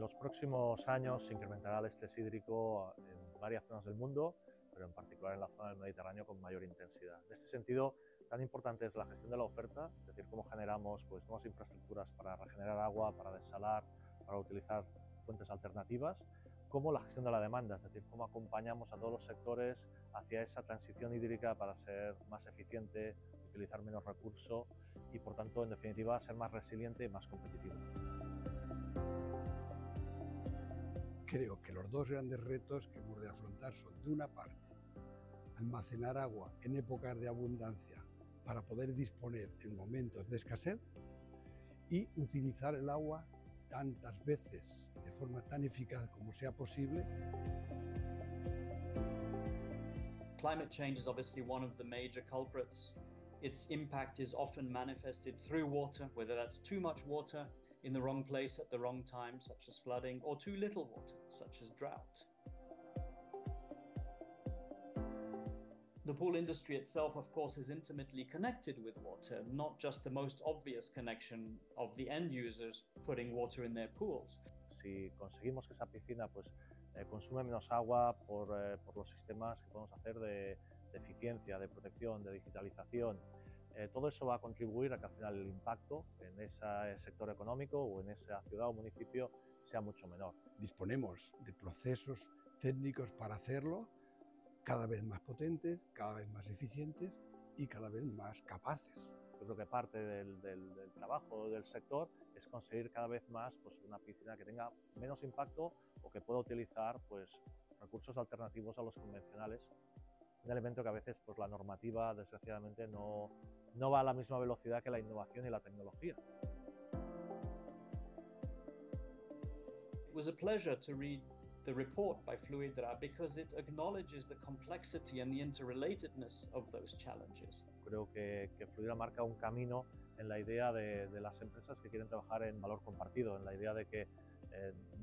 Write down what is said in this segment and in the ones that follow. En los próximos años se incrementará el estrés hídrico en varias zonas del mundo, pero en particular en la zona del Mediterráneo con mayor intensidad. En este sentido, tan importante es la gestión de la oferta, es decir, cómo generamos nuevas infraestructuras para regenerar agua, para desalar, para utilizar fuentes alternativas, como la gestión de la demanda, es decir, cómo acompañamos a todos los sectores hacia esa transición hídrica para ser más eficiente, utilizar menos recursos y, por tanto, en definitiva, ser más resiliente y más competitivo. Creo que los dos grandes retos que hemos de afrontar son, de una parte, almacenar agua en épocas de abundancia para poder disponer en momentos de escasez y utilizar el agua tantas veces de forma tan eficaz como sea posible. Climate change is obviously one of the major culprits. Its impact is often manifested through water, whether that's too much water in the wrong place at the wrong time, such as flooding, or too little water, such as drought. The pool industry itself, of course, is intimately connected with water, not just the most obvious connection of the end users putting water in their pools. Si conseguimos que esa piscina consuma menos agua por los sistemas que podemos hacer de eficiencia, de protección, de digitalización, todo eso va a contribuir a que al final el impacto en ese sector económico o en esa ciudad o municipio sea mucho menor. Disponemos de procesos técnicos para hacerlo cada vez más potentes, cada vez más eficientes y cada vez más capaces. Yo creo que parte del trabajo del sector es conseguir cada vez más una piscina que tenga menos impacto o que pueda utilizar recursos alternativos a los convencionales. Un elemento que a veces la normativa, desgraciadamente, no va a la misma velocidad que la innovación y la tecnología. It was a pleasure to read the report by Fluidra because it acknowledges the complexity and the interrelatedness of those challenges. Creo que Fluidra marca un camino en la idea de las empresas que quieren trabajar en valor compartido, en la idea de que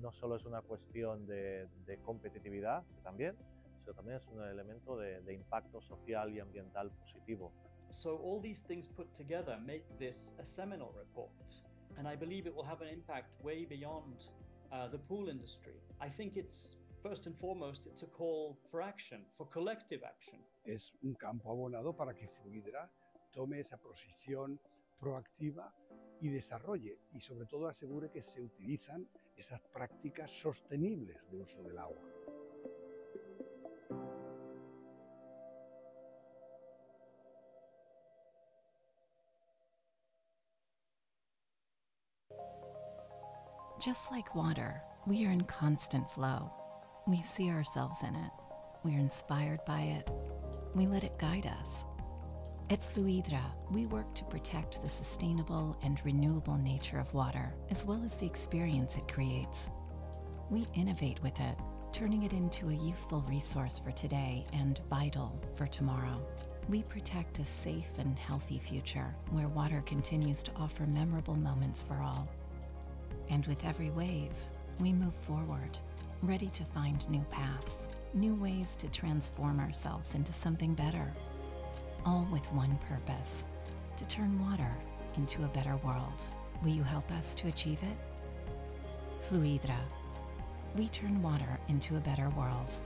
no solo es una cuestión de competitividad, que también, sino también es un elemento de impacto social y ambiental positivo. All these things put together make this a seminal report, and I believe it will have an impact way beyond the pool industry. I think, first and foremost, it's a call for action, for collective action. Es un campo abonado para que Fluidra tome esa posición proactiva y desarrolle, y sobre todo asegure que se utilizan esas prácticas sostenibles de uso del agua. Just like water, we are in constant flow. We see ourselves in it. We are inspired by it. We let it guide us. At Fluidra, we work to protect the sustainable and renewable nature of water, as well as the experience it creates. We innovate with it, turning it into a useful resource for today and vital for tomorrow. We protect a safe and healthy future where water continues to offer memorable moments for all. With every wave, we move forward, ready to find new paths, new ways to transform ourselves into something better, all with one purpose: to turn water into a better world. Will you help us to achieve it? Fluidra. We turn water into a better world.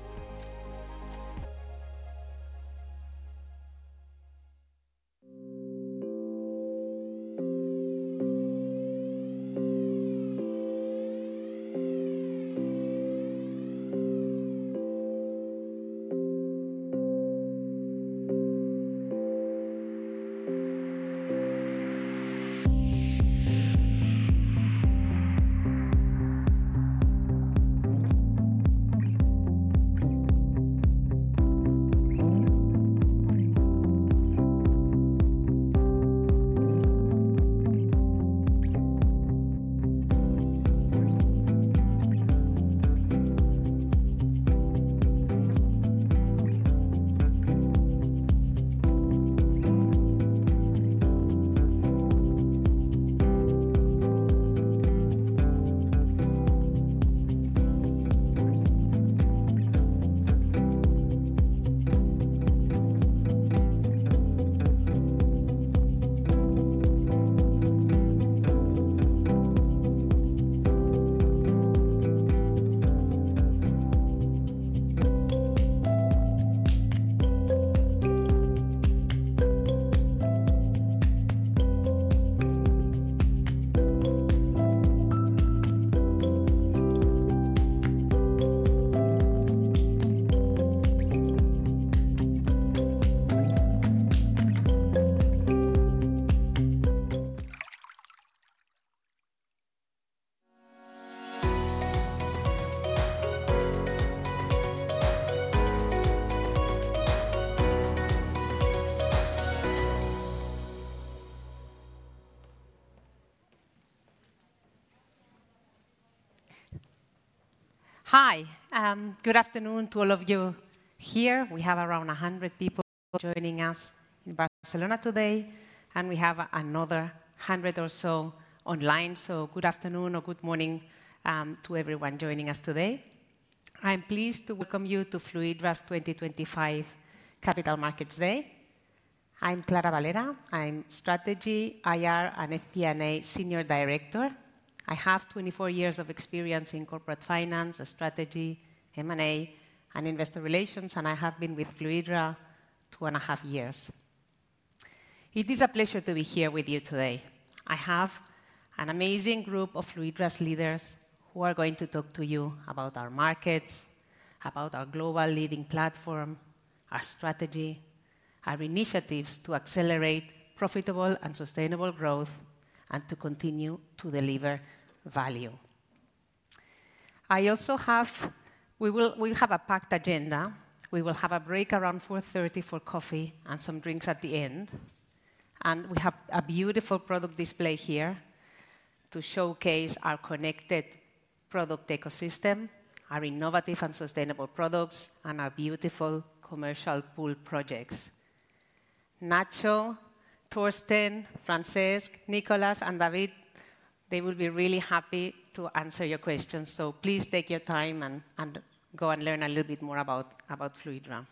Hi. Good afternoon to all of you here. We have around 100 people joining us in Barcelona today, and we have another 100 or so online. Good afternoon or good morning to everyone joining us today. I'm pleased to welcome you to Fluidra's 2025 Capital Markets Day. I'm Clara Valera. I'm Strategy, IR, and FP&A Senior Director. I have 24 years of experience in corporate finance, strategy, M&A, and investor relations, and I have been with Fluidra two and a half years. It is a pleasure to be here with you today. I have an amazing group of Fluidra's leaders who are going to talk to you about our markets, about our global leading platform, our strategy, our initiatives to accelerate profitable and sustainable growth, and to continue to deliver value. I also have—we have a packed agenda. We will have a break around 4:30 for coffee and some drinks at the end. We have a beautiful product display here to showcase our connected product ecosystem, our innovative and sustainable products, and our beautiful commercial pool projects. Nacho, Torsten, Francesc, Nicolas, and David, they will be really happy to answer your questions. Please take your time and go and learn a little bit more about Fluidra.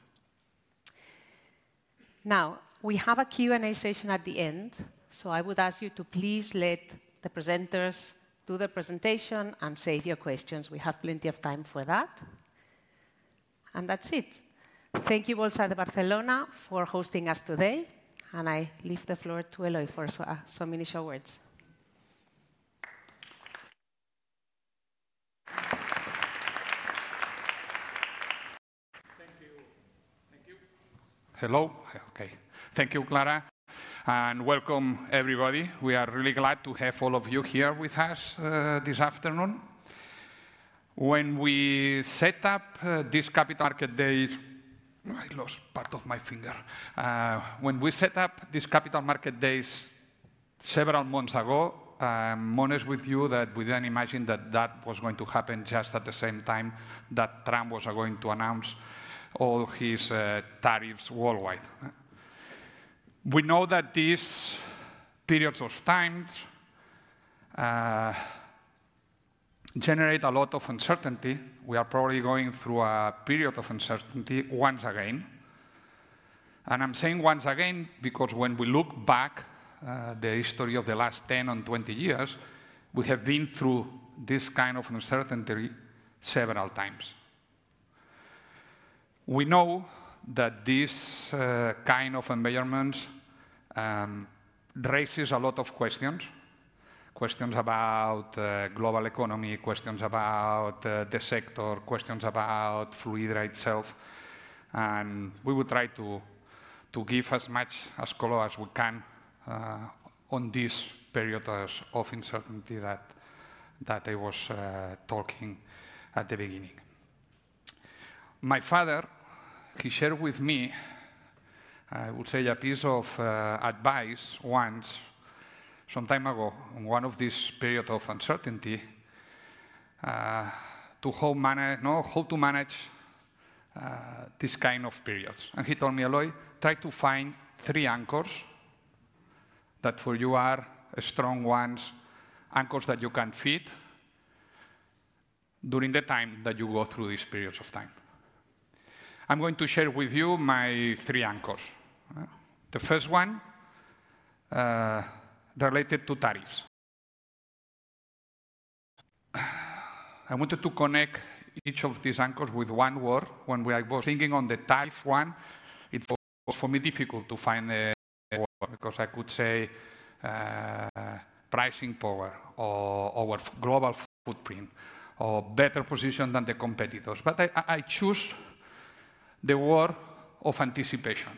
Now, we have a Q&A session at the end, so I would ask you to please let the presenters do their presentation and save your questions. We have plenty of time for that. That is it. Thank you all to Barcelona for hosting us today. I leave the floor to Eloi for some initial words Hello. Okay. Thank you, Clara. Welcome, everybody. We are really glad to have all of you here with us this afternoon. When we set up this Capital Markets Day—no, I lost part of my finger—when we set up this Capital Markets Day several months ago, I'm honest with you that we didn't imagine that that was going to happen just at the same time that Trump was going to announce all his tariffs worldwide. We know that these periods of time generate a lot of uncertainty. We are probably going through a period of uncertainty once again. I'm saying once again because when we look back at the history of the last 10 and 20 years, we have been through this kind of uncertainty several times. We know that this kind of environment raises a lot of questions, questions about the global economy, questions about the sector, questions about Fluidra itself. We will try to give as much color as we can on this period of uncertainty that I was talking at the beginning. My father, he shared with me, I would say, a piece of advice once some time ago in one of these periods of uncertainty to hold to manage this kind of periods. He told me, "Eloi, try to find three anchors that for you are strong ones, anchors that you can feed during the time that you go through these periods of time." I'm going to share with you my three anchors. The first one related to tariffs. I wanted to connect each of these anchors with one word. When I was thinking on the tariff one, it was for me difficult to find a word because I could say pricing power or global footprint or better position than the competitors. I choose the word of anticipation.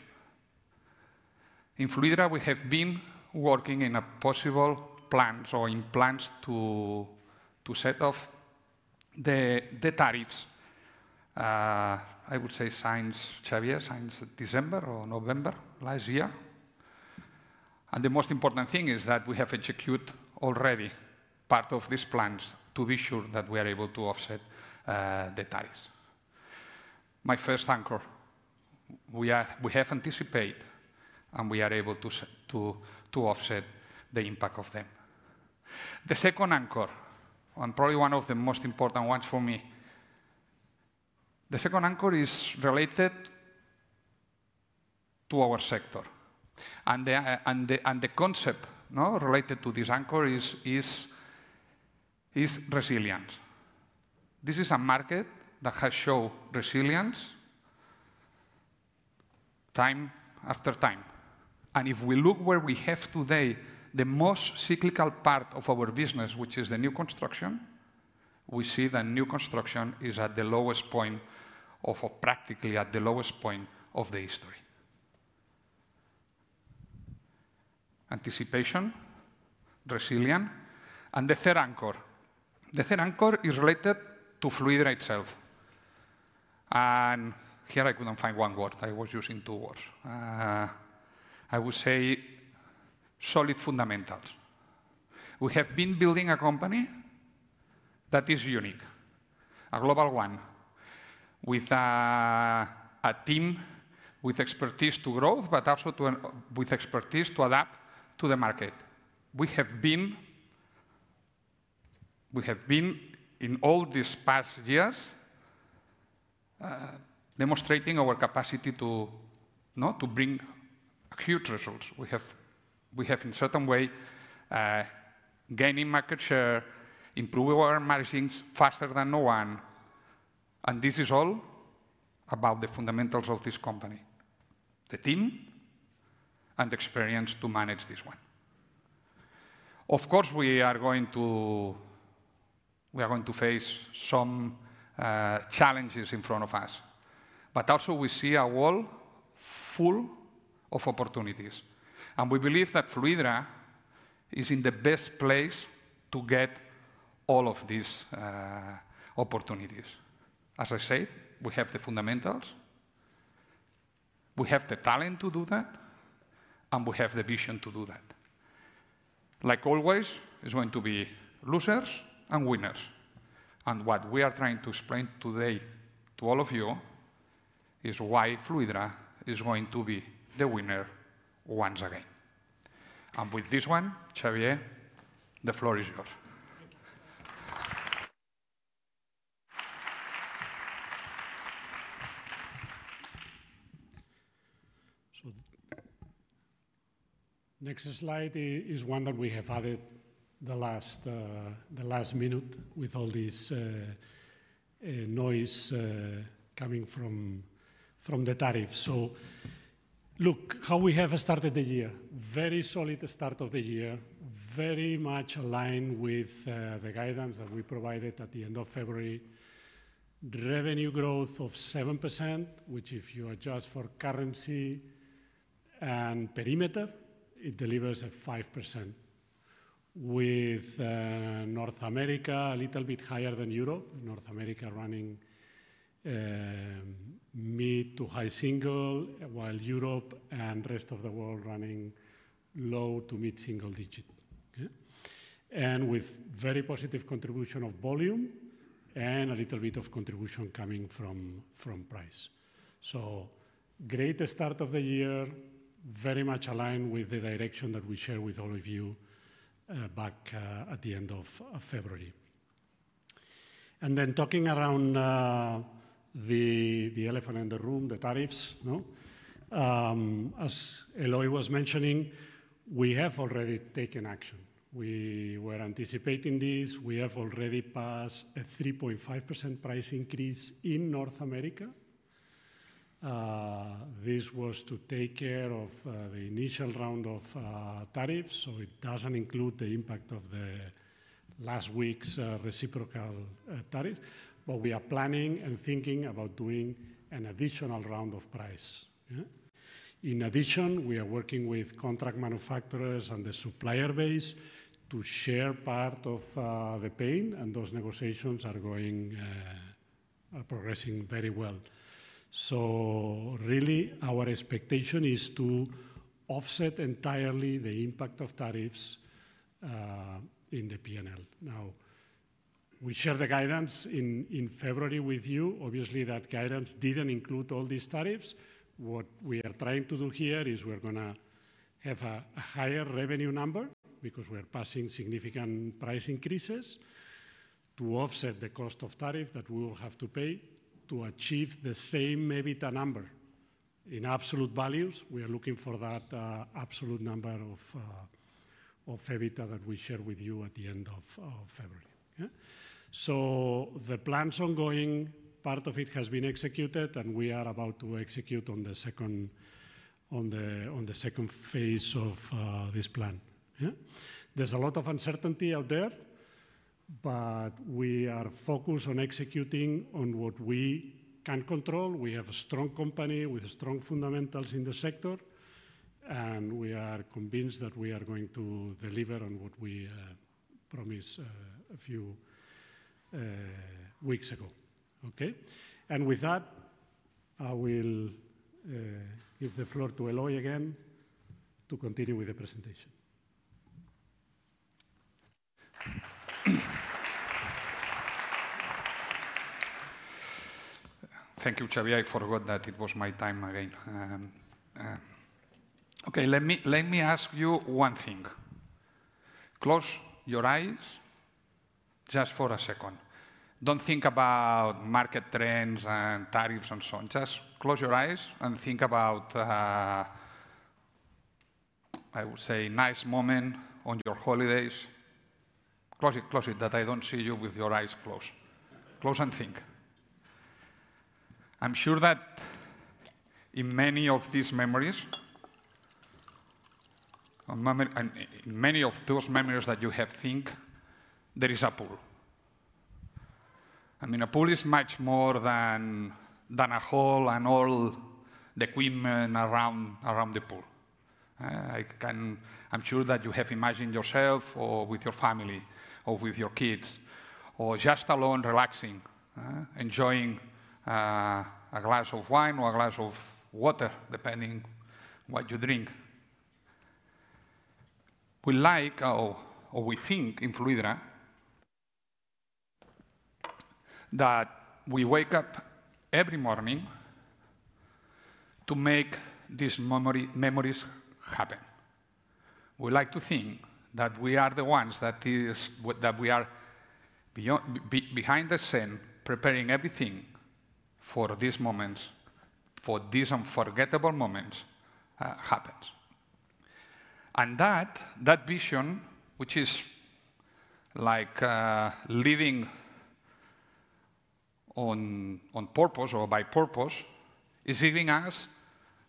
In Fluidra, we have been working in a possible plan or in plans to set off the tariffs. I would say since Xavier, since December or November last year. The most important thing is that we have executed already part of these plans to be sure that we are able to offset the tariffs. My first anchor, we have anticipated and we are able to offset the impact of them. The second anchor, and probably one of the most important ones for me, the second anchor is related to our sector. The concept related to this anchor is resilience. This is a market that has shown resilience time after time. If we look where we have today, the most cyclical part of our business, which is the new construction, we see that new construction is at the lowest point, practically at the lowest point of the history. Anticipation, resilience. The third anchor is related to Fluidra itself. Here I could not find one word. I was using two words. I would say solid fundamentals. We have been building a company that is unique, a global one with a team with expertise to grow, but also with expertise to adapt to the market. We have been in all these past years demonstrating our capacity to bring huge results. We have, in a certain way, gained market share, improved our margins faster than no one. This is all about the fundamentals of this company, the team, and the experience to manage this one. Of course, we are going to face some challenges in front of us, but also we see a world full of opportunities. We believe that Fluidra is in the best place to get all of these opportunities. As I say, we have the fundamentals, we have the talent to do that, and we have the vision to do that. Like always, there's going to be losers and winners. What we are trying to explain today to all of you is why Fluidra is going to be the winner once again. With this one, Xavier, the floor is yours. Next slide is one that we have added at the last minute with all this noise coming from the tariffs. Look how we have started the year. Very solid start of the year, very much aligned with the guidance that we provided at the end of February. Revenue growth of 7%, which if you adjust for currency and perimeter, it delivers at 5%. With North America, a little bit higher than Europe. North America running mid to high single, while Europe and rest of the world running low to mid single digit. With very positive contribution of volume and a little bit of contribution coming from price. Great start of the year, very much aligned with the direction that we shared with all of you back at the end of February. Talking around the elephant in the room, the tariffs. As Eloi was mentioning, we have already taken action. We were anticipating this. We have already passed a 3.5% price increase in North America. This was to take care of the initial round of tariffs, so it does not include the impact of last week's reciprocal tariff. We are planning and thinking about doing an additional round of price. In addition, we are working with contract manufacturers and the supplier base to share part of the pain, and those negotiations are progressing very well. Our expectation is to offset entirely the impact of tariffs in the P&L. We shared the guidance in February with you. Obviously, that guidance did not include all these tariffs. What we are trying to do here is we're going to have a higher revenue number because we are passing significant price increases to offset the cost of tariffs that we will have to pay to achieve the same EBITDA number. In absolute values, we are looking for that absolute number of EBITDA that we shared with you at the end of February. The plan is ongoing, part of it has been executed, and we are about to execute on the second phase of this plan. There is a lot of uncertainty out there, but we are focused on executing on what we can control. We have a strong company with strong fundamentals in the sector, and we are convinced that we are going to deliver on what we promised a few weeks ago. Okay? With that, I will give the floor to Eloi again to continue with the presentation. Thank you, Xavier. I forgot that it was my time again. Okay, let me ask you one thing. Close your eyes just for a second. Do not think about market trends and tariffs and so on. Just close your eyes and think about, I would say, a nice moment on your holidays. Close it, close it that I do not see you with your eyes closed. Close and think. I am sure that in many of these memories, in many of those memories that you have think, there is a pool. I mean, a pool is much more than a hole and all the equipment around the pool. I am sure that you have imagined yourself or with your family or with your kids or just alone relaxing, enjoying a glass of wine or a glass of water, depending on what you drink. We like or we think in Fluidra that we wake up every morning to make these memories happen. We like to think that we are the ones that we are behind the scenes preparing everything for these moments, for these unforgettable moments to happen. That vision, which is like living on purpose or by purpose, is giving us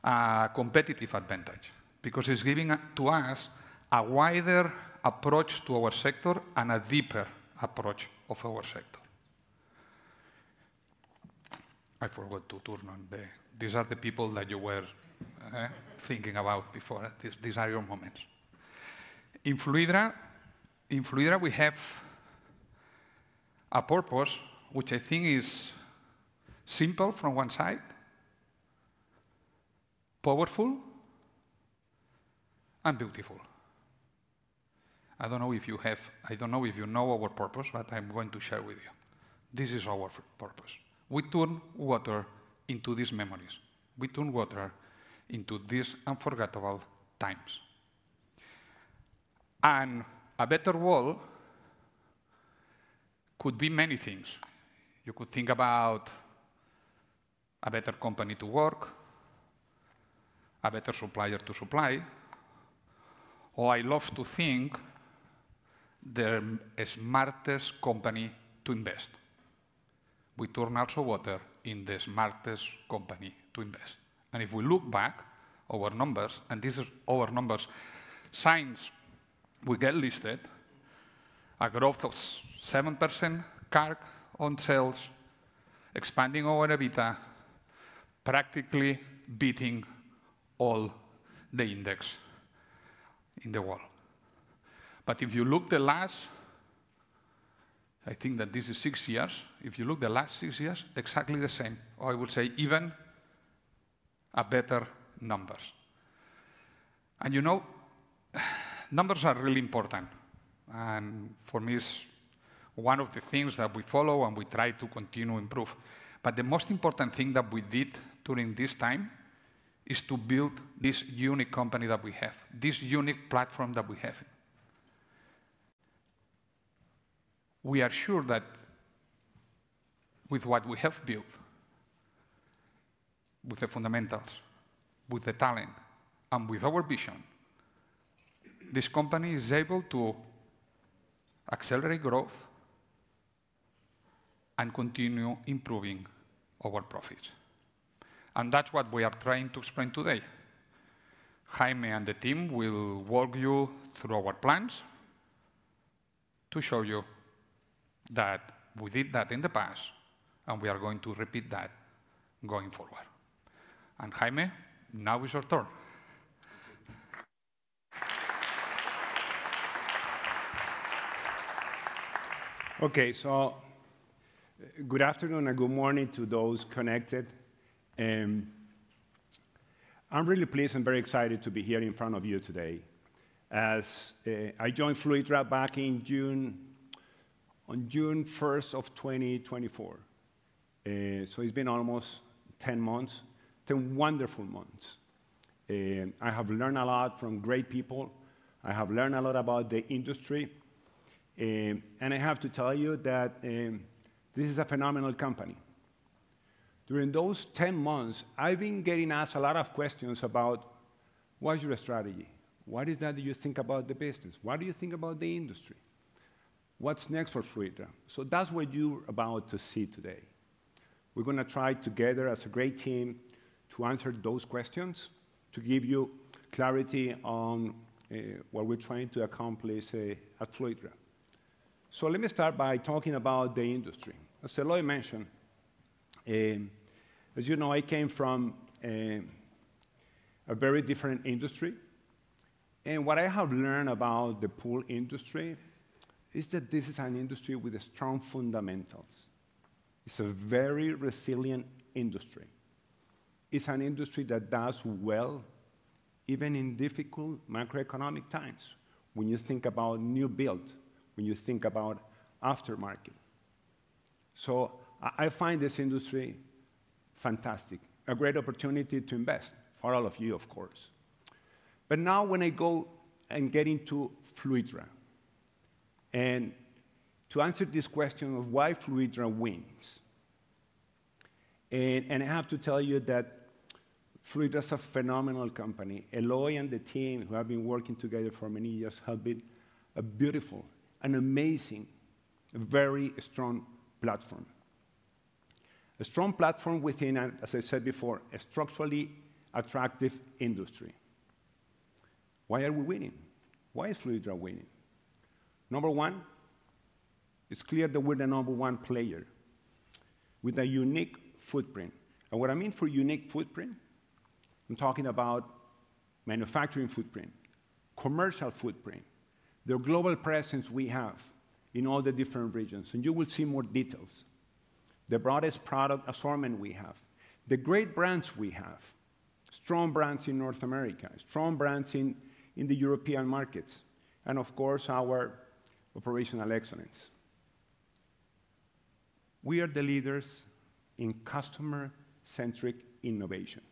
a competitive advantage because it's giving to us a wider approach to our sector and a deeper approach of our sector. I forgot to turn on the... These are the people that you were thinking about before. These are your moments. In Fluidra, we have a purpose, which I think is simple from one side, powerful, and beautiful. I don't know if you have... I don't know if you know our purpose, but I'm going to share with you. This is our purpose. We turn water into these memories. We turn water into these unforgettable times. A better world could be many things. You could think about a better company to work, a better supplier to supply, or I love to think the smartest company to invest. We turn also water into the smartest company to invest. If we look back at our numbers, and this is our numbers, since we got listed, a growth of 7% CAGR on sales, expanding our EBITDA, practically beating all the index in the world. If you look at the last, I think that this is six years, if you look at the last six years, exactly the same, or I would say even better numbers. You know, numbers are really important. For me, it's one of the things that we follow and we try to continue to improve. The most important thing that we did during this time is to build this unique company that we have, this unique platform that we have. We are sure that with what we have built, with the fundamentals, with the talent, and with our vision, this company is able to accelerate growth and continue improving our profits. That is what we are trying to explain today. Jaime and the team will walk you through our plans to show you that we did that in the past, and we are going to repeat that going forward. Jaime, now it is your turn. Okay, so good afternoon and good morning to those connected. I'm really pleased and very excited to be here in front of you today. I joined Fluidra back on June 1 of 2024. It's been almost 10 months, 10 wonderful months. I have learned a lot from great people. I have learned a lot about the industry. I have to tell you that this is a phenomenal company. During those 10 months, I've been getting asked a lot of questions about what's your strategy? What is it you think about the business? What do you think about the industry? What's next for Fluidra? That's what you're about to see today. We're going to try together as a great team to answer those questions, to give you clarity on what we're trying to accomplish at Fluidra. Let me start by talking about the industry. As Eloi mentioned, as you know, I came from a very different industry. What I have learned about the pool industry is that this is an industry with strong fundamentals. It's a very resilient industry. It's an industry that does well even in difficult macroeconomic times when you think about new build, when you think about aftermarket. I find this industry fantastic, a great opportunity to invest for all of you, of course. Now when I go and get into Fluidra, and to answer this question of why Fluidra wins, I have to tell you that Fluidra is a phenomenal company. Eloi and the team who have been working together for many years have built a beautiful and amazing, very strong platform. A strong platform within, as I said before, a structurally attractive industry. Why are we winning? Why is Fluidra winning? Number one, it's clear that we're the number one player with a unique footprint. What I mean for unique footprint, I'm talking about manufacturing footprint, commercial footprint, the global presence we have in all the different regions. You will see more details. The broadest product assortment we have, the great brands we have, strong brands in North America, strong brands in the European markets, and of course, our operational excellence. We are the leaders in customer-centric innovation.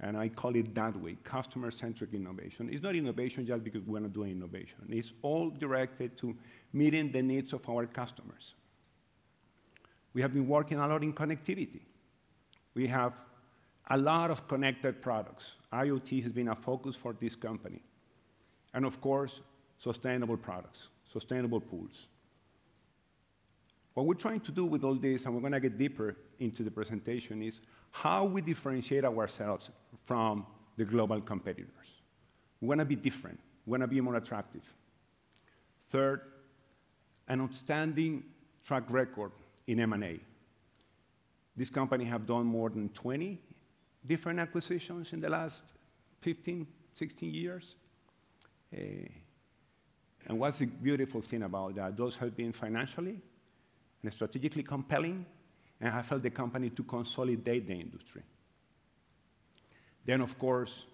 I call it that way, customer-centric innovation. It's not innovation just because we're not doing innovation. It's all directed to meeting the needs of our customers. We have been working a lot in connectivity. We have a lot of connected products. IoT has been a focus for this company. Of course, sustainable products, sustainable pools. What we're trying to do with all this, and we're going to get deeper into the presentation, is how we differentiate ourselves from the global competitors. We're going to be different. We're going to be more attractive. Third, an outstanding track record in M&A. This company has done more than 20 different acquisitions in the last 15, 16 years. What's the beautiful thing about that? Those have been financially and strategically compelling, and have helped the company to consolidate the industry. Of course,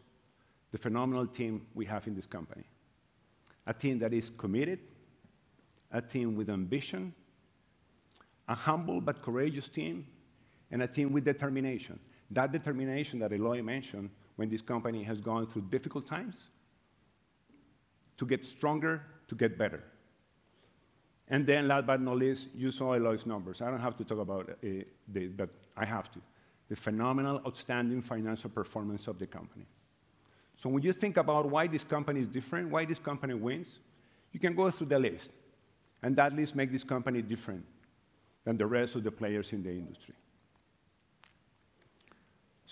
the phenomenal team we have in this company. A team that is committed, a team with ambition, a humble but courageous team, and a team with determination. That determination that Eloi mentioned when this company has gone through difficult times to get stringer, to get better. Last but not least, you saw Eloi's numbers. I do not have to talk about it, but I have to. The phenomenal, outstanding financial performance of the company. When you think about why this company is different, why this company wins, you can go through the list. That list makes this company different than the rest of the players in the industry.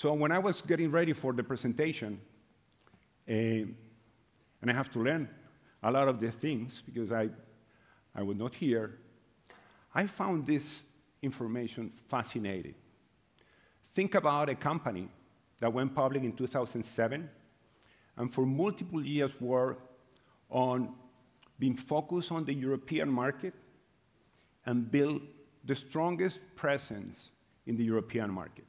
When I was getting ready for the presentation, and I have to learn a lot of the things because I was not here, I found this information fascinating. Think about a company that went public in 2007 and for multiple years worked on being focused on the European market and built the strongest presence in the European market.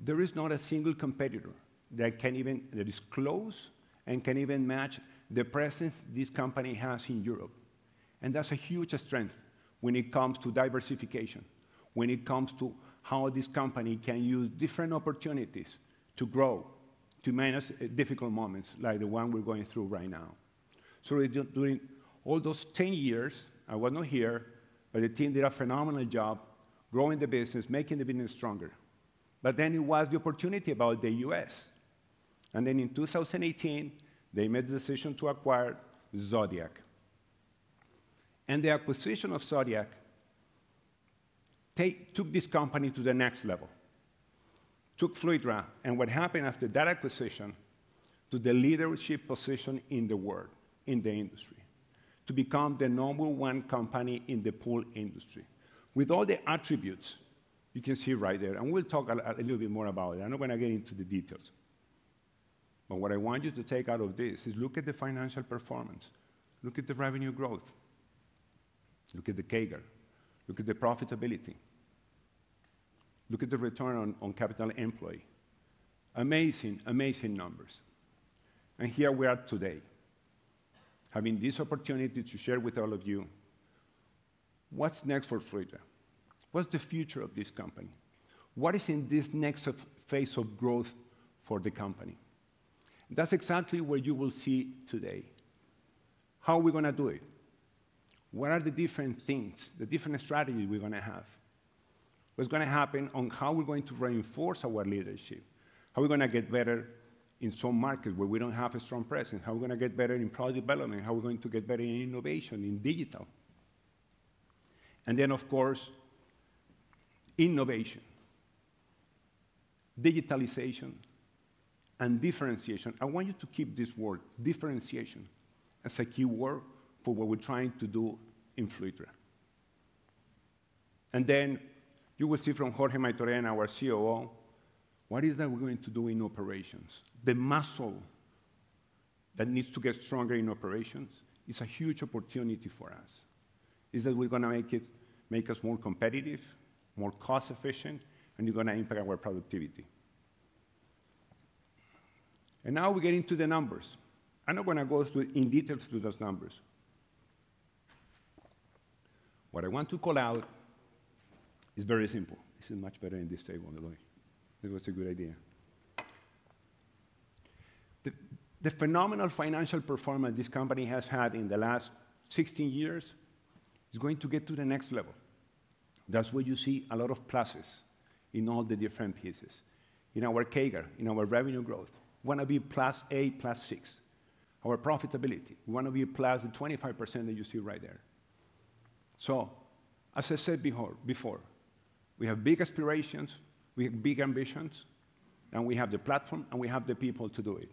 There is not a single competitor that can even, that is close and can even match the presence this company has in Europe. That's a huge strength when it comes to diversification, when it comes to how this company can use different opportunities to grow, to manage difficult moments like the one we're going through right now. During all those 10 years, I was not here, but the team did a phenomenal job growing the business, making the business stronger. It was the opportunity about the U.S. In 2018, they made the decision to acquire Zodiac. The acquisition of Zodiac took this company to the next level, took Fluidra, and what happened after that acquisition to the leadership position in the world, in the industry, to become the number one company in the pool industry with all the attributes you can see right there. We'll talk a little bit more about it. I'm not going to get into the details. What I want you to take out of this is look at the financial performance, look at the revenue growth, look at the CAGR, look at the profitability, look at the return on capital employed. Amazing, amazing numbers. Here we are today, having this opportunity to share with all of you what's next for Fluidra, what's the future of this company, what is in this next phase of growth for the company. That's exactly what you will see today. How are we going to do it? What are the different things, the different strategies we're going to have? What's going to happen on how we're going to reinforce our leadership? How are we going to get better in some markets where we don't have a strong presence? How are we going to get better in product development? How are we going to get better in innovation, in digital? Of course, innovation, digitalization, and differentiation. I want you to keep this word, differentiation, as a keyword for what we're trying to do in Fluidra. You will see from Jorge May Torrena, our COO, what it is that we're going to do in operations. The muscle that needs to get stronger in operations is a huge opportunity for us. It is going to make us more competitive, more cost-efficient, and it is going to impact our productivity. Now we get into the numbers. I'm not going to go in detail to those numbers. What I want to call out is very simple. This is much better in this table, Eloi. It was a good idea. The phenomenal financial performance this company has had in the last 16 years is going to get to the next level. That's where you see a lot of pluses in all the different pieces. In our CAGR, in our revenue growth, we want to be plus 8, plus 6. Our profitability, we want to be plus the 25% that you see right there. As I said before, we have big aspirations, we have big ambitions, and we have the platform, and we have the people to do it.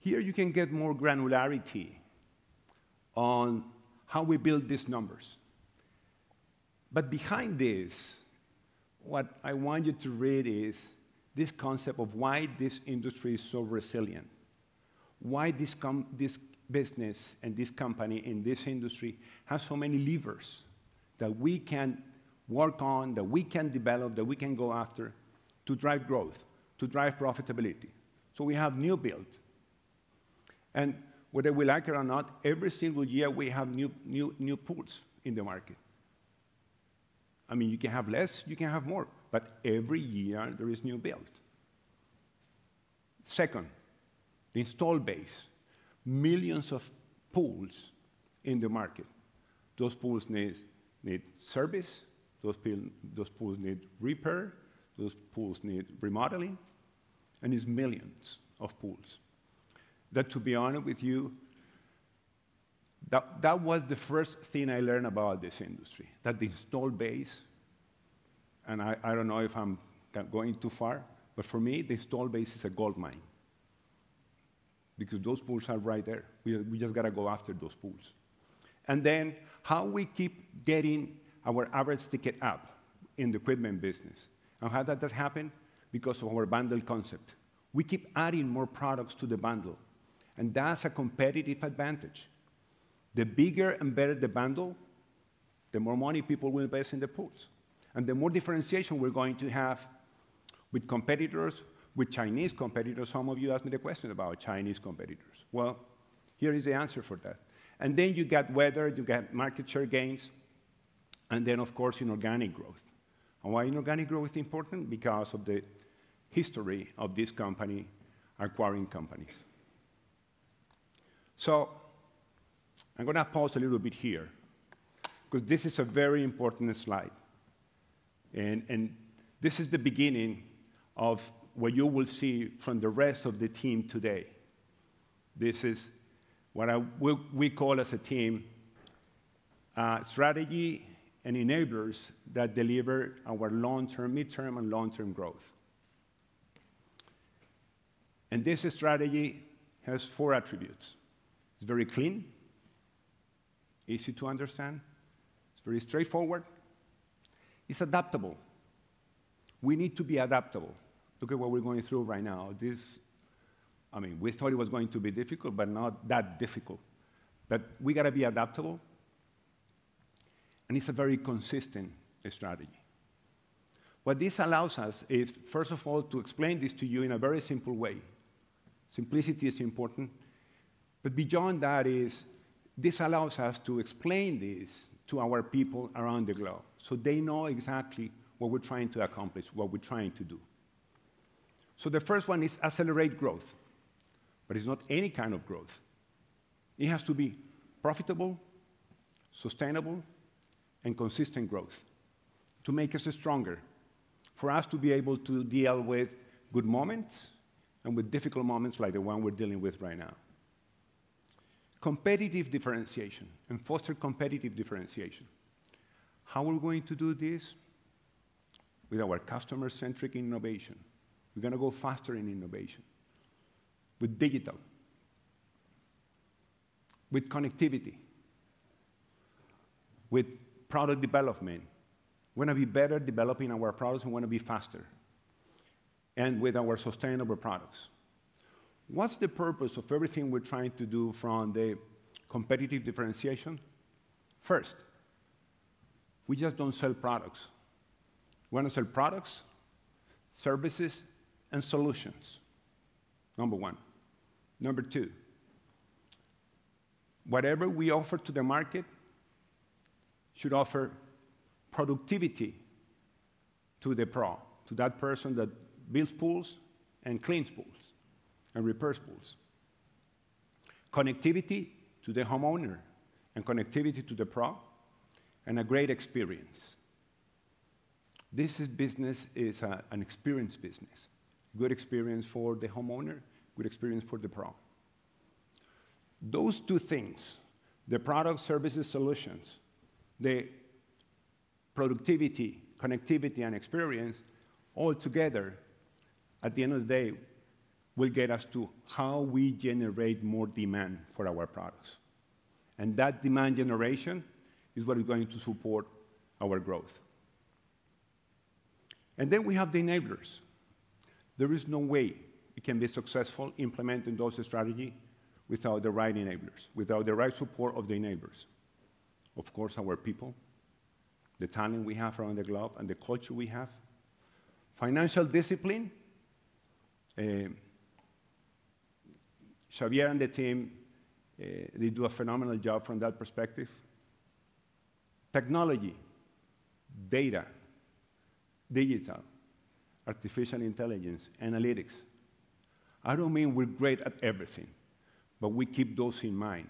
Here you can get more granularity on how we build these numbers. Behind this, what I want you to read is this concept of why this industry is so resilient, why this business and this company in this industry has so many levers that we can work on, that we can develop, that we can go after to drive growth, to drive profitability. We have new build. Whether we like it or not, every single year we have new pools in the market. I mean, you can have less, you can have more, but every year there is new build. Second, the install base, millions of pools in the market. Those pools need service, those pools need repair, those pools need remodeling, and it's millions of pools. That, to be honest with you, that was the first thing I learned about this industry, that the install base, and I don't know if I'm going too far, but for me, the install base is a goldmine because those pools are right there. We just got to go after those pools. Then how we keep getting our average ticket up in the equipment business and how that does happen because of our bundle concept. We keep adding more products to the bundle, and that's a competitive advantage. The bigger and better the bundle, the more money people will invest in the pools, and the more differentiation we're going to have with competitors, with Chinese competitors. Some of you asked me the question about Chinese competitors. Here is the answer for that. You get weather, you get market share gains, and, of course, inorganic growth. Why is inorganic growth important? Because of the history of this company acquiring companies. I'm going to pause a little bit here because this is a very important slide. This is the beginning of what you will see from the rest of the team today. This is what we call as a team strategy and enablers that deliver our long-term, midterm, and long-term growth. This strategy has four attributes. It's very clean, easy to understand, it's very straightforward, it's adaptable. We need to be adaptable. Look at what we're going through right now. I mean, we thought it was going to be difficult, but not that difficult. We got to be adaptable. It is a very consistent strategy. What this allows us is, first of all, to explain this to you in a very simple way. Simplicity is important. Beyond that, this allows us to explain this to our people around the globe so they know exactly what we're trying to accomplish, what we're trying to do. The first one is accelerate growth, but it's not any kind of growth. It has to be profitable, sustainable, and consistent growth to make us stronger, for us to be able to deal with good moments and with difficult moments like the one we're dealing with right now. Competitive differentiation and foster competitive differentiation. How are we going to do this? With our customer-centric innovation. We're going to go faster in innovation. With digital, with connectivity, with product development. We're going to be better developing our products and want to be faster. With our sustainable products. What's the purpose of everything we're trying to do from the competitive differentiation? First, we just don't sell products. We want to sell products, services, and solutions. Number one. Number two, whatever we offer to the market should offer productivity to the pro, to that person that builds pools and cleans pools and repairs pools. Connectivity to the homeowner and connectivity to the pro and a great experience. This business is an experience business, good experience for the homeowner, good experience for the pro. Those two things, the product services solutions, the productivity, connectivity, and experience all together, at the end of the day, will get us to how we generate more demand for our products. That demand generation is what is going to support our growth. We have the enablers. There is no way it can be successful implementing those strategies without the right enablers, without the right support of the enablers. Of course, our people, the talent we have around the globe and the culture we have. Financial discipline. Xavier and the team, they do a phenomenal job from that perspective. Technology, data, digital, artificial intelligence, analytics. I do not mean we are great at everything, but we keep those in mind.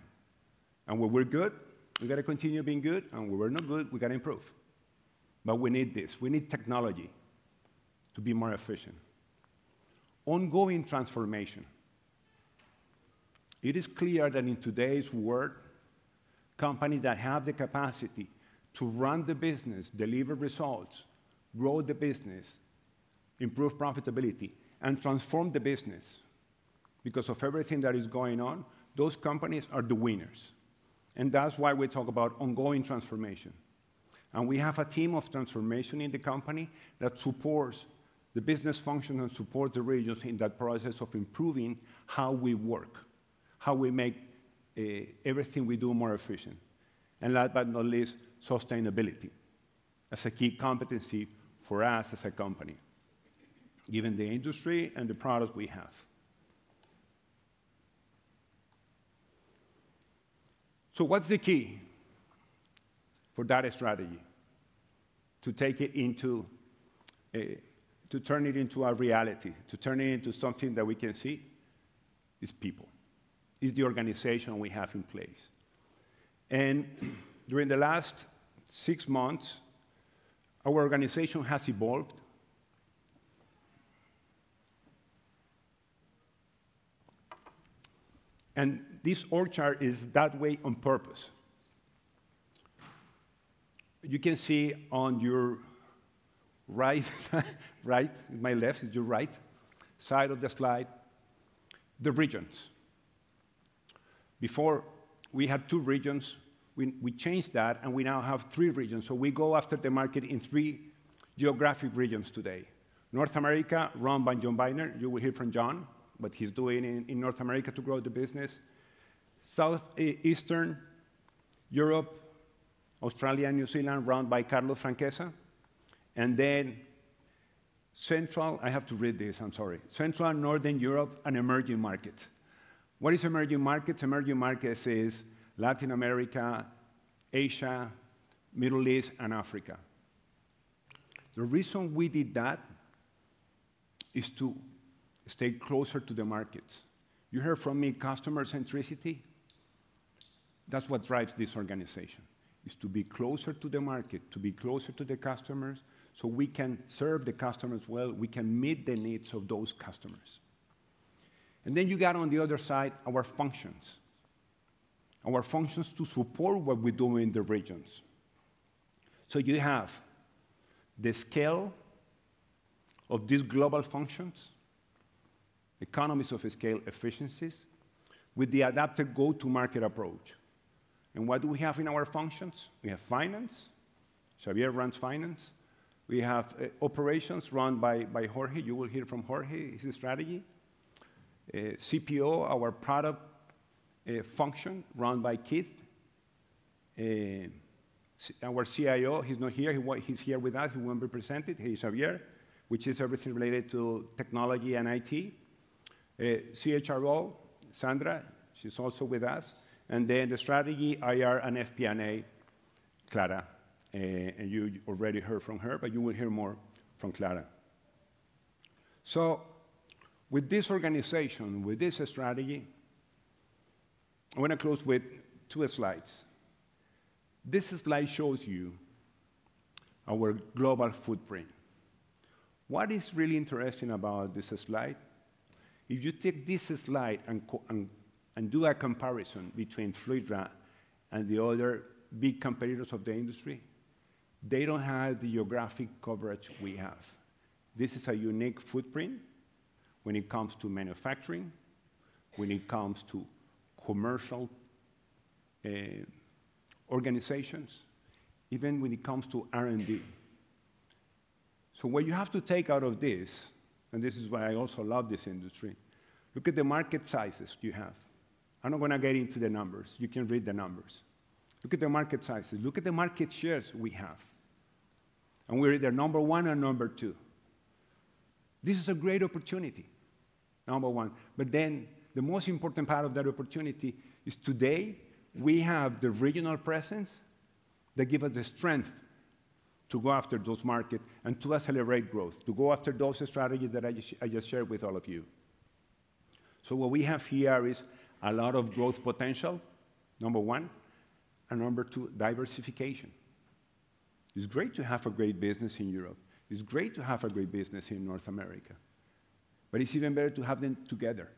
When we are good, we got to continue being good. When we are not good, we got to improve. We need this. We need technology to be more efficient. Ongoing transformation. It is clear that in today's world, companies that have the capacity to run the business, deliver results, grow the business, improve profitability, and transform the business because of everything that is going on, those companies are the winners. That is why we talk about ongoing transformation. We have a team of transformation in the company that supports the business function and supports the regions in that process of improving how we work, how we make everything we do more efficient. Last but not least, sustainability as a key competency for us as a company, given the industry and the products we have. What is the key for that strategy? To take it into, to turn it into a reality, to turn it into something that we can see is people, is the organization we have in place. During the last six months, our organization has evolved. This org chart is that way on purpose. You can see on your right, my left, your right side of the slide, the regions. Before, we had two regions. We changed that, and we now have three regions. We go after the market in three geographic regions today. North America, run by Jon Viner. You will hear from Jon what he is doing in North America to grow the business. Southern Europe, Australia and New Zealand, run by Carlos Franquesa. Then central, I have to read this, I am sorry. Central and Northern Europe, and emerging markets. What is emerging markets? Emerging markets is Latin America, Asia, Middle East, and Africa. The reason we did that is to stay closer to the markets. You heard from me, customer-centricity. That's what drives this organization, is to be closer to the market, to be closer to the customers so we can serve the customers well, we can meet the needs of those customers. You got on the other side, our functions. Our functions to support what we're doing in the regions. You have the scale of these global functions, economies of scale efficiencies with the adaptive go-to-market approach. What do we have in our functions? We have finance. Xavier runs finance. We have operations run by Jorge. You will hear from Jorge. He's in strategy. CPO, our product function run by Keith. Our CIO, he's not here. He's here with us. He won't be presented. He's Xavier, which is everything related to technology and IT. CHRO, Sandra, she's also with us. The strategy, IR and FP&A, Clara. You already heard from her, but you will hear more from Clara. With this organization, with this strategy, I want to close with two slides. This slide shows you our global footprint. What is really interesting about this slide? If you take this slide and do a comparison between Fluidra and the other big competitors of the industry, they do not have the geographic coverage we have. This is a unique footprint when it comes to manufacturing, when it comes to commercial organizations, even when it comes to R&D. What you have to take out of this, and this is why I also love this industry, look at the market sizes you have. I am not going to get into the numbers. You can read the numbers. Look at the market sizes. Look at the market shares we have. We are either number one or number two. This is a great opportunity, number one. The most important part of that opportunity is today we have the regional presence that gives us the strength to go after those markets and to accelerate growth, to go after those strategies that I just shared with all of you. What we have here is a lot of growth potential, number one, and number two, diversification. It's great to have a great business in Europe. It's great to have a great business in North America. It's even better to have them together,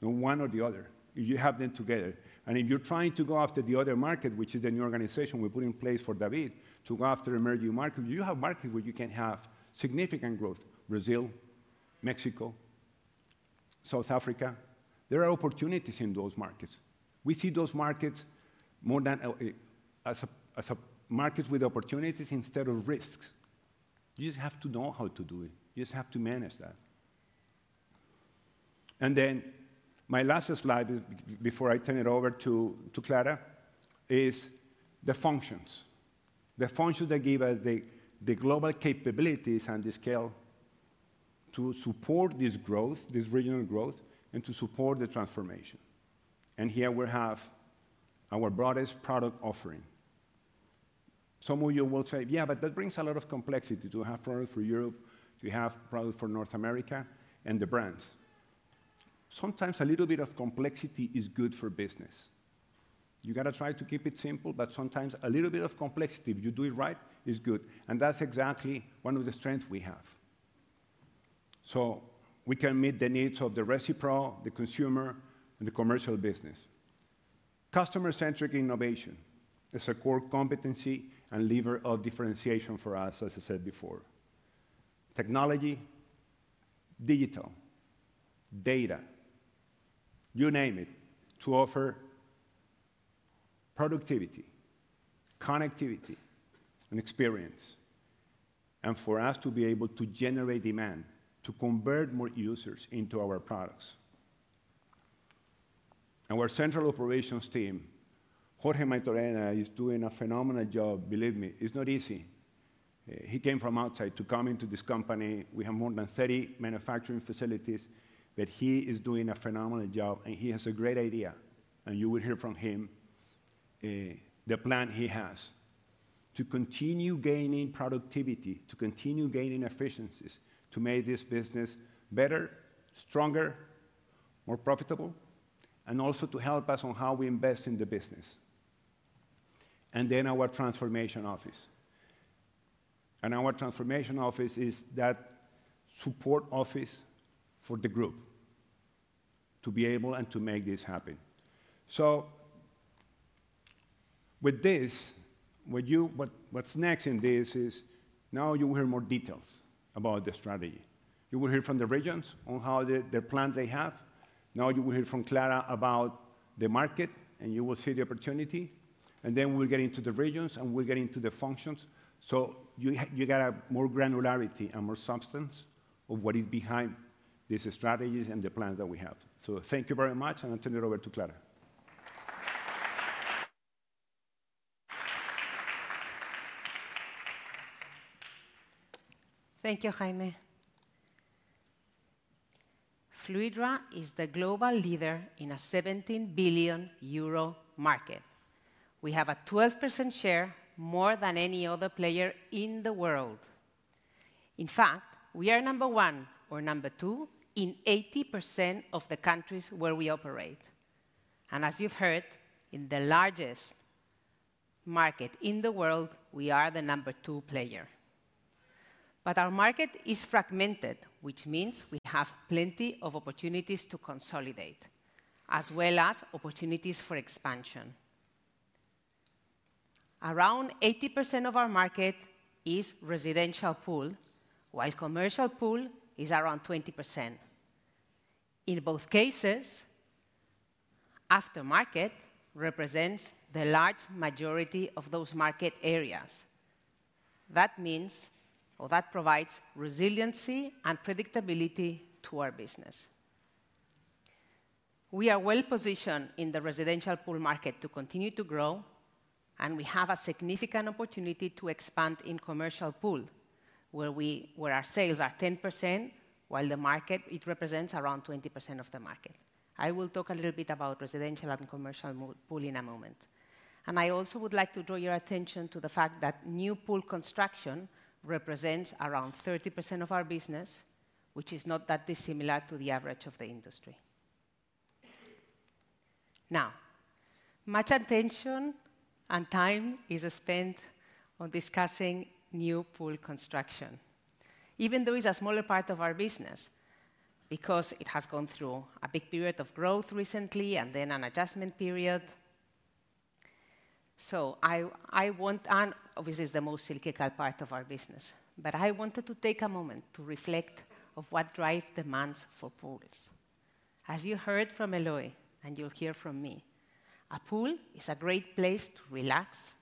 one or the other. You have them together. If you're trying to go after the other market, which is the new organization we put in place for David to go after emerging markets, you have markets where you can have significant growth, Brazil, Mexico, South Africa. There are opportunities in those markets. We see those markets more as markets with opportunities instead of risks. You just have to know how to do it. You just have to manage that. My last slide before I turn it over to Clara is the functions. The functions that give us the global capabilities and the scale to support this growth, this regional growth, and to support the transformation. Here we have our broadest product offering. Some of you will say, "Yeah, but that brings a lot of complexity to have products for Europe, to have products for North America and the brands." Sometimes a little bit of complexity is good for business. You got to try to keep it simple, but sometimes a little bit of complexity, if you do it right, is good. That is exactly one of the strengths we have. We can meet the needs of the reciprocal, the consumer, and the commercial business. Customer-centric innovation is a core competency and lever of differentiation for us, as I said before. Technology, digital, data, you name it, to offer productivity, connectivity, and experience. For us to be able to generate demand, to convert more users into our products. Our central operations team, Jorge May Torrena, is doing a phenomenal job. Believe me, it's not easy. He came from outside to come into this company. We have more than 30 manufacturing facilities, but he is doing a phenomenal job, and he has a great idea. You will hear from him the plan he has to continue gaining productivity, to continue gaining efficiencies, to make this business better, stronger, more profitable, and also to help us on how we invest in the business. Our transformation office. Our transformation office is that support office for the group to be able and to make this happen. With this, what's next in this is now you will hear more details about the strategy. You will hear from the regions on how the plan they have. Now you will hear from Clara about the market, and you will see the opportunity. We will get into the regions, and we will get into the functions. You got more granularity and more substance of what is behind these strategies and the plan that we have. Thank you very much, and I'll turn it over to Clara. Thank you, Jaime. Fluidra is the global leader in a 17 billion euro market. We have a 12% share, more than any other player in the world. In fact, we are number one or number two in 80% of the countries where we operate. As you've heard, in the largest market in the world, we are the number two player. Our market is fragmented, which means we have plenty of opportunities to consolidate, as well as opportunities for expansion. Around 80% of our market is residential pool, while commercial pool is around 20%. In both cases, aftermarket represents the large majority of those market areas. That means, or that provides resiliency and predictability to our business. We are well positioned in the residential pool market to continue to grow, and we have a significant opportunity to expand in commercial pool, where our sales are 10%, while the market represents around 20% of the market. I will talk a little bit about residential and commercial pool in a moment. I also would like to draw your attention to the fact that new pool construction represents around 30% of our business, which is not that dissimilar to the average of the industry. Now, much attention and time is spent on discussing new pool construction, even though it is a smaller part of our business because it has gone through a big period of growth recently and then an adjustment period. I want, and obviously, it is the most cyclical part of our business, but I wanted to take a moment to reflect on what drives demands for pools. As you heard from Eloi, and you'll hear from me, a pool is a great place to relax.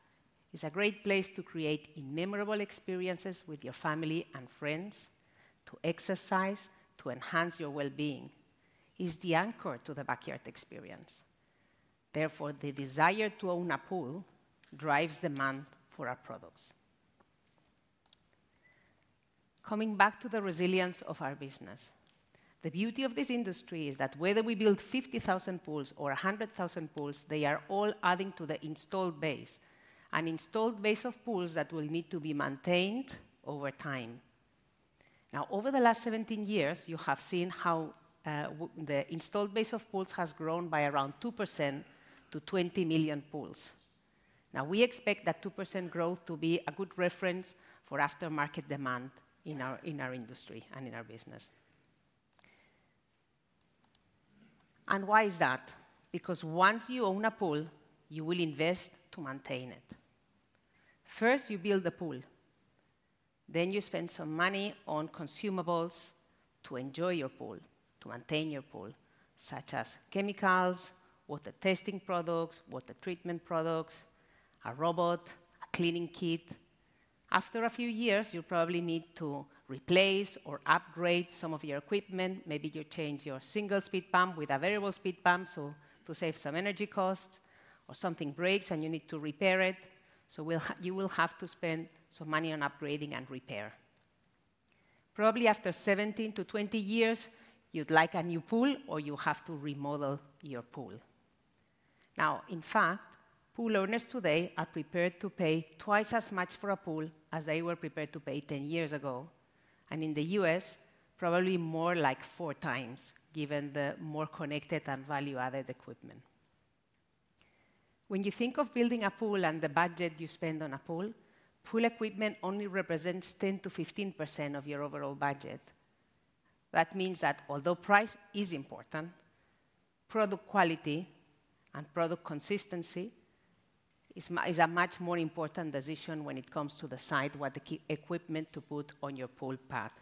It's a great place to create memorable experiences with your family and friends, to exercise, to enhance your well-being. It's the anchor to the backyard experience. Therefore, the desire to own a pool drives demand for our products. Coming back to the resilience of our business, the beauty of this industry is that whether we build 50,000 pools or 100,000 pools, they are all adding to the installed base, an installed base of pools that will need to be maintained over time. Now, over the last 17 years, you have seen how the installed base of pools has grown by around 2% to 20 million pools. Now, we expect that 2% growth to be a good reference for aftermarket demand in our industry and in our business. And why is that? Because once you own a pool, you will invest to maintain it. First, you build the pool. Then you spend some money on consumables to enjoy your pool, to maintain your pool, such as chemicals, water testing products, water treatment products, a robot, a cleaning kit. After a few years, you probably need to replace or upgrade some of your equipment. Maybe you change your single speed pump with a variable speed pump to save some energy costs, or something breaks and you need to repair it. You will have to spend some money on upgrading and repair. Probably after 17-20 years, you'd like a new pool, or you have to remodel your pool. In fact, pool owners today are prepared to pay twice as much for a pool as they were prepared to pay 10 years ago. In the U.S., probably more like four times, given the more connected and value-added equipment. When you think of building a pool and the budget you spend on a pool, pool equipment only represents 10%-15% of your overall budget. That means that although price is important, product quality and product consistency is a much more important decision when it comes to the site, what equipment to put on your pool path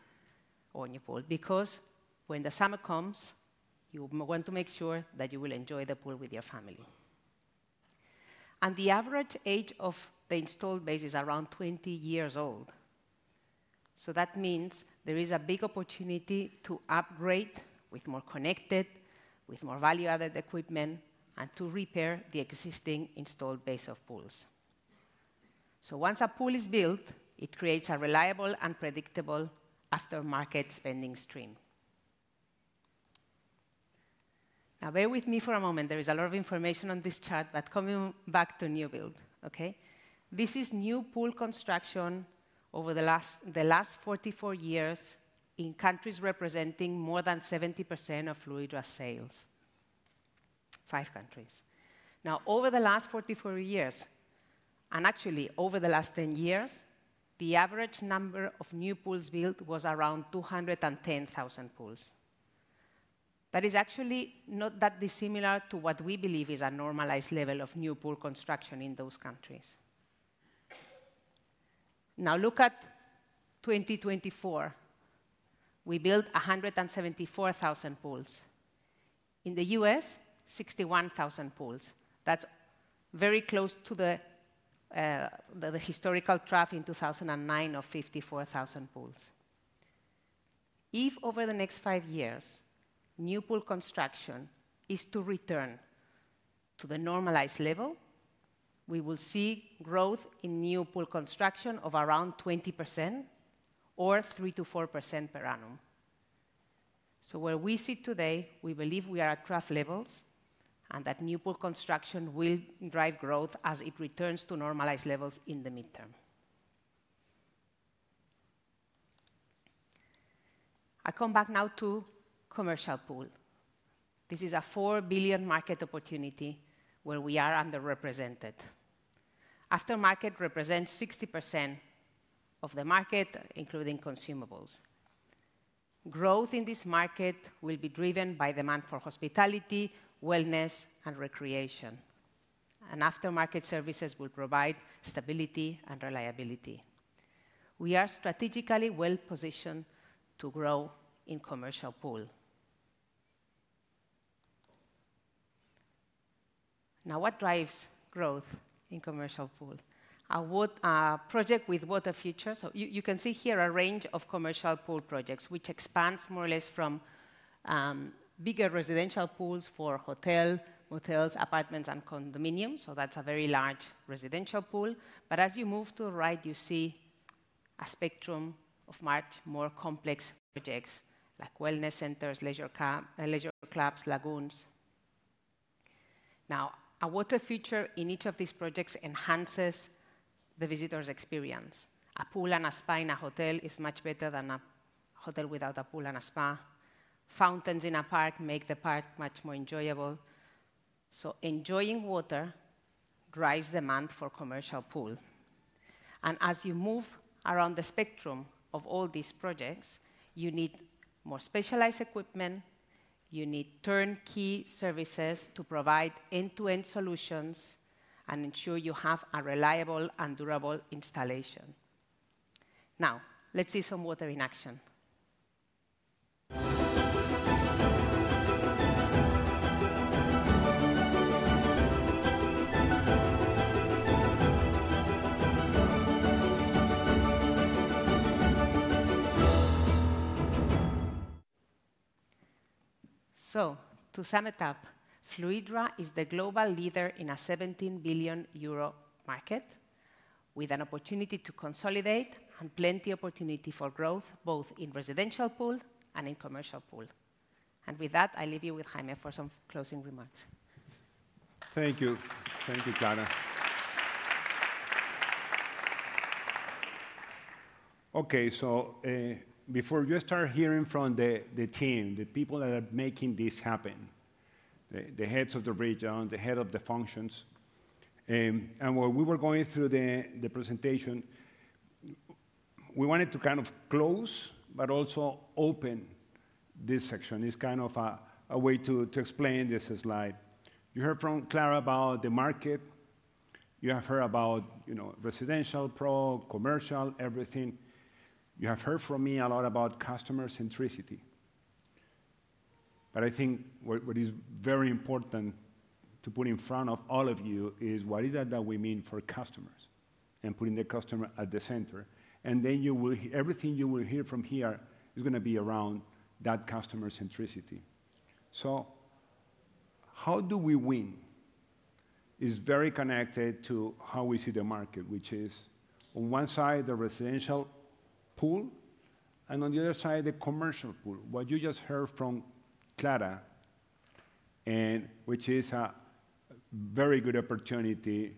or on your pool, because when the summer comes, you want to make sure that you will enjoy the pool with your family. The average age of the installed base is around 20 years old. That means there is a big opportunity to upgrade with more connected, with more value-added equipment, and to repair the existing installed base of pools. Once a pool is built, it creates a reliable and predictable aftermarket spending stream. Now, bear with me for a moment. There is a lot of information on this chart, but coming back to new build, okay? This is new pool construction over the last 44 years in countries representing more than 70% of Fluidra sales. Five countries. Now, over the last 44 years, and actually over the last 10 years, the average number of new pools built was around 210,000 pools. That is actually not that dissimilar to what we believe is a normalized level of new pool construction in those countries. Now, look at 2024. We built 174,000 pools. In the U.S., 61,000 pools. That is very close to the historical trough in 2009 of 54,000 pools. If over the next five years, new pool construction is to return to the normalized level, we will see growth in new pool construction of around 20% or 3%-4% per annum. Where we sit today, we believe we are at trough levels, and that new pool construction will drive growth as it returns to normalized levels in the midterm. I come back now to commercial pool. This is a 4 billion market opportunity where we are underrepresented. Aftermarket represents 60% of the market, including consumables. Growth in this market will be driven by demand for hospitality, wellness, and recreation. Aftermarket services will provide stability and reliability. We are strategically well positioned to grow in commercial pool. Now, what drives growth in commercial pool? A project with Water Future. You can see here a range of commercial pool projects, which expands more or less from bigger residential pools for hotels, motels, apartments, and condominiums. That is a very large residential pool. As you move to the right, you see a spectrum of much more complex projects like wellness centers, leisure clubs, lagoons. Now, a water feature in each of these projects enhances the visitor's experience. A pool and a spa in a hotel is much better than a hotel without a pool and a spa. Fountains in a park make the park much more enjoyable. Enjoying water drives demand for commercial pool. As you move around the spectrum of all these projects, you need more specialized equipment. You need turnkey services to provide end-to-end solutions and ensure you have a reliable and durable installation. Now, let's see some water in action. To sum it up, Fluidra is the global leader in a 17 billion euro market with an opportunity to consolidate and plenty of opportunity for growth, both in residential pool and in commercial pool. With that, I leave you with Jaime for some closing remarks. Thank you. Thank you, Clara. Okay, before you start hearing from the team, the people that are making this happen, the heads of the region, the head of the functions, and while we were going through the presentation, we wanted to kind of close, but also open this section. It is kind of a way to explain this slide. You heard from Clara about the market. You have heard about residential, commercial, everything. You have heard from me a lot about customer centricity. I think what is very important to put in front of all of you is what is that we mean for customers and putting the customer at the center. Everything you will hear from here is going to be around that customer centricity. How do we win? It's very connected to how we see the market, which is on one side, the residential pool, and on the other side, the commercial pool. What you just heard from Clara, which is a very good opportunity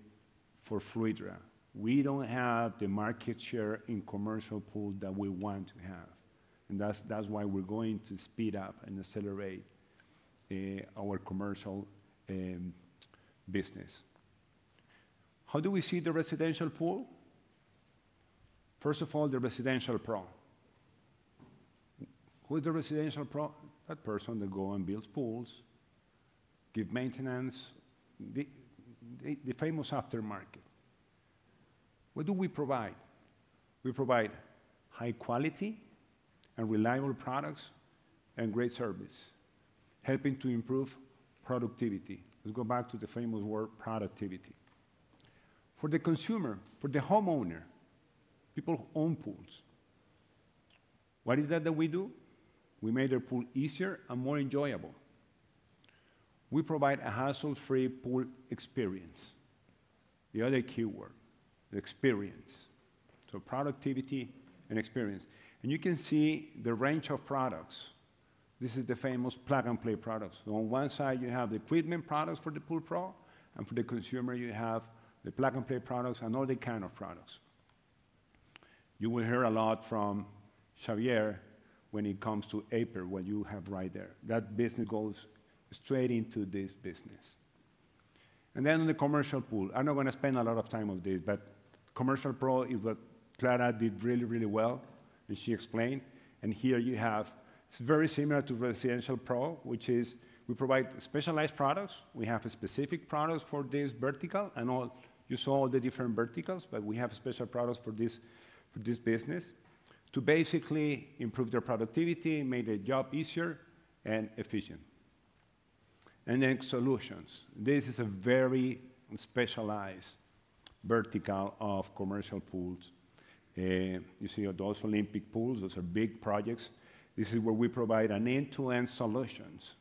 for Fluidra. We don't have the market share in commercial pool that we want to have. That's why we're going to speed up and accelerate our commercial business. How do we see the residential pool? First of all, the residential pro. Who is the residential pro? That person that goes and builds pools, gives maintenance, the famous aftermarket. What do we provide? We provide high quality and reliable products and great service, helping to improve productivity. Let's go back to the famous word, productivity. For the consumer, for the homeowner, people who own pools, what is that that we do? We make their pool easier and more enjoyable. We provide a hassle-free pool experience. The other keyword, the experience. Productivity and experience. You can see the range of products. This is the famous plug and play products. On one side, you have the equipment products for the pool pro. For the consumer, you have the plug and play products and all the kind of products. You will hear a lot from Xavier when it comes to Aiper, what you have right there. That business goes straight into this business. In the commercial pool, I'm not going to spend a lot of time on this, but commercial pro is what Clara did really, really well, and she explained. Here you have, it's very similar to residential pro, which is we provide specialized products. We have specific products for this vertical, and you saw all the different verticals, but we have special products for this business to basically improve their productivity, make their job easier and efficient. Then solutions. This is a very specialized vertical of commercial pools. You see those Olympic pools, those are big projects. This is where we provide end-to-end solutions.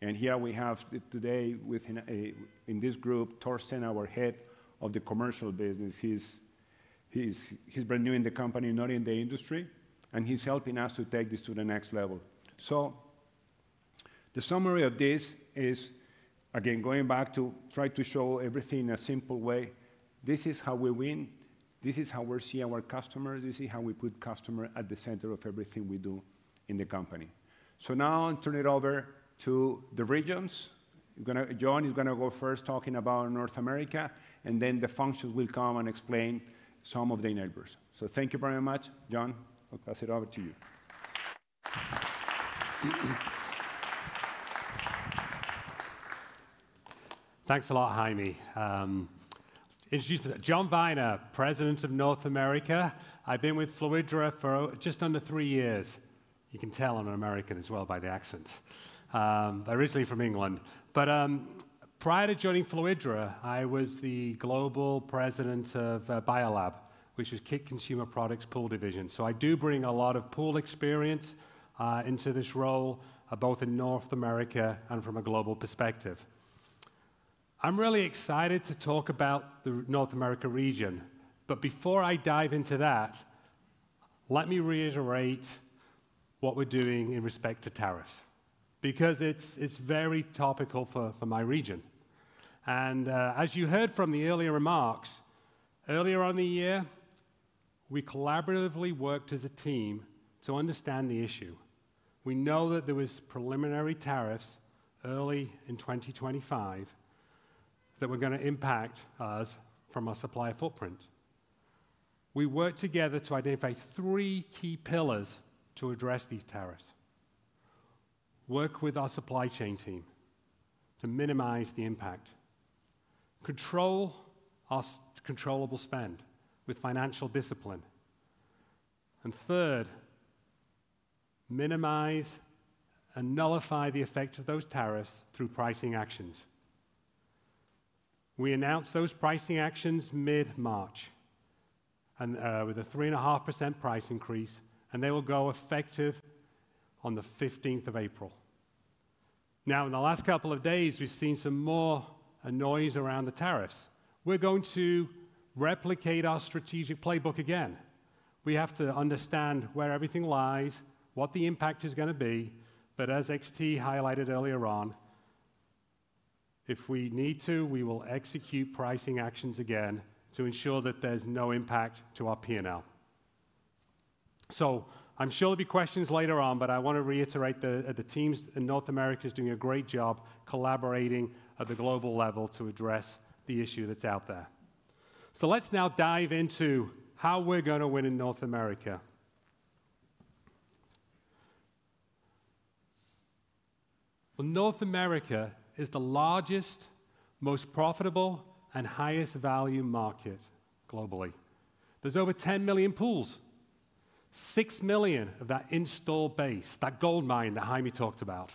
Here we have today in this group, Torsten, Head of Commercial Business. He's brand new in the company, not in the industry, and he's helping us to take this to the next level. The summary of this is, again, going back to try to show everything in a simple way, this is how we win. This is how we see our customers. This is how we put customers at the center of everything we do in the company. Now I'll turn it over to the regions. Jon is going to go first talking about North America, and then the functions will come and explain some of the enablers. Thank you very much, Jon. I'll pass it over to you. Thanks a lot, Jaime. Jon Viner, President of North America. I've been with Fluidra for just under three years. You can tell I'm an American as well by the accent. Originally from England. Prior to joining Fluidra, I was the global president of BioLab, which is KIK Consumer Products Pool Division. I do bring a lot of pool experience into this role, both in North America and from a global perspective. I'm really excited to talk about the North America region. Before I dive into that, let me reiterate what we're doing in respect to tariffs, because it's very topical for my region. As you heard from the earlier remarks, earlier on the year, we collaboratively worked as a team to understand the issue. We know that there were preliminary tariffs early in 2025 that were going to impact us from our supply footprint. We worked together to identify three key pillars to address these tariffs, work with our supply chain team to minimize the impact, control our controllable spend with financial discipline. Third, minimize and nullify the effect of those tariffs through pricing actions. We announced those pricing actions mid-March with a 3.5% price increase, and they will go effective on the 15th of April. In the last couple of days, we've seen some more noise around the tariffs. We're going to replicate our strategic playbook again. We have to understand where everything lies, what the impact is going to be. As Xavier highlighted earlier on, if we need to, we will execute pricing actions again to ensure that there's no impact to our P&L. I'm sure there'll be questions later on, but I want to reiterate that the teams in North America are doing a great job collaborating at the global level to address the issue that's out there. Let's now dive into how we're going to win in North America. North America is the largest, most profitable, and highest value market globally. There's over 10 million pools, 6 million of that installed base, that gold mine that Jaime talked about.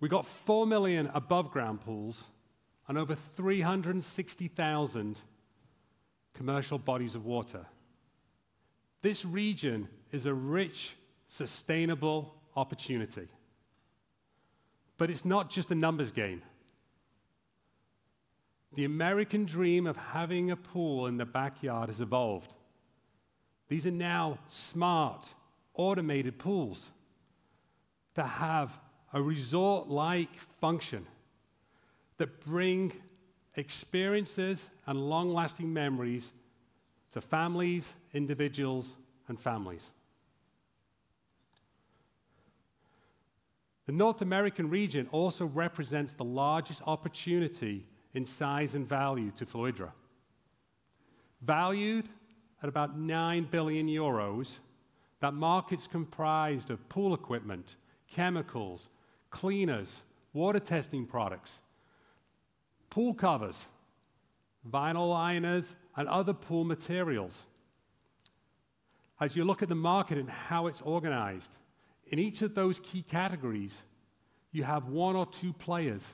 We've got 4 million above-ground pools and over 360,000 commercial bodies of water. This region is a rich, sustainable opportunity. It's not just a numbers game. The American dream of having a pool in the backyard has evolved. These are now smart, automated pools that have a resort-like function that brings experiences and long-lasting memories to families, individuals, and families. The North American region also represents the largest opportunity in size and value to Fluidra. Valued at about 9 billion euros, that market's comprised of pool equipment, chemicals, cleaners, water testing products, pool covers, vinyl liners, and other pool materials. As you look at the market and how it's organized, in each of those key categories, you have one or two players,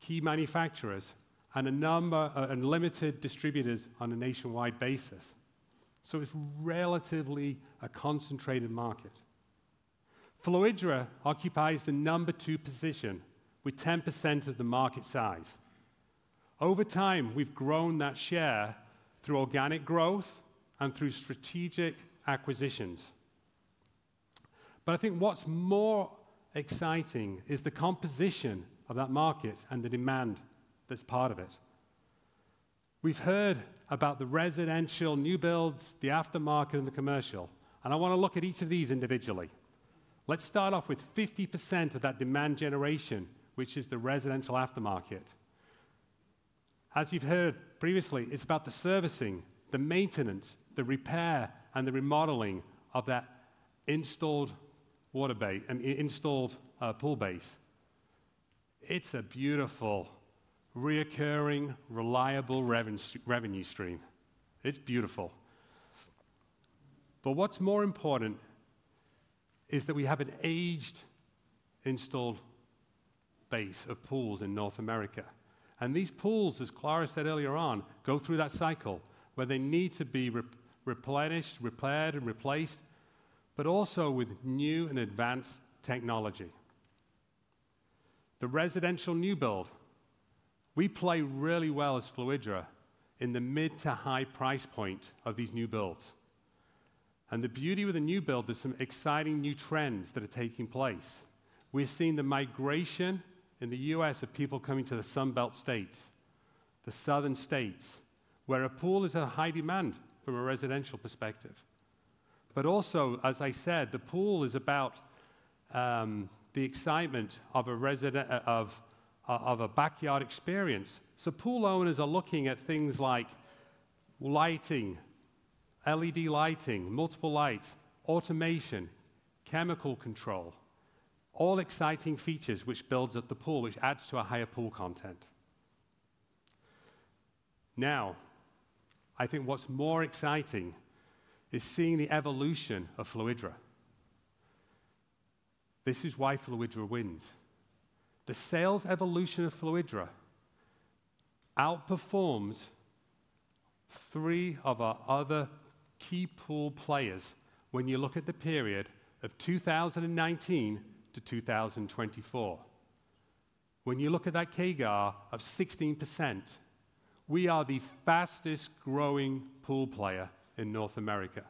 key manufacturers, and a number of limited distributors on a nationwide basis. It is relatively a concentrated market. Fluidra occupies the number two position with 10% of the market size. Over time, we've grown that share through organic growth and through strategic acquisitions. I think what's more exciting is the composition of that market and the demand that's part of it. We've heard about the residential new builds, the aftermarket, and the commercial. I want to look at each of these individually. Let's start off with 50% of that demand generation, which is the residential aftermarket. As you've heard previously, it's about the servicing, the maintenance, the repair, and the remodeling of that installed bodies of water and installed pool base. It's a beautiful, recurring, reliable revenue stream. It's beautiful. What is more important is that we have an aged installed base of pools in North America. These pools, as Clara said earlier on, go through that cycle where they need to be replenished, repaired, and replaced, but also with new and advanced technology. The residential new build, we play really well as Fluidra in the mid to high price point of these new builds. The beauty with the new build, there are some exciting new trends that are taking place. We're seeing the migration in the U.S. of people coming to the Sunbelt states, the southern states, where a pool is a high demand from a residential perspective. Also, as I said, the pool is about the excitement of a backyard experience. Pool owners are looking at things like lighting, LED lighting, multiple lights, automation, chemical control, all exciting features which build up the pool, which adds to a higher pool content. Now, I think what's more exciting is seeing the evolution of Fluidra. This is why Fluidra wins. The sales evolution of Fluidra outperforms three of our other key pool players when you look at the period of 2019 to 2024. When you look at that CAGR of 16%, we are the fastest growing pool player in North America.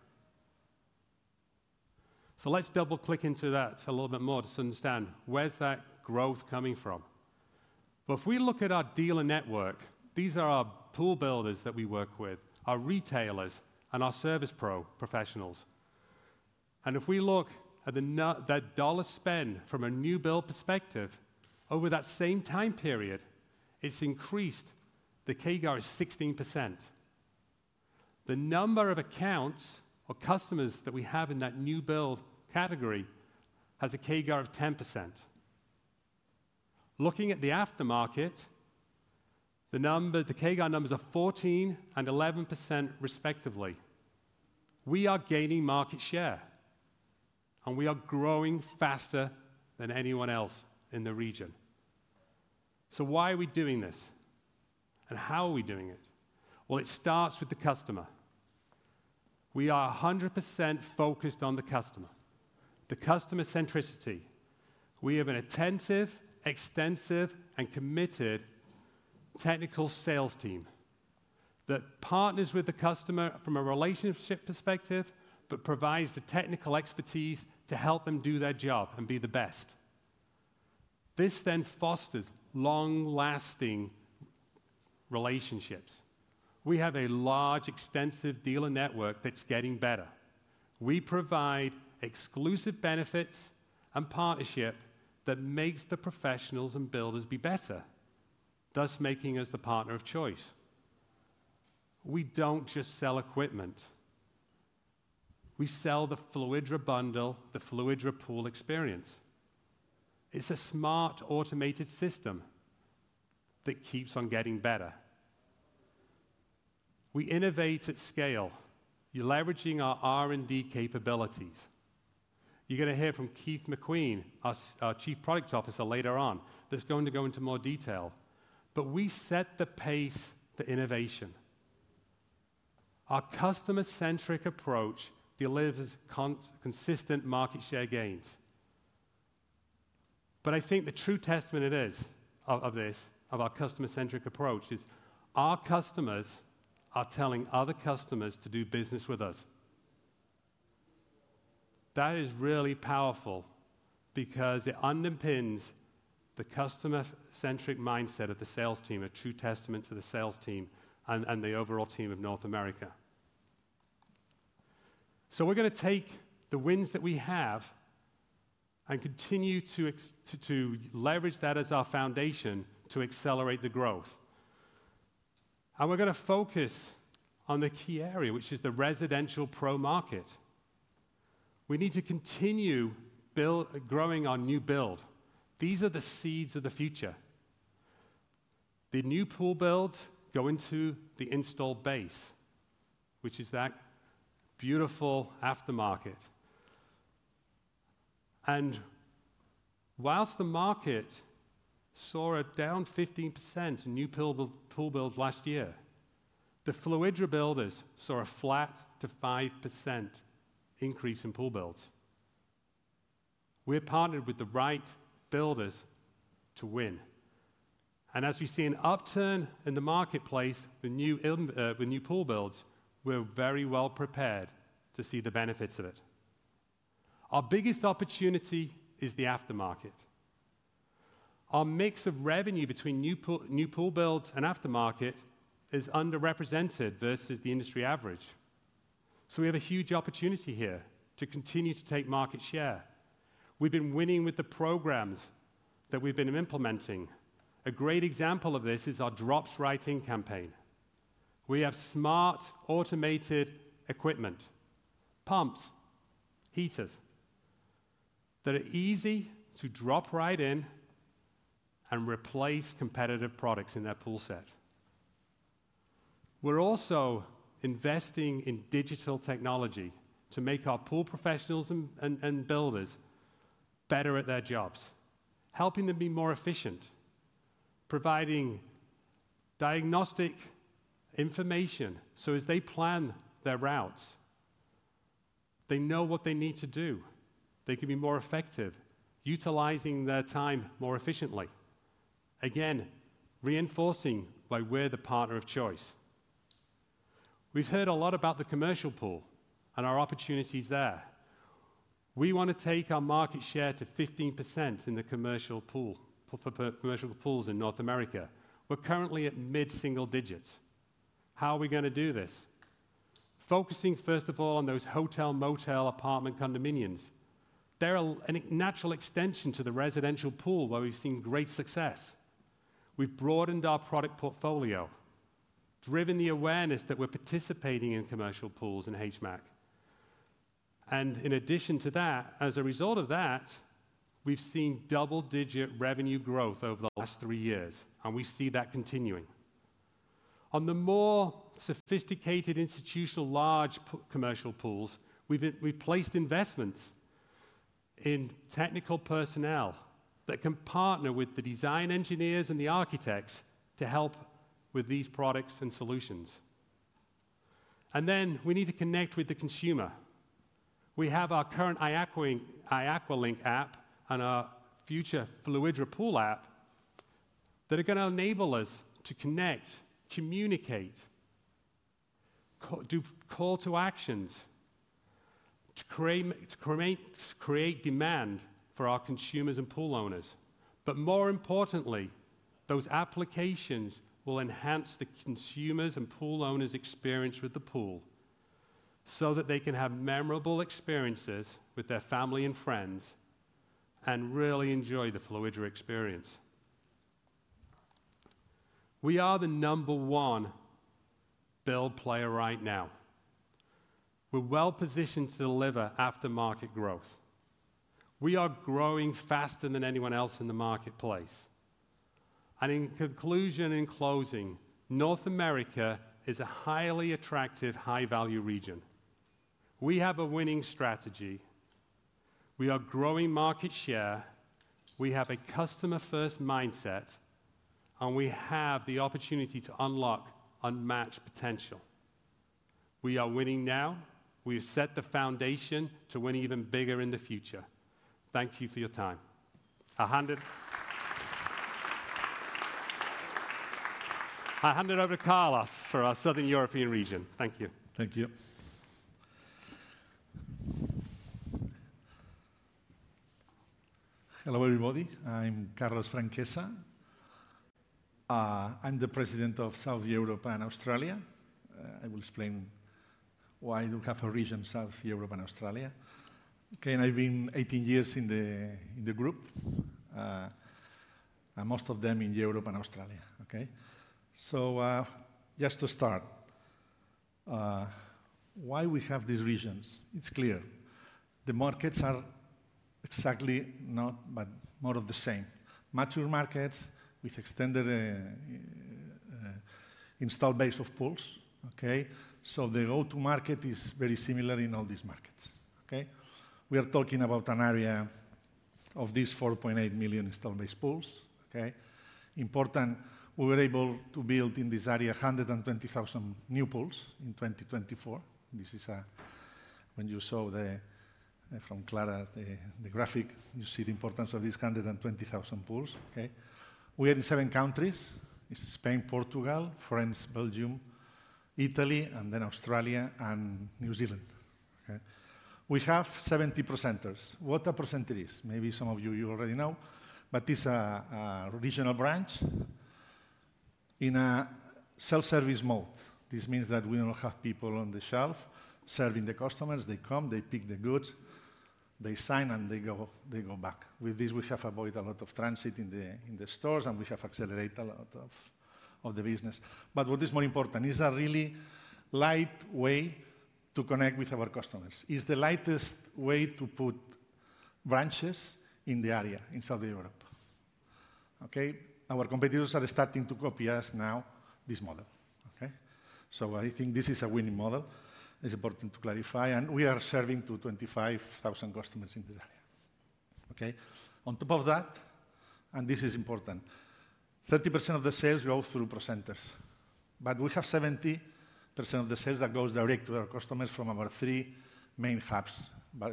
Let's double-click into that a little bit more to understand where's that growth coming from. If we look at our dealer network, these are our pool builders that we work with, our retailers, and our service pro professionals. If we look at that dollar spend from a new build perspective over that same time period, it has increased. The CAGR is 16%. The number of accounts or customers that we have in that new build category has a CAGR of 10%. Looking at the aftermarket, the CAGR numbers are 14% and 11% respectively. We are gaining market share, and we are growing faster than anyone else in the region. Why are we doing this? How are we doing it? It starts with the customer. We are 100% focused on the customer, the customer centricity. We have an attentive, extensive, and committed technical sales team that partners with the customer from a relationship perspective but provides the technical expertise to help them do their job and be the best. This then fosters long-lasting relationships. We have a large, extensive dealer network that's getting better. We provide exclusive benefits and partnership that makes the professionals and builders be better, thus making us the partner of choice. We don't just sell equipment. We sell the Fluidra bundle, the Fluidra pool experience. It's a smart, automated system that keeps on getting better. We innovate at scale, leveraging our R&D capabilities. You're going to hear from Keith McQueen, our Chief Product Officer, later on. That's going to go into more detail. We set the pace for innovation. Our customer-centric approach delivers consistent market share gains. I think the true testament of this, of our customer-centric approach, is our customers are telling other customers to do business with us. That is really powerful because it underpins the customer-centric mindset of the sales team, a true testament to the sales team and the overall team of North America. We are going to take the wins that we have and continue to leverage that as our foundation to accelerate the growth. We are going to focus on the key area, which is the residential pro market. We need to continue growing our new build. These are the seeds of the future. The new pool builds go into the installed base, which is that beautiful aftermarket. Whilst the market saw a down 15% in new pool builds last year, the Fluidra builders saw a flat to 5% increase in pool builds. We're partnered with the right builders to win. As we see an upturn in the marketplace, the new pool builds, we're very well prepared to see the benefits of it. Our biggest opportunity is the aftermarket. Our mix of revenue between new pool builds and aftermarket is underrepresented versus the industry average. We have a huge opportunity here to continue to take market share. We've been winning with the programs that we've been implementing. A great example of this is our drop shipping campaign. We have smart, automated equipment, pumps, heaters that are easy to drop right in and replace competitive products in their pool set. We're also investing in digital technology to make our pool professionals and builders better at their jobs, helping them be more efficient, providing diagnostic information so as they plan their routes. They know what they need to do. They can be more effective, utilizing their time more efficiently. Again, reinforcing why we're the partner of choice. We've heard a lot about the commercial pool and our opportunities there. We want to take our market share to 15% in the commercial pool for commercial pools in North America. We're currently at mid-single digits. How are we going to do this? Focusing, first of all, on those hotel, motel, apartment condominiums. They're a natural extension to the residential pool where we've seen great success. We've broadened our product portfolio, driven the awareness that we're participating in commercial pools in HVAC. In addition to that, as a result of that, we've seen double-digit revenue growth over the last three years, and we see that continuing. On the more sophisticated institutional large commercial pools, we've placed investments in technical personnel that can partner with the design engineers and the architects to help with these products and solutions. We need to connect with the consumer. We have our current Aqualink app and our future Fluidra Pool app that are going to enable us to connect, communicate, do call to actions, to create demand for our consumers and pool owners. More importantly, those applications will enhance the consumers' and pool owners' experience with the pool so that they can have memorable experiences with their family and friends and really enjoy the Fluidra experience. We are the number one build player right now. We're well positioned to deliver aftermarket growth. We are growing faster than anyone else in the marketplace. In conclusion and closing, North America is a highly attractive, high-value region. We have a winning strategy. We are growing market share. We have a customer-first mindset, and we have the opportunity to unlock unmatched potential. We are winning now. We have set the foundation to win even bigger in the future. Thank you for your time. I hand it over to Carlos for our Southern European region. Thank you. Thank you. Hello everybody. I'm Carlos Franquesa. I'm the President of Southern Europe and Australia. I will explain why I do have a region, Southern Europe and Australia. Okay, and I've been 18 years in the group, most of them in Europe and Australia. Okay, just to start, why we have these regions, it's clear. The markets are exactly not, but more of the same. Mature markets with extended installed base of pools. Okay, the go-to-market is very similar in all these markets. Okay, we are talking about an area of these 4.8 million installed base pools. Okay, important. We were able to build in this area 120,000 new pools in 2024. This is when you saw from Clara the graphic, you see the importance of these 120,000 pools. Okay, we are in seven countries. It's Spain, Portugal, France, Belgium, Italy, and then Australia and New Zealand. Okay, we have 70 ProCenters. What a percentage is? Maybe some of you already know, but it's a regional branch in a self-service mode. This means that we don't have people on the shelf serving the customers. They come, they pick the goods, they sign, and they go back. With this, we have avoided a lot of transit in the stores, and we have accelerated a lot of the business. What is more important is a really light way to connect with our customers. It's the lightest way to put branches in the area in Southern Europe. Okay, our competitors are starting to copy us now, this model. Okay, so I think this is a winning model. It's important to clarify. And we are serving to 25,000 customers in this area. Okay, on top of that, and this is important, 30% of the sales go through ProCenters. But we have 70% of the sales that go direct to our customers from our three main hubs: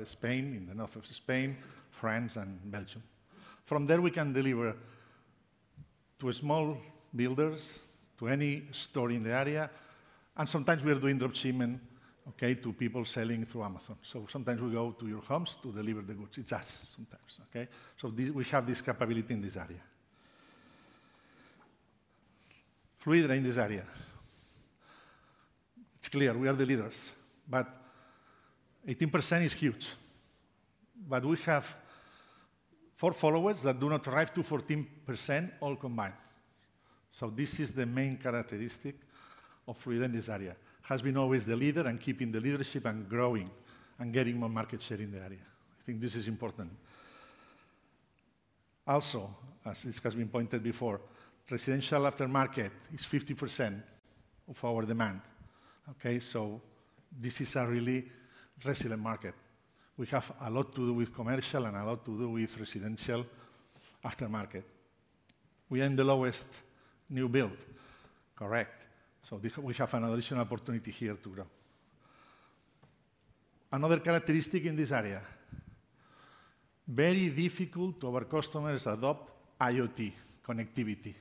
Spain, in the north of Spain, France, and Belgium. From there, we can deliver to small builders, to any store in the area. Sometimes we are doing dropshipping to people selling through Amazon. Sometimes we go to your homes to deliver the goods. It's us sometimes. Okay, we have this capability in this area. Fluidra in this area. It's clear we are the leaders, but 18% is huge. We have four followers that do not arrive to 14% all combined. This is the main characteristic of Fluidra in this area. It has been always the leader and keeping the leadership and growing and getting more market share in the area. I think this is important. Also, as this has been pointed before, residential aftermarket is 50% of our demand. This is a really resilient market. We have a lot to do with commercial and a lot to do with residential aftermarket. We are in the lowest new build. Correct. We have an additional opportunity here to grow. Another characteristic in this area, very difficult for our customers to adopt IoT connectivity.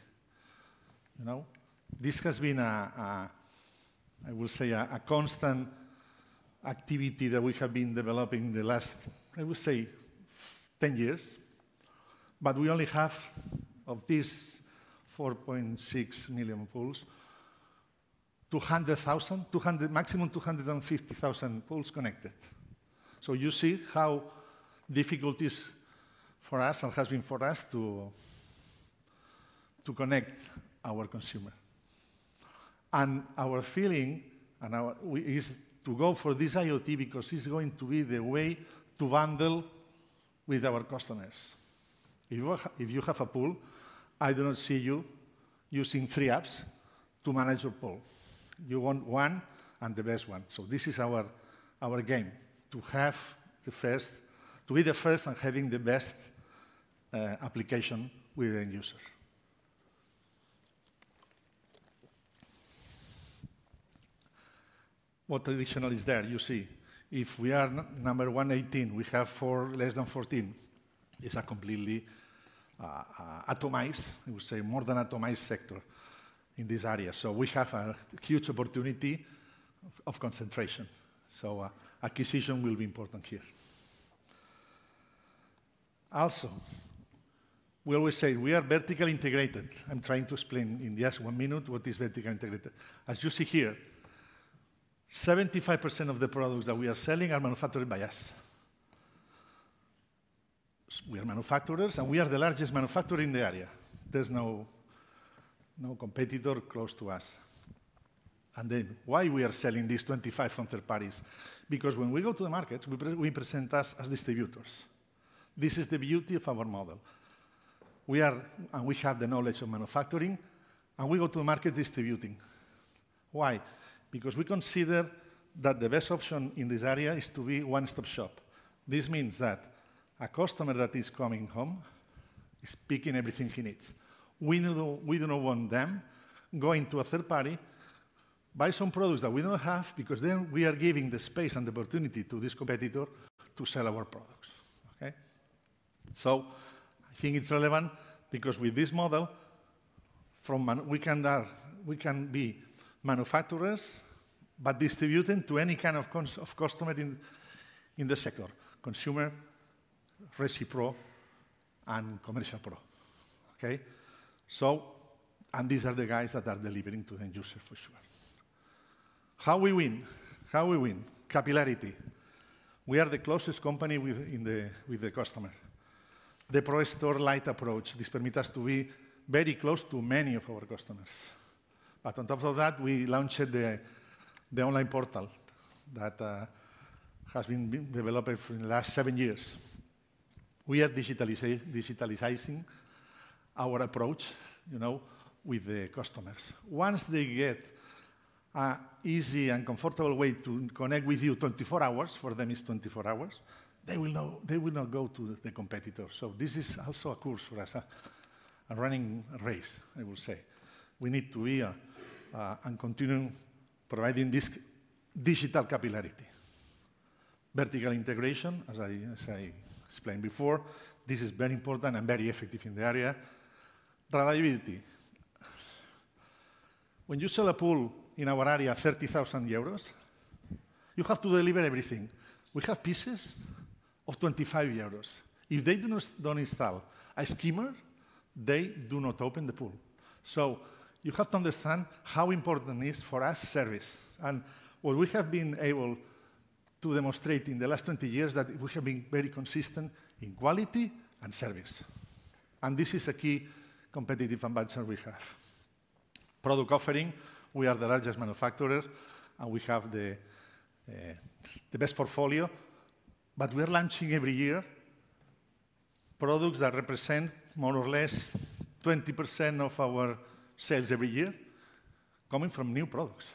This has been, I will say, a constant activity that we have been developing in the last, I will say, 10 years. We only have, of these 4.6 million pools, 200,000, maximum 250,000 pools connected. You see how difficult it is for us and has been for us to connect our consumer. Our feeling is to go for this IoT because it is going to be the way to bundle with our customers. If you have a pool, I do not see you using three apps to manage your pool. You want one and the best one. This is our game, to be the first and have the best application with end users. What additional is there? You see, if we are number 118, we have less than 14. It is a completely atomized, I would say, more than atomized sector in this area. We have a huge opportunity of concentration. Acquisition will be important here. We always say we are vertically integrated. I'm trying to explain in just one minute what is vertically integrated. As you see here, 75% of the products that we are selling are manufactured by us. We are manufacturers, and we are the largest manufacturer in the area. There is no competitor close to us. Why are we selling these 25% from third parties? Because when we go to the market, we present us as distributors. This is the beauty of our model. We have the knowledge of manufacturing, and we go to the market distributing. Why? Because we consider that the best option in this area is to be one-stop shop. This means that a customer that is coming home is picking everything he needs. We do not want them going to a third party, buying some products that we do not have, because then we are giving the space and the opportunity to this competitor to sell our products. I think it is relevant because with this model, we can be manufacturers, but distributing to any kind of customer in the sector: consumer, retail pros, and commercial pros. These are the guys that are delivering to the end user for sure. How we win? How we win? capillarity. We are the closest company with the customer. The ProStore Lite approach, this permits us to be very close to many of our customers. On top of that, we launched the online portal that has been developed in the last seven years. We are digitalizing our approach with the customers. Once they get an easy and comfortable way to connect with you 24 hours, for them it's 24 hours, they will not go to the competitor. This is also a course for us, a running race, I will say. We need to be and continue providing this digital capillarity. Vertical integration, as I explained before, this is very important and very effective in the area. Reliability. When you sell a pool in our area, 30,000 euros, you have to deliver everything. We have pieces of 25 euros. If they don't install a skimmer, they do not open the pool. You have to understand how important it is for us, service. What we have been able to demonstrate in the last 20 years is that we have been very consistent in quality and service. This is a key competitive advantage we have. Product offering, we are the largest manufacturer, and we have the best portfolio. We are launching every year products that represent more or less 20% of our sales every year, coming from new products.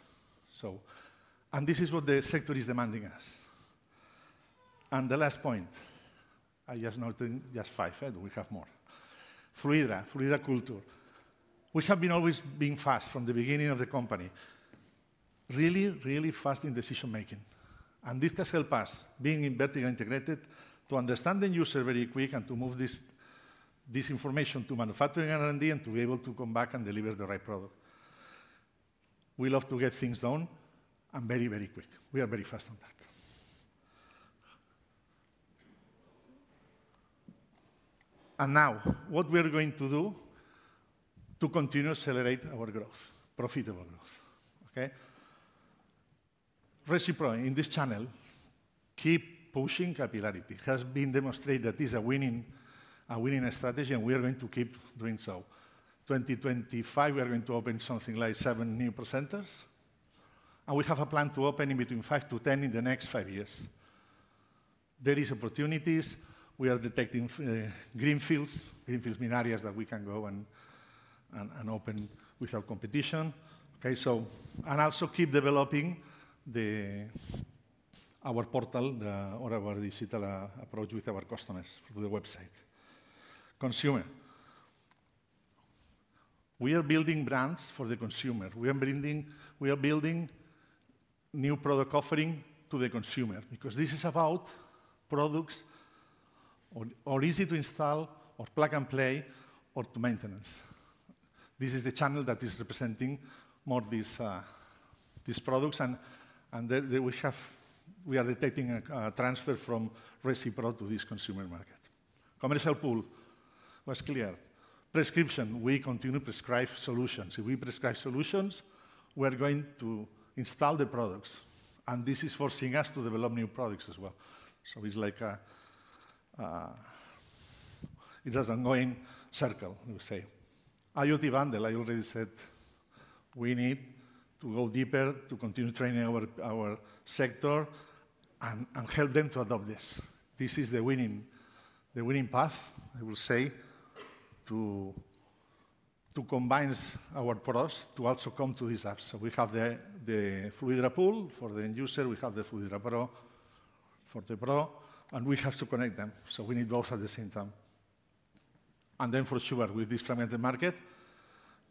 This is what the sector is demanding us. The last point, I just noted just five, but we have more. Fluidra, Fluidra culture. We have been always being fast from the beginning of the company. Really, really fast in decision-making. This has helped us, being in vertical integrated, to understand the user very quick and to move this information to manufacturing and R&D and to be able to come back and deliver the right product. We love to get things done and very, very quick. We are very fast on that. Now, what we are going to do to continue to accelerate our growth, profitable growth. Okay, retail in this channel, keep pushing capillarity. It has been demonstrated that this is a winning strategy, and we are going to keep doing so. In 2025, we are going to open something like seven new ProCenters. We have a plan to open between five to ten in the next five years. There are opportunities. We are detecting greenfields, greenfields mean areas that we can go and open with our competition. Okay, and also keep developing our portal or our digital approach with our customers through the website. Consumer. We are building brands for the consumer. We are building new product offerings to the consumer because this is about products that are easy to install or plug and play or to maintenance. This is the channel that is representing more of these products. We are detecting a transfer from recipro to this consumer market. Commercial pool was clear. Prescription, we continue to prescribe solutions. If we prescribe solutions, we are going to install the products. This is forcing us to develop new products as well. It is like an ongoing circle, we would say. IoT bundle, I already said we need to go deeper to continue training our sector and help them to adopt this. This is the winning path, I will say, to combine our products to also come to these apps. We have the Fluidra Pool for the end user. We have the Fluidra Pro for the Pro. We have to connect them. We need both at the same time. For sure, with this tremendous market,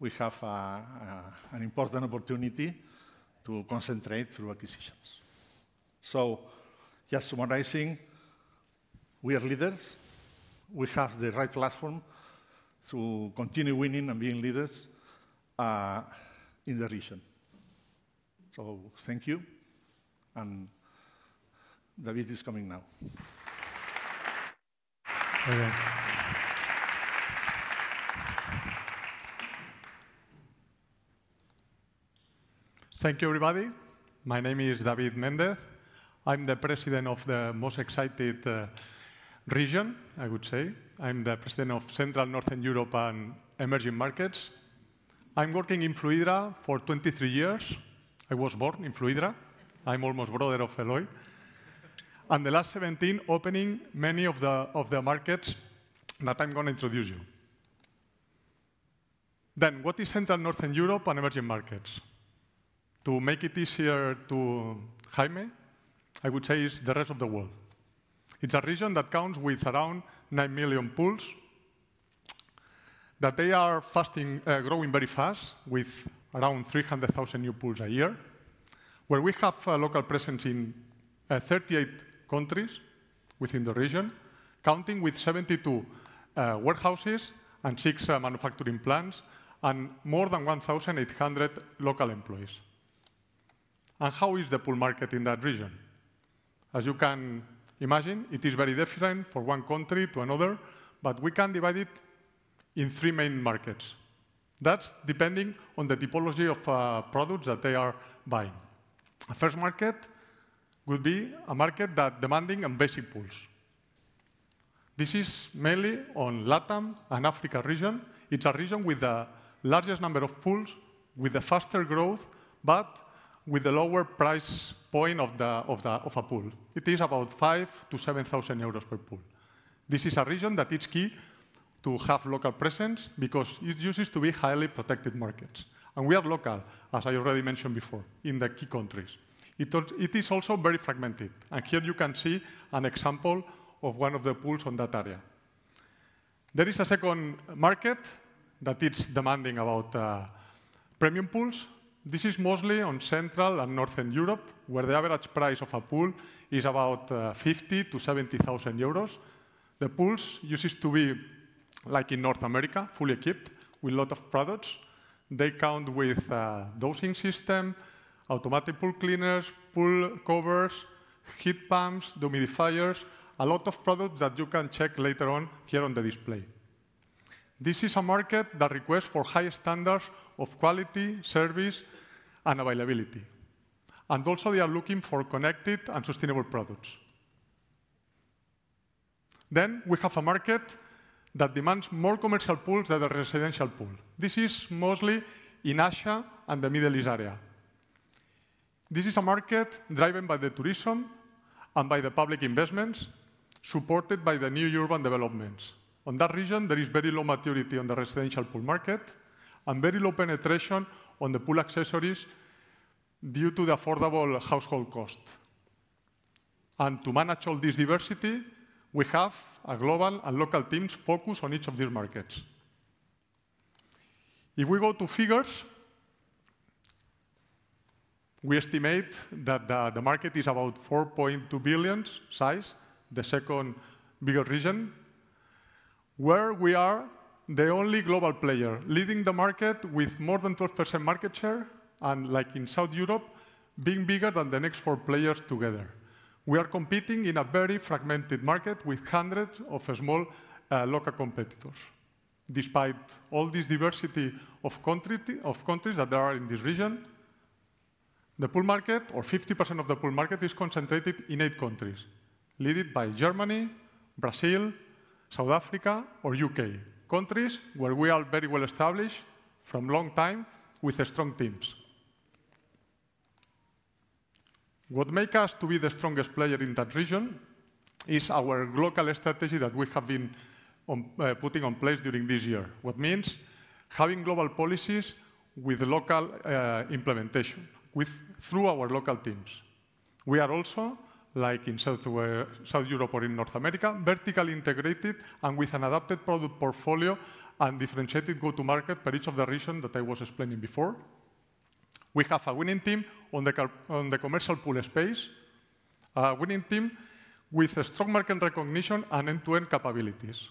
we have an important opportunity to concentrate through acquisitions. Just summarizing, we are leaders. We have the right platform to continue winning and being leaders in the region. Thank you. David is coming now. Thank you, everybody. My name is David Mendez. I'm the President of the most excited region, I would say. I'm the President of Central, Northern Europe, and Emerging Markets. I'm working in Fluidra for 23 years. I was born in Fluidra. I'm almost a brother of Eloi. The last 17, opening many of the markets that I'm going to introduce you. What is Central, Northern Europe, and Emerging Markets? To make it easier to Jaime, I would say it's the rest of the world. It's a region that counts with around 9 million pools that are growing very fast with around 300,000 new pools a year, where we have a local presence in 38 countries within the region, counting with 72 warehouses and six manufacturing plants and more than 1,800 local employees. How is the pool market in that region? As you can imagine, it is very different from one country to another, but we can divide it into three main markets. That is depending on the typology of products that they are buying. The first market would be a market that is demanding basic pools. This is mainly in LATAM and Africa region. It is a region with the largest number of pools, with the faster growth, but with the lower price point of a pool. It is about 5,000-7,000 euros per pool. This is a region that is key to have local presence because it is usually highly protected markets. We have local, as I already mentioned before, in the key countries. It is also very fragmented. Here you can see an example of one of the pools in that area. There is a second market that is demanding about premium pools. This is mostly in Central and Northern Europe, where the average price of a pool is about 50,000-70,000 euros. The pools used to be like in North America, fully equipped with a lot of products. They come with a dosing system, automatic pool cleaners, pool covers, heat pumps, humidifiers, a lot of products that you can check later on here on the display. This is a market that requests high standards of quality, service, and availability. They are also looking for connected and sustainable products. We have a market that demands more commercial pools than the residential pool. This is mostly in Asia and the Middle East area. This is a market driven by the tourism and by the public investments supported by the new urban developments. In that region, there is very low maturity on the residential pool market and very low penetration on the pool accessories due to the affordable household cost. To manage all this diversity, we have global and local teams focused on each of these markets. If we go to figures, we estimate that the market is about 4.2 billion in size, the second bigger region, where we are the only global player leading the market with more than 12% market share and, like in South Europe, being bigger than the next four players together. We are competing in a very fragmented market with hundreds of small local competitors. Despite all this diversity of countries that there are in this region, the pool market, or 50% of the pool market, is concentrated in eight countries led by Germany, Brazil, South Africa, or the U.K., countries where we are very well established from a long time with strong teams. What makes us to be the strongest player in that region is our local strategy that we have been putting in place during this year, which means having global policies with local implementation through our local teams. We are also, like in South Europe or in North America, vertically integrated and with an adapted product portfolio and differentiated go-to-market for each of the regions that I was explaining before. We have a winning team on the commercial pool space, a winning team with strong market recognition and end-to-end capabilities.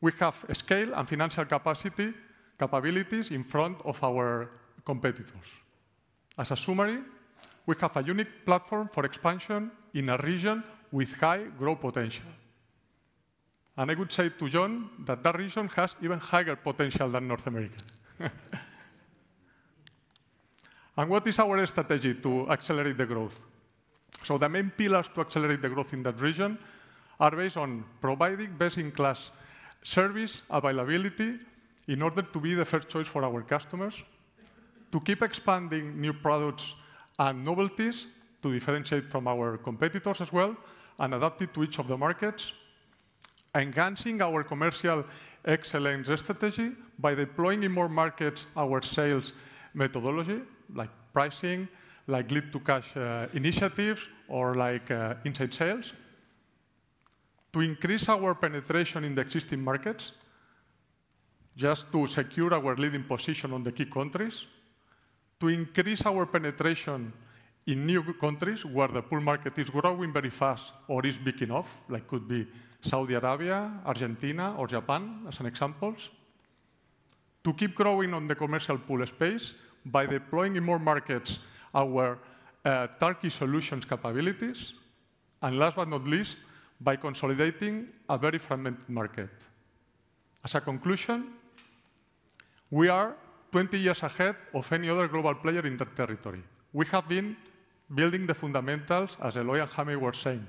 We have scale and financial capabilities in front of our competitors. As a summary, we have a unique platform for expansion in a region with high growth potential. I would say to Jon that that region has even higher potential than North America. What is our strategy to accelerate the growth? The main pillars to accelerate the growth in that region are based on providing best-in-class service availability in order to be the first choice for our customers, to keep expanding new products and novelties to differentiate from our competitors as well and adapt it to each of the markets, enhancing our commercial excellence strategy by deploying in more markets our sales methodology, like pricing, like lead-to-cash initiatives, or like inside sales, to increase our penetration in the existing markets just to secure our leading position in the key countries, to increase our penetration in new countries where the pool market is growing very fast or is big enough, like could be Saudi Arabia, Argentina, or Japan, as an example, to keep growing on the commercial pool space by deploying in more markets our Turkey solutions capabilities, and last but not least, by consolidating a very fragmented market. As a conclusion, we are 20 years ahead of any other global player in that territory. We have been building the fundamentals, as Eloi and Jaime were saying.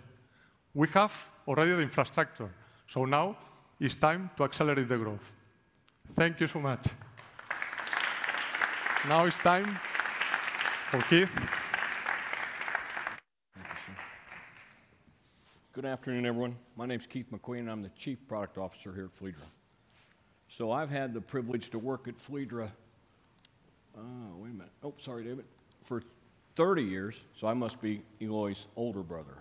We have already the infrastructure. Now it's time to accelerate the growth. Thank you so much. Now it's time for Keith. Good afternoon, everyone. My name is Keith McQueen. I'm the Chief Product Officer here at Fluidra. I've had the privilege to work at Fluidra—oh, wait a minute. Oh, sorry, David. For 30 years. I must be Eloi's older brother.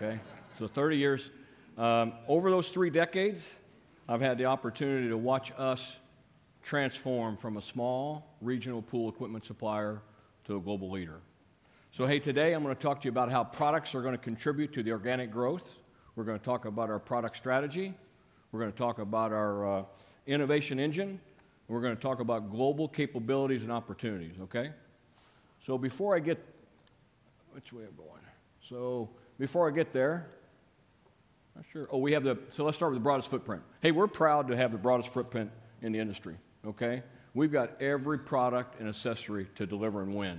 Okay, 30 years. Over those three decades, I've had the opportunity to watch us transform from a small regional pool equipment supplier to a global leader. Today I'm going to talk to you about how products are going to contribute to the organic growth. We're going to talk about our product strategy. We're going to talk about our innovation engine. We're going to talk about global capabilities and opportunities. Okay, before I get which way are we going? Before I get there, I'm not sure. Oh, we have the let's start with the broadest footprint. Hey, we're proud to have the broadest footprint in the industry. Okay, we've got every product and accessory to deliver and win.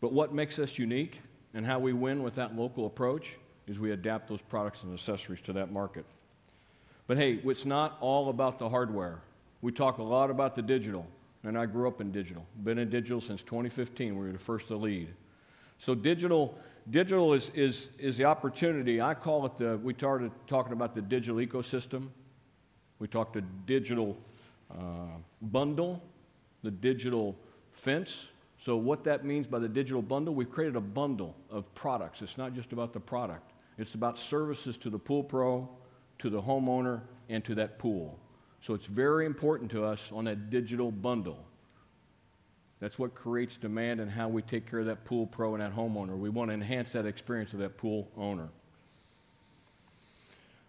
What makes us unique and how we win with that local approach is we adapt those products and accessories to that market. Hey, it's not all about the hardware. We talk a lot about the digital. I grew up in digital. I've been in digital since 2015. We were the first to lead. Digital is the opportunity. I call it the we started talking about the digital ecosystem. We talked to digital bundle, the digital fence. What that means by the digital bundle, we've created a bundle of products. It's not just about the product. It's about services to the pool pro, to the homeowner, and to that pool. It's very important to us on that digital bundle. That's what creates demand and how we take care of that pool pro and that homeowner. We want to enhance that experience of that pool owner.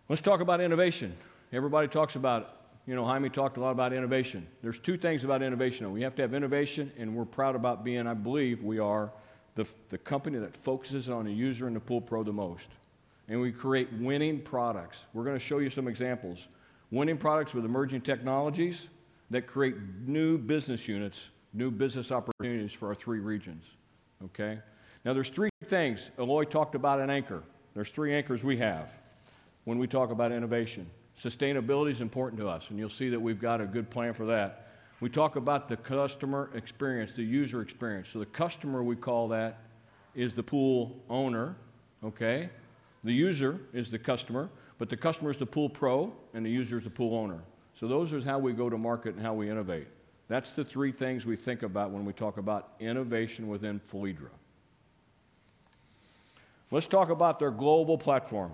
Let's talk about innovation. Everybody talks about it. Jaime talked a lot about innovation. There are two things about innovation. We have to have innovation, and we're proud about being—I believe we are the company that focuses on the user and the pool pro the most. We create winning products. We're going to show you some examples. Winning products with emerging technologies that create new business units, new business opportunities for our three regions. Now there are three things. Eloi talked about an anchor. There are three anchors we have when we talk about innovation. Sustainability is important to us. You will see that we have got a good plan for that. We talk about the customer experience, the user experience. The customer, we call that, is the pool owner. Okay, the user is the customer, but the customer is the pool pro, and the user is the pool owner. Those are how we go to market and how we innovate. That is the three things we think about when we talk about innovation within Fluidra. Let us talk about their global platform.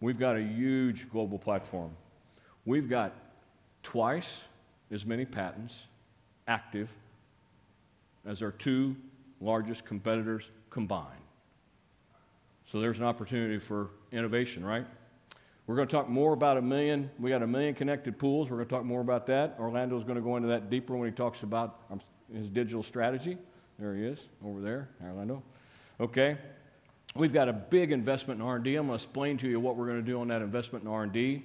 We have got a huge global platform. We have got twice as many patents active as our two largest competitors combined. There is an opportunity for innovation, right? We are going to talk more about a million. We have got a million connected pools. We are going to talk more about that. Orlando is going to go into that deeper when he talks about his digital strategy. There he is, over there, Orlando. Okay, we have a big investment in R&D. I am going to explain to you what we are going to do on that investment in R&D.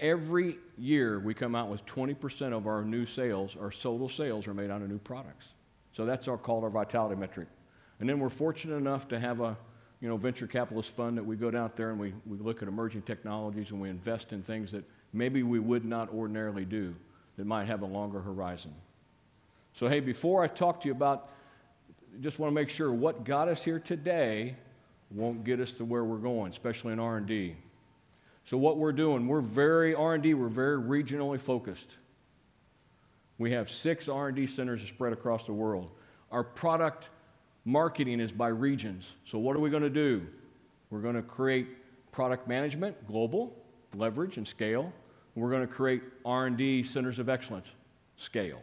Every year, we come out with 20% of our new sales, our total sales are made on new products. That is called our vitality metric. We are fortunate enough to have a venture capitalist fund that we go down there, and we look at emerging technologies, and we invest in things that maybe we would not ordinarily do that might have a longer horizon. Before I talk to you about—just want to make sure what got us here today will not get us to where we are going, especially in R&D. What we are doing, we are very R&D. We are very regionally focused. We have six R&D centers spread across the world. Our product marketing is by regions. What are we going to do? We are going to create product management, global leverage and scale. We are going to create R&D centers of excellence, scale.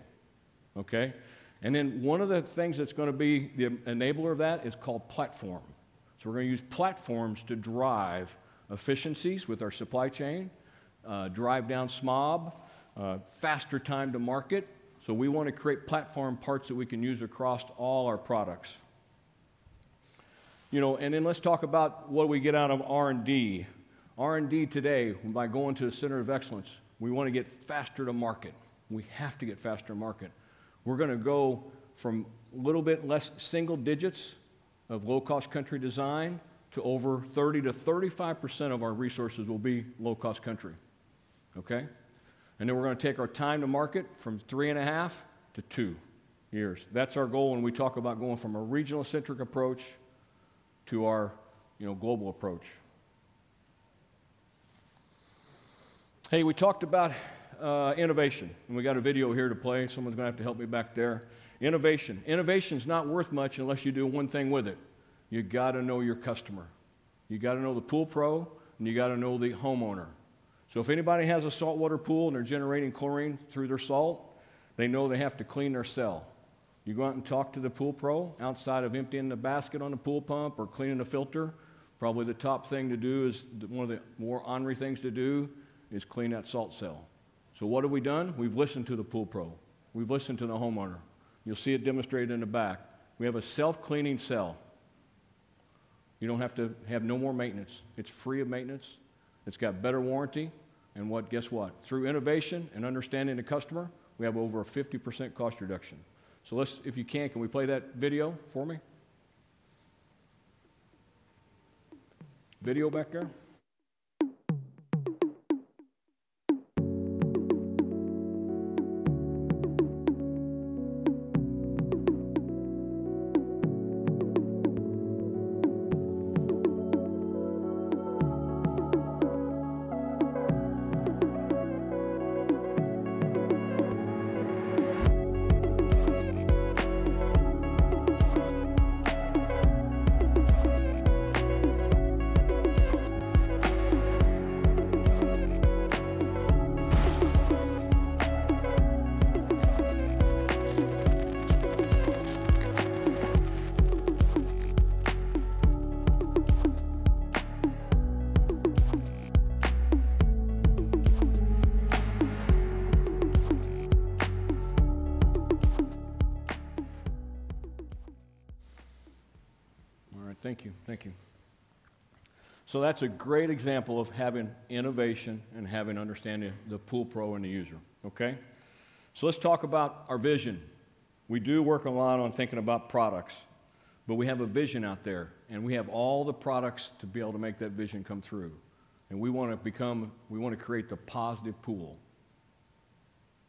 One of the things that is going to be the enabler of that is called platform. We are going to use platforms to drive efficiencies with our supply chain, drive down COGS, faster time to market. We want to create platform parts that we can use across all our products. Let's talk about what we get out of R&D. R&D today, by going to a center of excellence, we want to get faster to market. We have to get faster to market. We're going to go from a little bit less single digits of low-cost country design to over 30-35% of our resources will be low-cost country. Okay, and then we're going to take our time to market from three and a half to two years. That's our goal when we talk about going from a regional-centric approach to our global approach. Hey, we talked about innovation, and we got a video here to play. Someone's going to have to help me back there. Innovation. Innovation is not worth much unless you do one thing with it. You got to know your customer. You got to know the pool pro, and you got to know the homeowner. If anybody has a saltwater pool and they're generating chlorine through their salt, they know they have to clean their cell. You go out and talk to the pool pro. Outside of emptying the basket on the pool pump or cleaning the filter, probably the top thing to do is one of the more honorary things to do is clean that salt cell. What have we done? We've listened to the pool pro. We've listened to the homeowner. You'll see it demonstrated in the back. We have a self-cleaning cell. You don't have to have no more maintenance. It's free of maintenance. It's got better warranty. And guess what? Through innovation and understanding the customer, we have over a 50% cost reduction. If you can, can we play that video for me? Video back there? All right, thank you. Thank you. That's a great example of having innovation and having understanding the pool pro and the user. Okay, let's talk about our vision. We do work a lot on thinking about products, but we have a vision out there, and we have all the products to be able to make that vision come through. We want to become—we want to create the positive pool.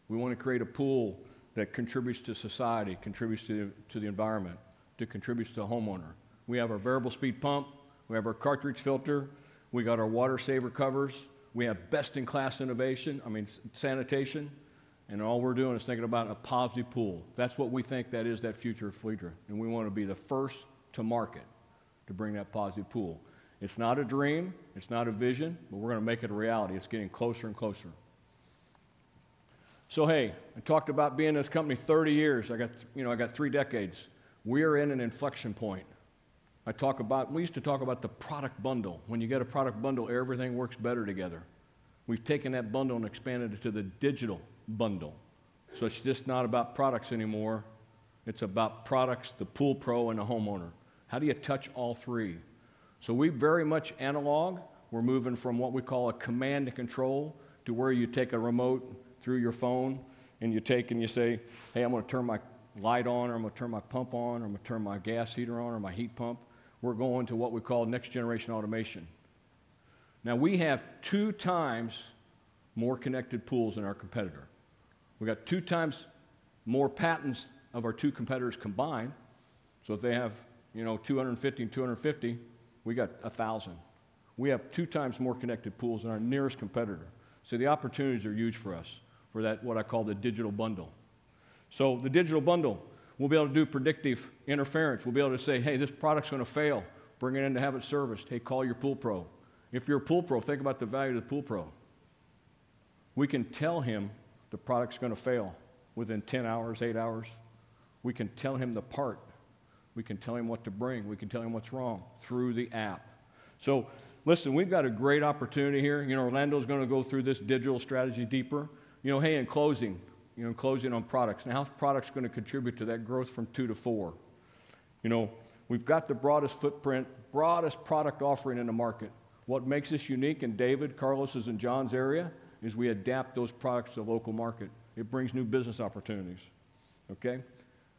We want to create a pool that contributes to society, contributes to the environment, that contributes to the homeowner. We have our variable speed pump. We have our cartridge filter. We got our water saver covers. We have best-in-class innovation, I mean, sanitation. All we're doing is thinking about a positive pool. That is what we think that is, that future of Fluidra. We want to be the first to market to bring that positive pool. It is not a dream. It is not a vision, but we are going to make it a reality. It is getting closer and closer. Hey, I talked about being this company 30 years. I got three decades. We are in an inflection point. I talk about—we used to talk about the product bundle. When you get a product bundle, everything works better together. We've taken that bundle and expanded it to the digital bundle. It is just not about products anymore. It is about products, the pool pro, and the homeowner. How do you touch all three? We are very much analog. We are moving from what we call a command and control to where you take a remote through your phone, and you take and you say, "Hey, I'm going to turn my light on," or "I'm going to turn my pump on," or "I'm going to turn my gas heater on," or "my heat pump." We are going to what we call next-generation automation. Now, we have two times more connected pools than our competitor. We got two times more patents of our two competitors combined. If they have 250 and 250, we got 1,000. We have two times more connected pools than our nearest competitor. The opportunities are huge for us for that, what I call the digital bundle. The digital bundle, we'll be able to do predictive interference. We'll be able to say, "Hey, this product's going to fail. Bring it in to have it serviced. Hey, call your pool pro." If you're a pool pro, think about the value of the pool pro. We can tell him the product's going to fail within 10 hours, 8 hours. We can tell him the part. We can tell him what to bring. We can tell him what's wrong through the app. Listen, we've got a great opportunity here. Orlando's going to go through this digital strategy deeper. Hey, in closing, in closing on products. Now, how's products going to contribute to that growth from two to four? We've got the broadest footprint, broadest product offering in the market. What makes us unique in David, Carlos, and Jon's area is we adapt those products to the local market. It brings new business opportunities. Okay,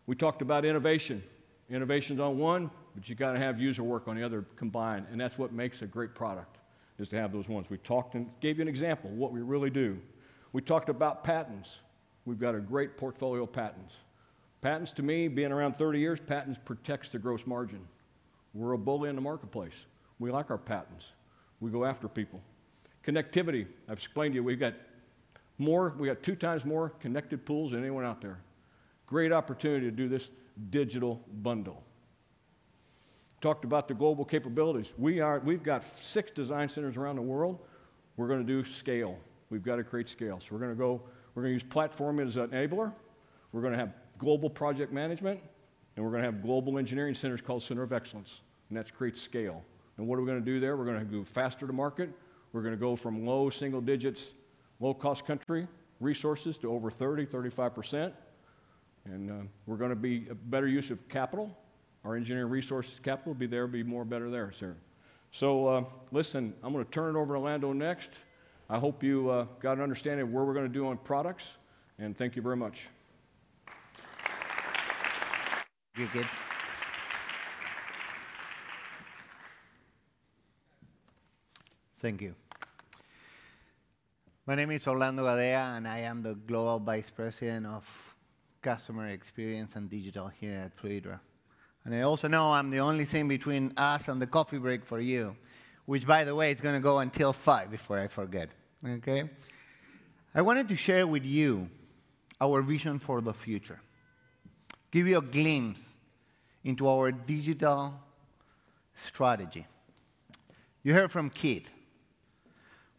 we talked about innovation. Innovation's on one, but you got to have user work on the other combined. That's what makes a great product, is to have those ones. We talked and gave you an example of what we really do. We talked about patents. We've got a great portfolio of patents. Patents, to me, being around 30 years, patents protect the gross margin. We're a bully in the marketplace. We like our patents. We go after people. Connectivity, I've explained to you. We've got two times more connected pools than anyone out there. Great opportunity to do this digital bundle. Talked about the global capabilities. We've got six design centers around the world. We're going to do scale. We've got to create scale. We're going to use platform as an enabler. We're going to have global project management, and we're going to have global engineering centers called Center of Excellence. That creates scale. What are we going to do there? We're going to go faster to market. We're going to go from low single digits, low-cost country resources to over 30-35%. We're going to be a better use of capital. Our engineering resource capital will be there, be more, better there, sir. Listen, I'm going to turn it over to Orlando next. I hope you got an understanding of what we're going to do on products. Thank you very much. Thank you. My name is Orlando Badea, and I am the Global Vice President of Customer Experience and Digital here at Fluidra. I also know I'm the only thing between us and the coffee break for you, which, by the way, is going to go until five before I forget. I wanted to share with you our vision for the future, give you a glimpse into our digital strategy. You heard from Keith.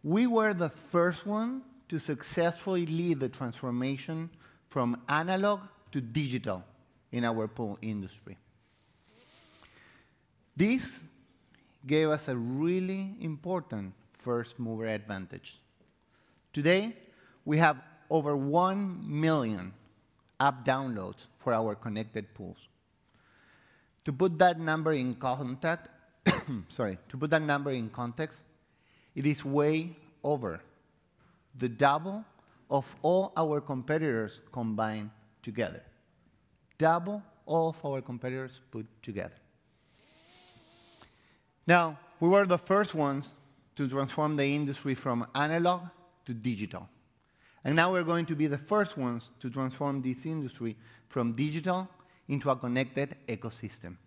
We were the first one to successfully lead the transformation from analog to digital in our pool industry. This gave us a really important first-mover advantage. Today, we have over 1 million app downloads for our connected pools. To put that number in context, it is way over the double of all our competitors combined together, double all of our competitors put together. Now, we were the first ones to transform the industry from analog to digital. Now we are going to be the first ones to transform this industry from digital into a connected ecosystem,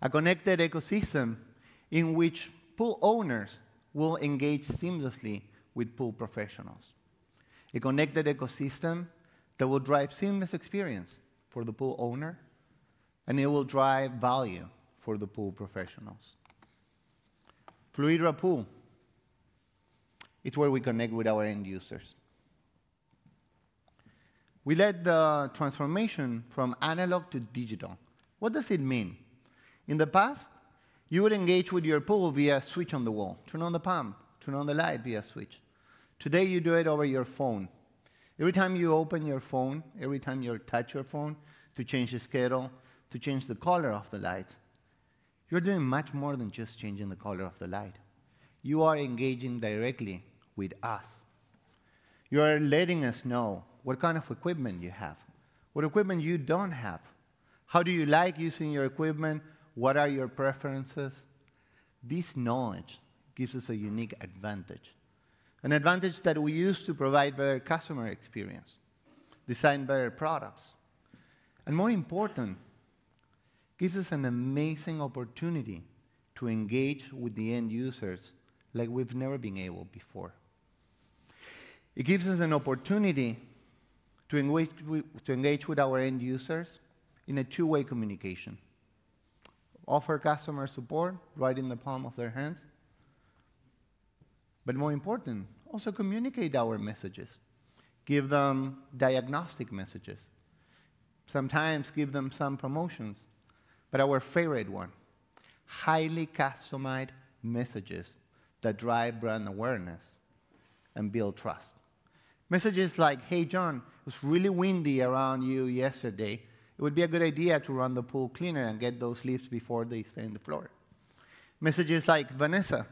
a connected ecosystem in which pool owners will engage seamlessly with pool professionals. A connected ecosystem that will drive seamless experience for the pool owner, and it will drive value for the pool professionals. Fluidra Pool, it is where we connect with our end users. We led the transformation from analog to digital. What does it mean? In the past, you would engage with your pool via a switch on the wall, turn on the pump, turn on the light via a switch. Today, you do it over your phone. Every time you open your phone, every time you touch your phone to change the schedule, to change the color of the light, you're doing much more than just changing the color of the light. You are engaging directly with us. You are letting us know what kind of equipment you have, what equipment you don't have, how do you like using your equipment, what are your preferences. This knowledge gives us a unique advantage, an advantage that we use to provide better customer experience, design better products. More important, it gives us an amazing opportunity to engage with the end users like we've never been able before. It gives us an opportunity to engage with our end users in a two-way communication, offer customer support right in the palm of their hands. More important, also communicate our messages, give them diagnostic messages, sometimes give them some promotions, but our favorite one, highly customized messages that drive brand awareness and build trust. Messages like, "Hey, Jon, it was really windy around you yesterday. It would be a good idea to run the pool cleaner and get those leaves before they stay on the floor." Messages like, "Vanessa,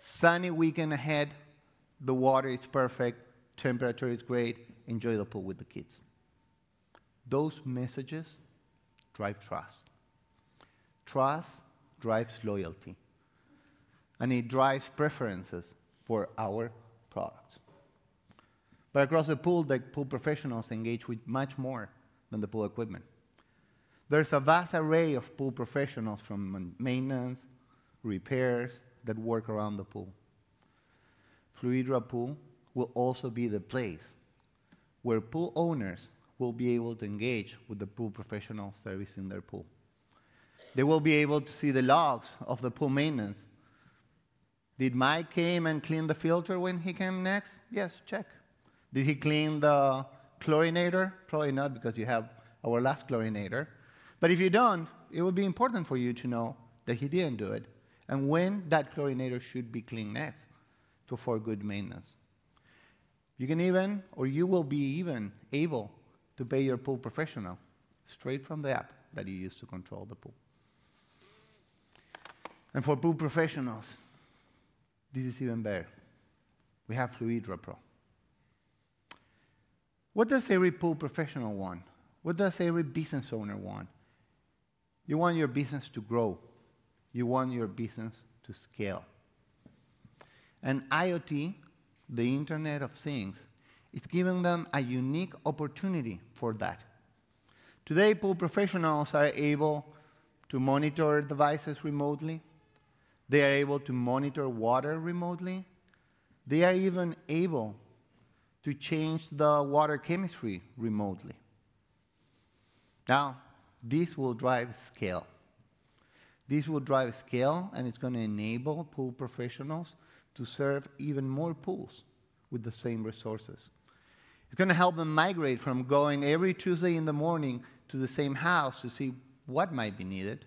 sunny weekend ahead. The water is perfect. Temperature is great. Enjoy the pool with the kids." Those messages drive trust. Trust drives loyalty, and it drives preferences for our products. Across the pool, the pool professionals engage with much more than the pool equipment. There is a vast array of pool professionals from maintenance, repairs that work around the pool. Fluidra Pool will also be the place where pool owners will be able to engage with the pool professionals servicing their pool. They will be able to see the logs of the pool maintenance. Did Mike come and clean the filter when he came next? Yes, check. Did he clean the chlorinator? Probably not because you have our last chlorinator. If you do not, it would be important for you to know that he did not do it and when that chlorinator should be cleaned next for good maintenance. You can even, or you will be even able to pay your pool professional straight from the app that you use to control the pool. For pool professionals, this is even better. We have Fluidra Pro. What does every pool professional want? What does every business owner want? You want your business to grow. You want your business to scale. IoT, the Internet of Things, has given them a unique opportunity for that. Today, pool professionals are able to monitor devices remotely. They are able to monitor water remotely. They are even able to change the water chemistry remotely. This will drive scale. This will drive scale, and it's going to enable pool professionals to serve even more pools with the same resources. It's going to help them migrate from going every Tuesday in the morning to the same house to see what might be needed.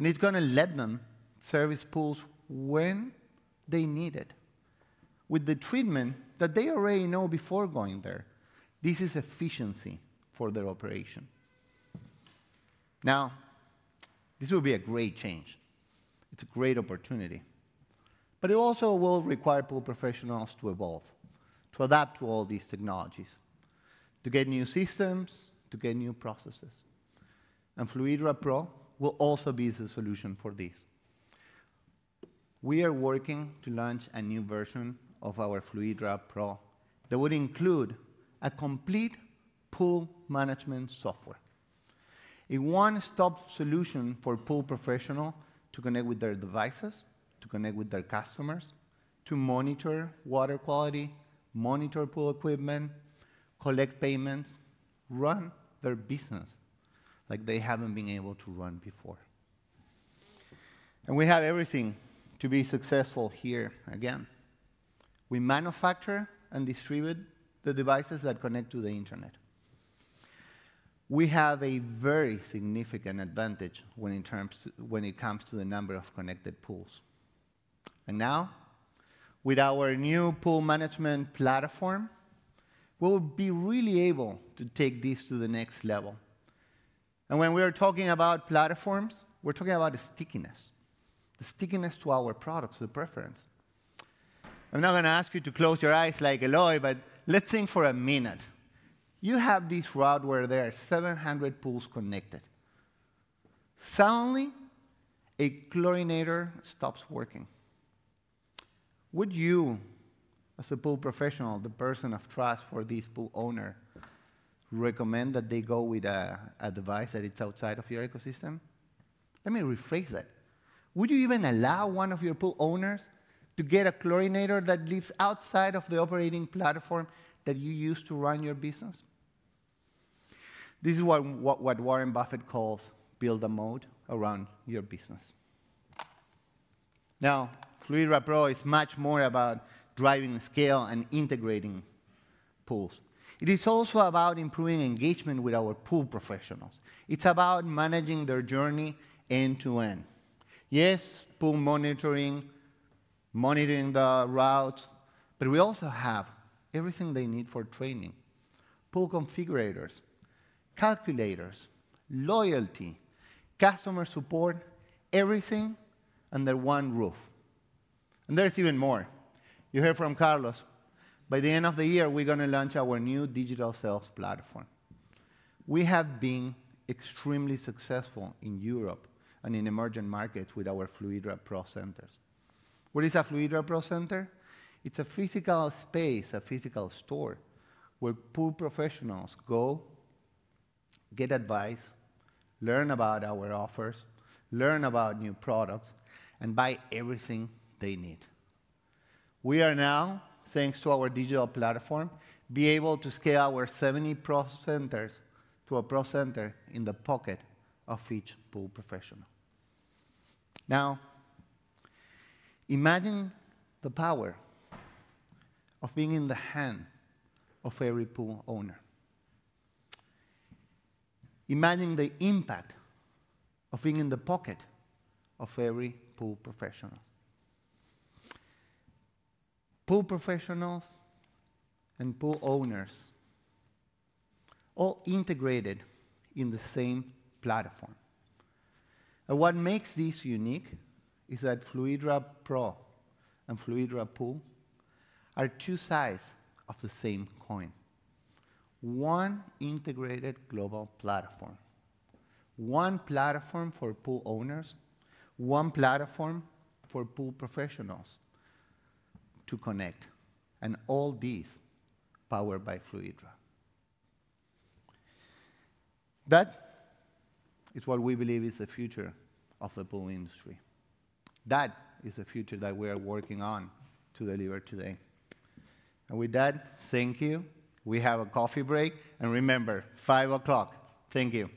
It's going to let them service pools when they need it with the treatment that they already know before going there. This is efficiency for their operation. This will be a great change. It's a great opportunity. It also will require pool professionals to evolve, to adapt to all these technologies, to get new systems, to get new processes. Fluidra Pro will also be the solution for this. We are working to launch a new version of our Fluidra Pro that would include a complete pool management software, a one-stop solution for pool professionals to connect with their devices, to connect with their customers, to monitor water quality, monitor pool equipment, collect payments, run their business like they have not been able to run before. We have everything to be successful here again. We manufacture and distribute the devices that connect to the internet. We have a very significant advantage when it comes to the number of connected pools. Now, with our new pool management platform, we will be really able to take this to the next level. When we are talking about platforms, we are talking about stickiness, the stickiness to our products, the preference. I am not going to ask you to close your eyes like Eloi, but let us think for a minute. You have this route where there are 700 pools connected. Suddenly, a chlorinator stops working. Would you, as a pool professional, the person of trust for this pool owner, recommend that they go with a device that is outside of your ecosystem? Let me rephrase that. Would you even allow one of your pool owners to get a chlorinator that lives outside of the operating platform that you use to run your business? This is what Warren Buffett calls build a moat around your business. Now, Fluidra Pro is much more about driving scale and integrating pools. It is also about improving engagement with our pool professionals. It's about managing their journey end to end. Yes, pool monitoring, monitoring the routes, but we also have everything they need for training, pool configurators, calculators, loyalty, customer support, everything under one roof. There is even more. You heard from Carlos. By the end of the year, we're going to launch our new digital sales platform. We have been extremely successful in Europe and in emerging markets with our Fluidra Pro centers. What is a Fluidra Pro center? It's a physical space, a physical store where pool professionals go, get advice, learn about our offers, learn about new products, and buy everything they need. We are now, thanks to our digital platform, able to scale our 70 Pro centers to a Pro center in the pocket of each pool professional. Now, imagine the power of being in the hand of every pool owner. Imagine the impact of being in the pocket of every pool professional. Pool professionals and pool owners all integrated in the same platform. What makes this unique is that Fluidra Pro and Fluidra Pool are two sides of the same coin, one integrated global platform, one platform for pool owners, one platform for pool professionals to connect, and all these powered by Fluidra. That is what we believe is the future of the pool industry. That is the future that we are working on to deliver today. Thank you. We have a coffee break. Remember, 5:00. Thank you.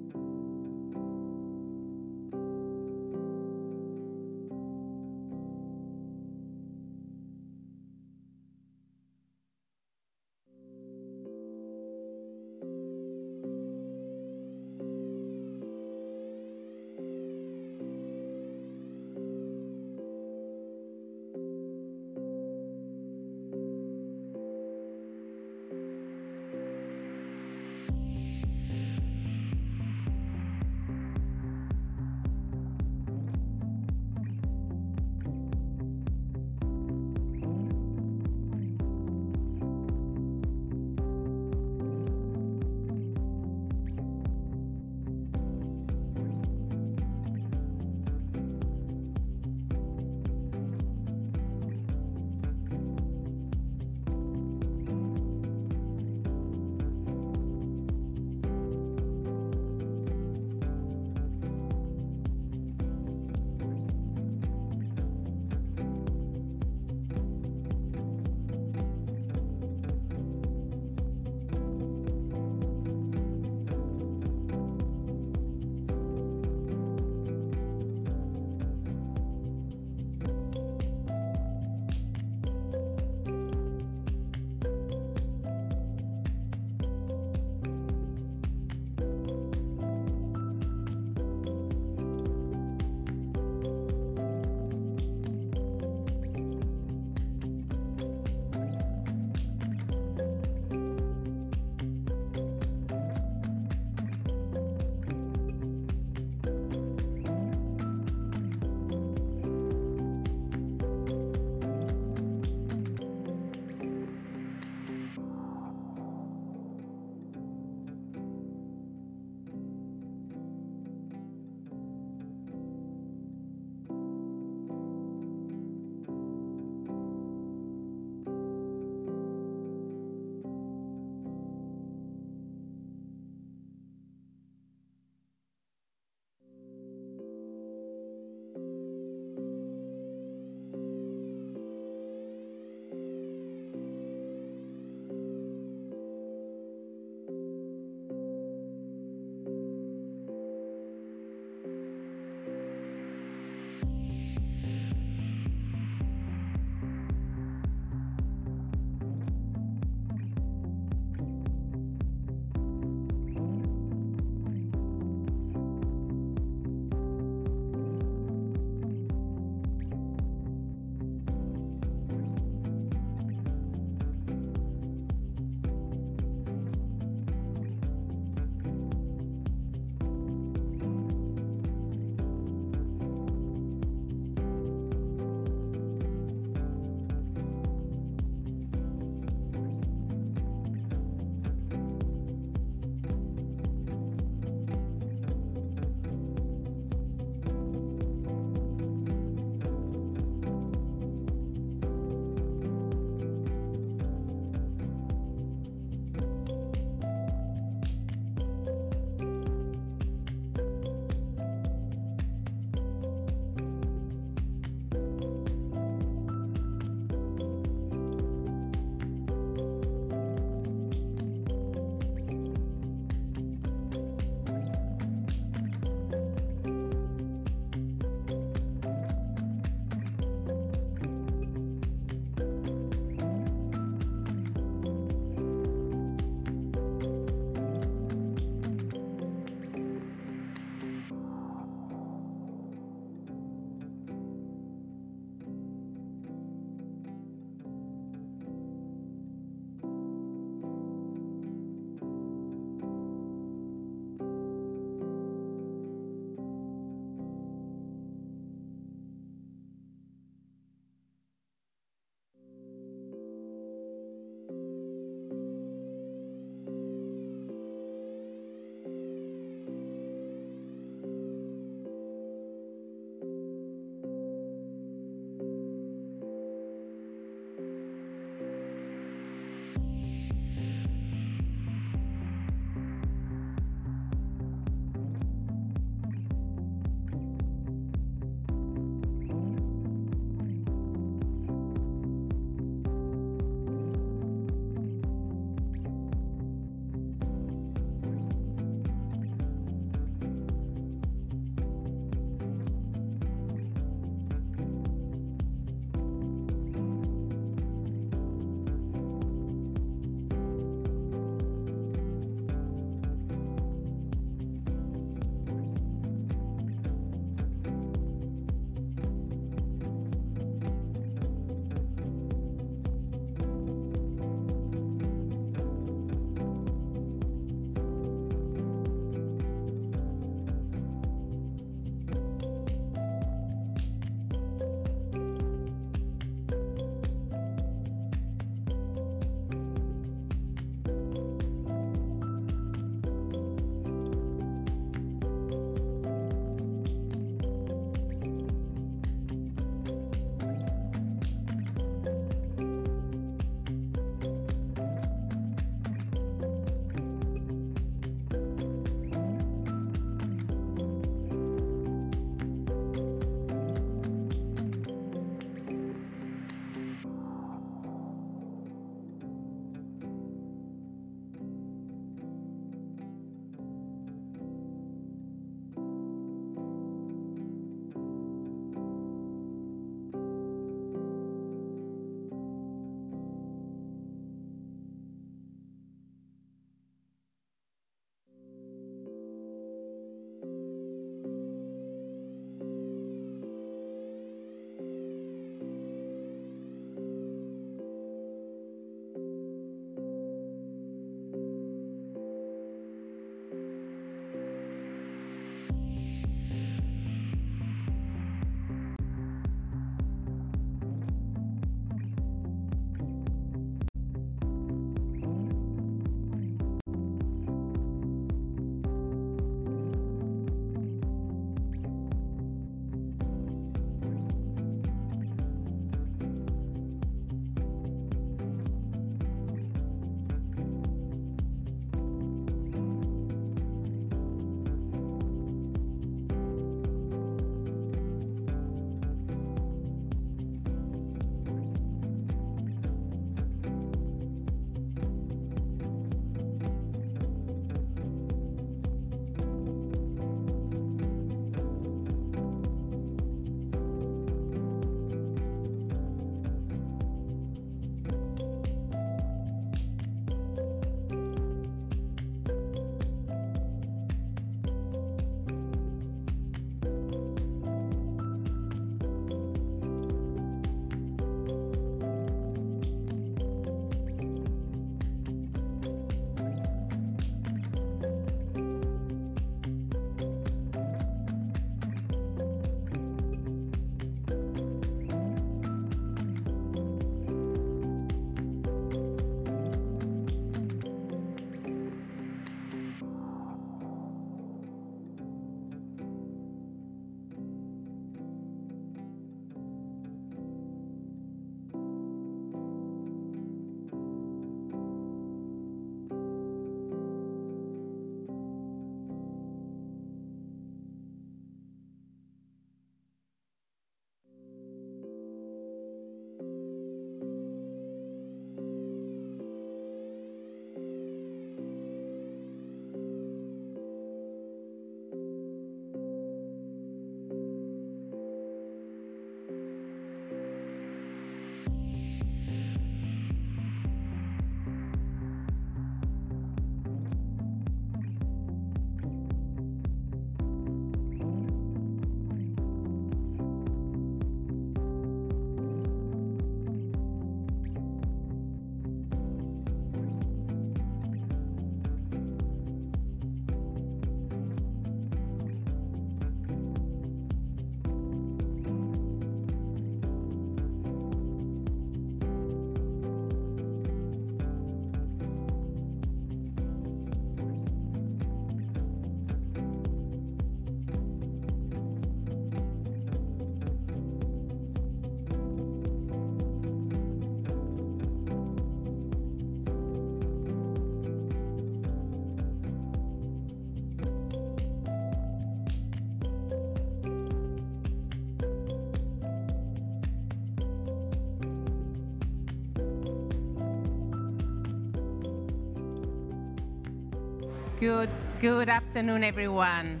Good afternoon, everyone.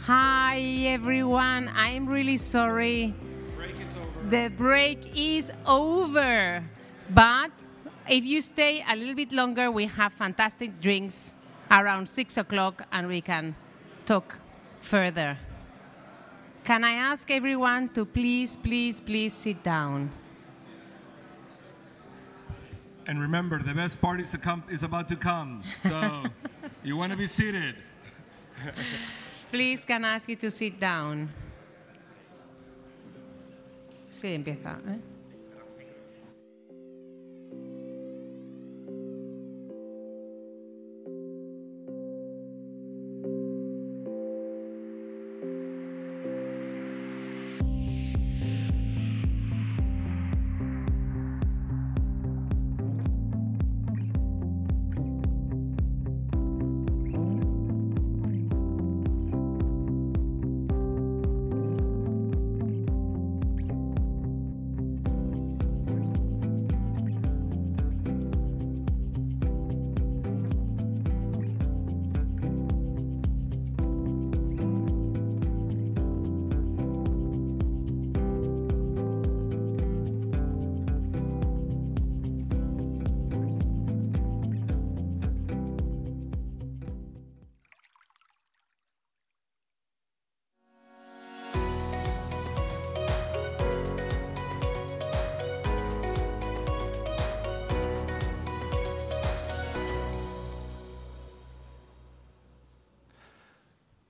Hi, everyone. I'm really sorry. The break is over. The break is over. If you stay a little bit longer, we have fantastic drinks around 6:00, and we can talk further. Can I ask everyone to please, please, please sit down? Remember, the best party is about to come. You want to be seated? Please, can I ask you to sit down?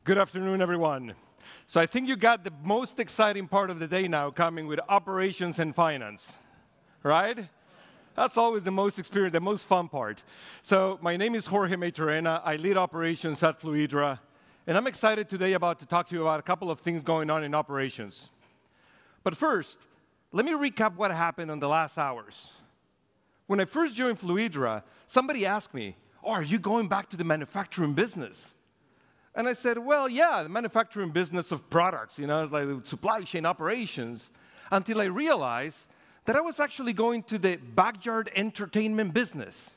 Good afternoon, everyone. I think you got the most exciting part of the day now coming with operations and finance, right? That is always the most experience, the most fun part. My name is Jorge Maytorena. I lead operations at Fluidra. I am excited today to talk to you about a couple of things going on in operations. First, let me recap what happened in the last hours. When I first joined Fluidra, somebody asked me, "Are you going back to the manufacturing business?" I said, "Yeah, the manufacturing business of products, you know, like supply chain operations," until I realized that I was actually going to the backyard entertainment business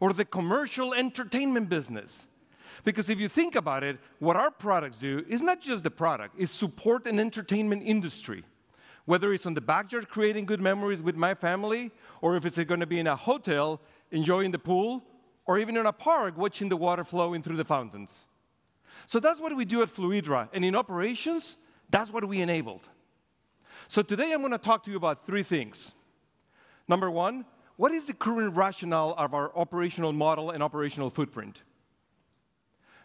or the commercial entertainment business. Because if you think about it, what our products do is not just the product; it's supporting the entertainment industry, whether it's in the backyard creating good memories with my family, or if it's going to be in a hotel enjoying the pool, or even in a park watching the water flowing through the fountains. That is what we do at Fluidra. In operations, that is what we enabled. Today, I'm going to talk to you about three things. Number one, what is the current rationale of our operational model and operational footprint?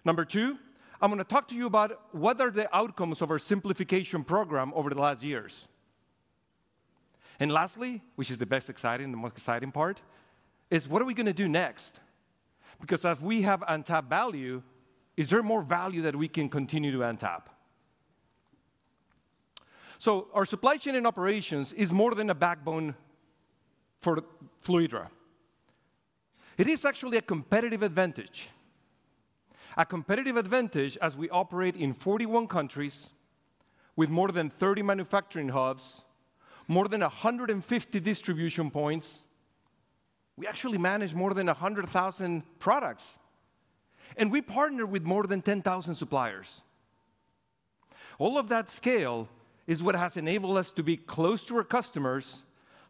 Number two, I'm going to talk to you about what are the outcomes of our simplification program over the last years? Lastly, which is the most exciting part, is what are we going to do next? As we have untapped value, is there more value that we can continue to untap? Our supply chain and operations is more than a backbone for Fluidra. It is actually a competitive advantage, a competitive advantage as we operate in 41 countries with more than 30 manufacturing hubs, more than 150 distribution points. We actually manage more than 100,000 products. We partner with more than 10,000 suppliers. All of that scale is what has enabled us to be close to our customers,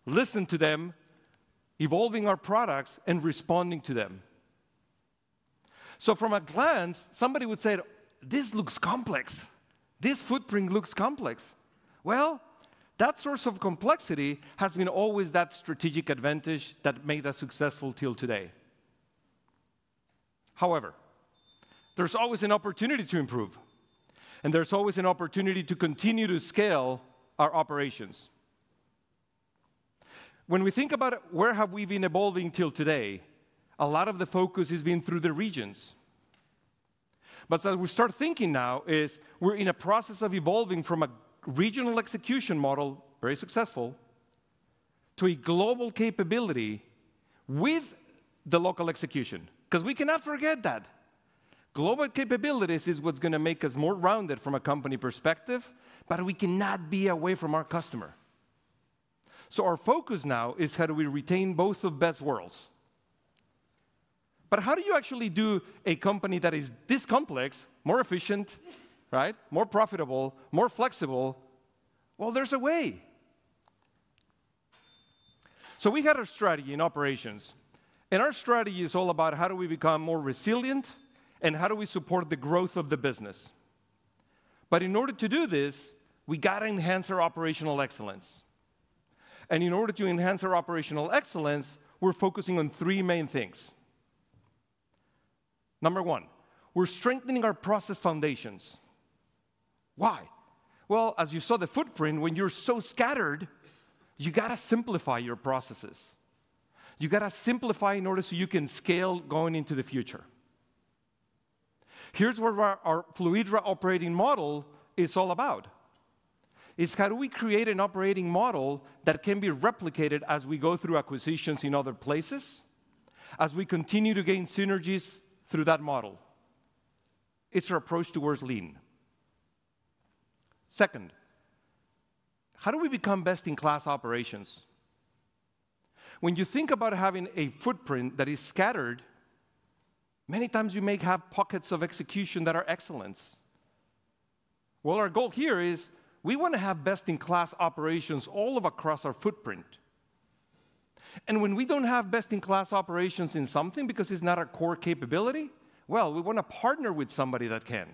listen to them, evolving our products, and responding to them. From a glance, somebody would say, "This looks complex. This footprint looks complex." That source of complexity has been always that strategic advantage that made us successful till today. However, there is always an opportunity to improve. There is always an opportunity to continue to scale our operations. When we think about where have we been evolving till today, a lot of the focus has been through the regions. As we start thinking now, we're in a process of evolving from a regional execution model, very successful, to a global capability with the local execution. We cannot forget that global capabilities are what's going to make us more rounded from a company perspective. We cannot be away from our customer. Our focus now is how do we retain both of the best worlds? How do you actually do a company that is this complex, more efficient, more profitable, more flexible? There is a way. We had our strategy in operations. Our strategy is all about how do we become more resilient and how do we support the growth of the business. In order to do this, we have to enhance our operational excellence. In order to enhance our operational excellence, we're focusing on three main things. Number one, we're strengthening our process foundations. Why? As you saw the footprint, when you're so scattered, you got to simplify your processes. You got to simplify in order so you can scale going into the future. Here's what our Fluidra operating model is all about. It's how do we create an operating model that can be replicated as we go through acquisitions in other places, as we continue to gain synergies through that model? It's our approach towards lean. Second, how do we become best-in-class operations? When you think about having a footprint that is scattered, many times you may have pockets of execution that are excellence. Our goal here is we want to have best-in-class operations all across our footprint. When we don't have best-in-class operations in something because it's not our core capability, we want to partner with somebody that can.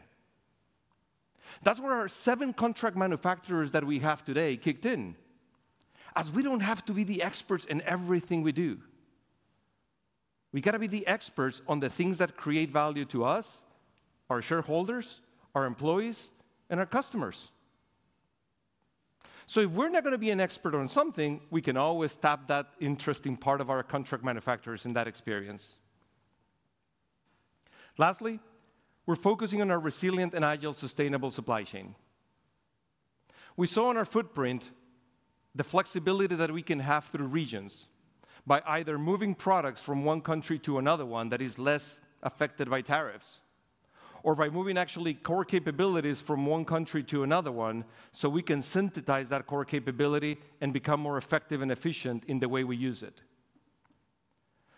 That's where our seven contract manufacturers that we have today kicked in, as we don't have to be the experts in everything we do. We got to be the experts on the things that create value to us, our shareholders, our employees, and our customers. If we're not going to be an expert on something, we can always tap that interesting part of our contract manufacturers in that experience. Lastly, we're focusing on our resilient and agile sustainable supply chain. We saw in our footprint the flexibility that we can have through regions by either moving products from one country to another one that is less affected by tariffs, or by moving actually core capabilities from one country to another one so we can synthesize that core capability and become more effective and efficient in the way we use it.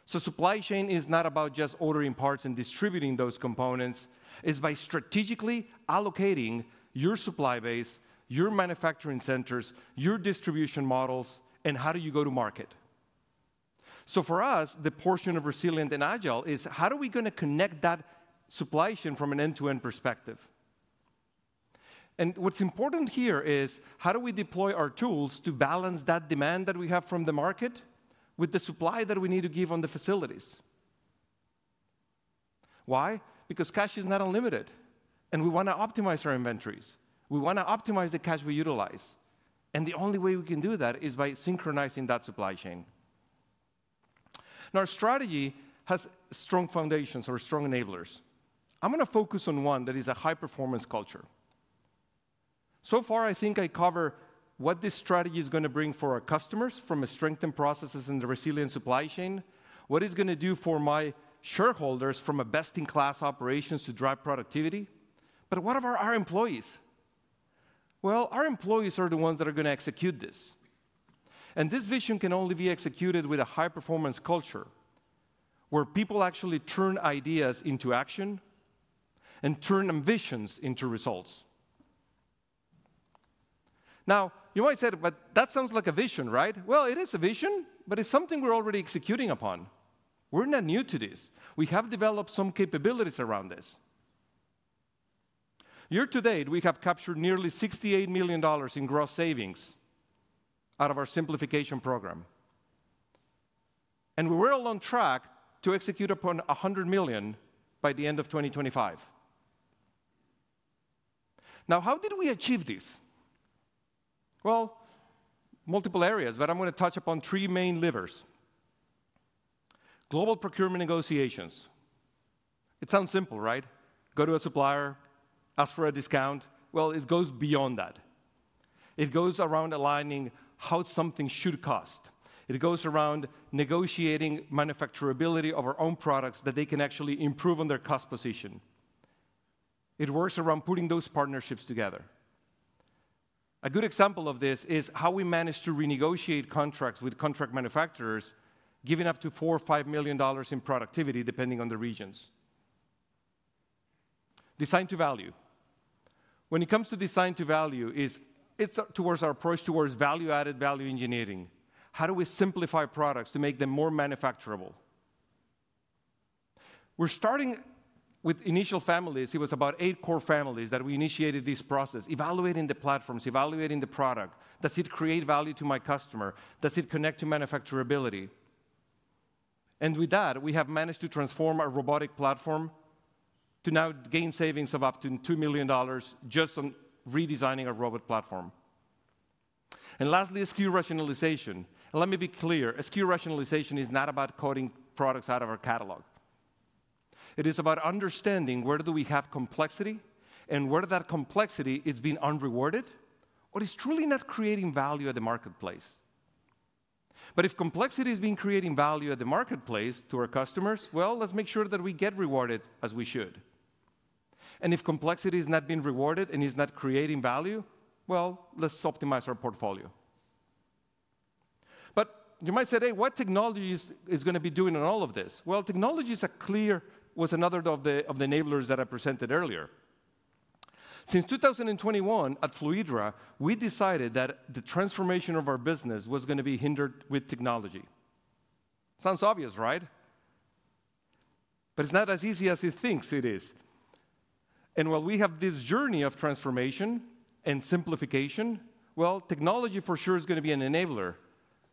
Supply chain is not about just ordering parts and distributing those components. It is by strategically allocating your supply base, your manufacturing centers, your distribution models, and how do you go to market? For us, the portion of resilient and agile is how are we going to connect that supply chain from an end-to-end perspective? What is important here is how do we deploy our tools to balance that demand that we have from the market with the supply that we need to give on the facilities? Why? Because cash is not unlimited. We want to optimize our inventories. We want to optimize the cash we utilize. The only way we can do that is by synchronizing that supply chain. Now, our strategy has strong foundations or strong enablers. I am going to focus on one that is a high-performance culture. I think I cover what this strategy is going to bring for our customers from strengthened processes and the resilient supply chain, what it's going to do for my shareholders from best-in-class operations to drive productivity. What about our employees? Our employees are the ones that are going to execute this. This vision can only be executed with a high-performance culture where people actually turn ideas into action and turn ambitions into results. You might say, "But that sounds like a vision, right?" It is a vision, but it's something we're already executing upon. We're not new to this. We have developed some capabilities around this. Year to date, we have captured nearly $68 million in gross savings out of our simplification program. We're well on track to execute upon $100 million by the end of 2025. Now, how did we achieve this? Multiple areas, but I'm going to touch upon three main levers: global procurement negotiations. It sounds simple, right? Go to a supplier, ask for a discount. It goes beyond that. It goes around aligning how something should cost. It goes around negotiating manufacturability of our own products that they can actually improve on their cost position. It works around putting those partnerships together. A good example of this is how we managed to renegotiate contracts with contract manufacturers, giving up to $4 million-$5 million in productivity, depending on the regions. Design to value. When it comes to design to value, it's towards our approach towards value-added, value engineering. How do we simplify products to make them more manufacturable? We're starting with initial families. It was about eight core families that we initiated this process, evaluating the platforms, evaluating the product. Does it create value to my customer? Does it connect to manufacturability? With that, we have managed to transform our robotic platform to now gain savings of up to $2 million just on redesigning our robot platform. Lastly, SKU rationalization. Let me be clear, SKU rationalization is not about cutting products out of our catalog. It is about understanding where we have complexity and where that complexity is being unrewarded, or it is truly not creating value at the marketplace. If complexity is creating value at the marketplace to our customers, let's make sure that we get rewarded as we should. If complexity is not being rewarded and is not creating value, let's optimize our portfolio. You might say, "Hey, what technology is going to be doing on all of this?" Technology is a clear was another of the enablers that I presented earlier. Since 2021 at Fluidra, we decided that the transformation of our business was going to be hindered with technology. Sounds obvious, right? It is not as easy as you think it is. While we have this journey of transformation and simplification, technology for sure is going to be an enabler.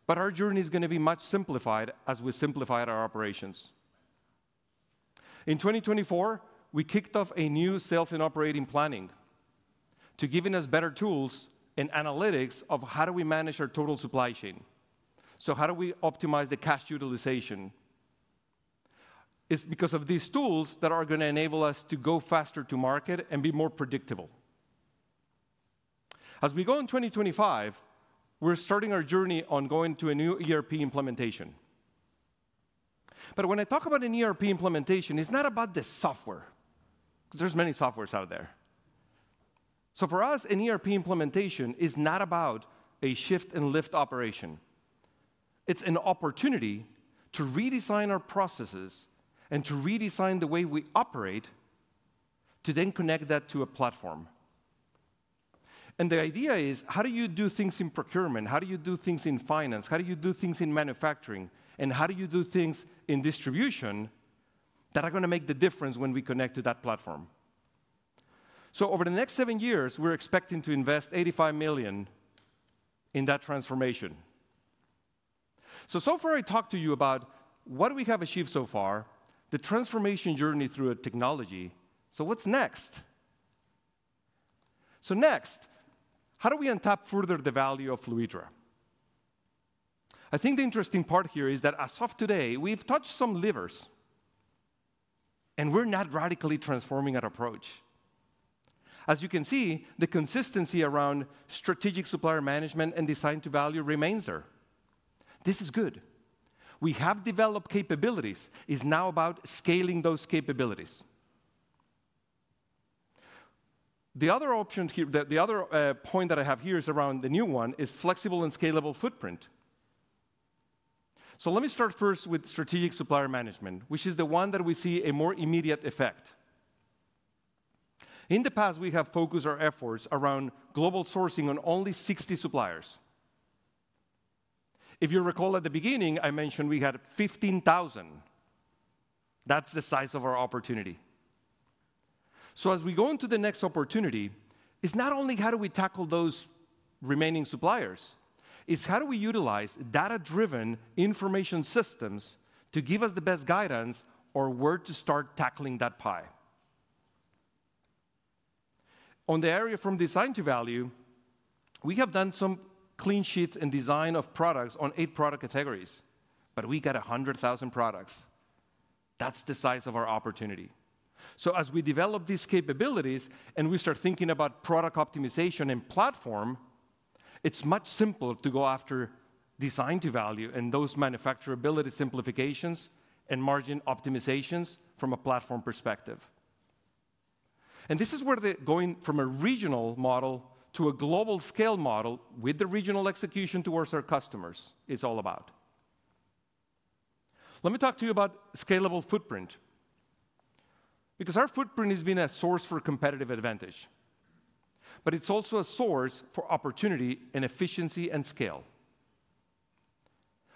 Our journey is going to be much simplified as we simplify our operations. In 2024, we kicked off a new sales and operating planning to give us better tools and analytics of how do we manage our total supply chain. How do we optimize the cash utilization? It's because of these tools that are going to enable us to go faster to market and be more predictable. As we go in 2025, we're starting our journey on going to a new ERP implementation. When I talk about an ERP implementation, it's not about the software, because there's many softwares out there. For us, an ERP implementation is not about a shift and lift operation. It's an opportunity to redesign our processes and to redesign the way we operate to then connect that to a platform. The idea is, how do you do things in procurement? How do you do things in finance? How do you do things in manufacturing? How do you do things in distribution that are going to make the difference when we connect to that platform? Over the next seven years, we're expecting to invest $85 million in that transformation. So far, I talked to you about what we have achieved so far, the transformation journey through technology. What's next? Next, how do we untap further the value of Fluidra? I think the interesting part here is that as of today, we've touched some levers. We're not radically transforming our approach. As you can see, the consistency around strategic supplier management and design to value remains there. This is good. We have developed capabilities. It's now about scaling those capabilities. The other option here, the other point that I have here is around the new one, is flexible and scalable footprint. Let me start first with strategic supplier management, which is the one that we see a more immediate effect. In the past, we have focused our efforts around global sourcing on only 60 suppliers. If you recall, at the beginning, I mentioned we had 15,000. That's the size of our opportunity. As we go into the next opportunity, it's not only how do we tackle those remaining suppliers, it's how do we utilize data-driven information systems to give us the best guidance or where to start tackling that pie. In the area from design to value, we have done some clean sheets and design of products on eight product categories. We have 100,000 products. That's the size of our opportunity. As we develop these capabilities and we start thinking about product optimization and platform, it's much simpler to go after design to value and those manufacturability simplifications and margin optimizations from a platform perspective. This is where the going from a regional model to a global scale model with the regional execution towards our customers is all about. Let me talk to you about scalable footprint. Because our footprint has been a source for competitive advantage. It is also a source for opportunity and efficiency and scale.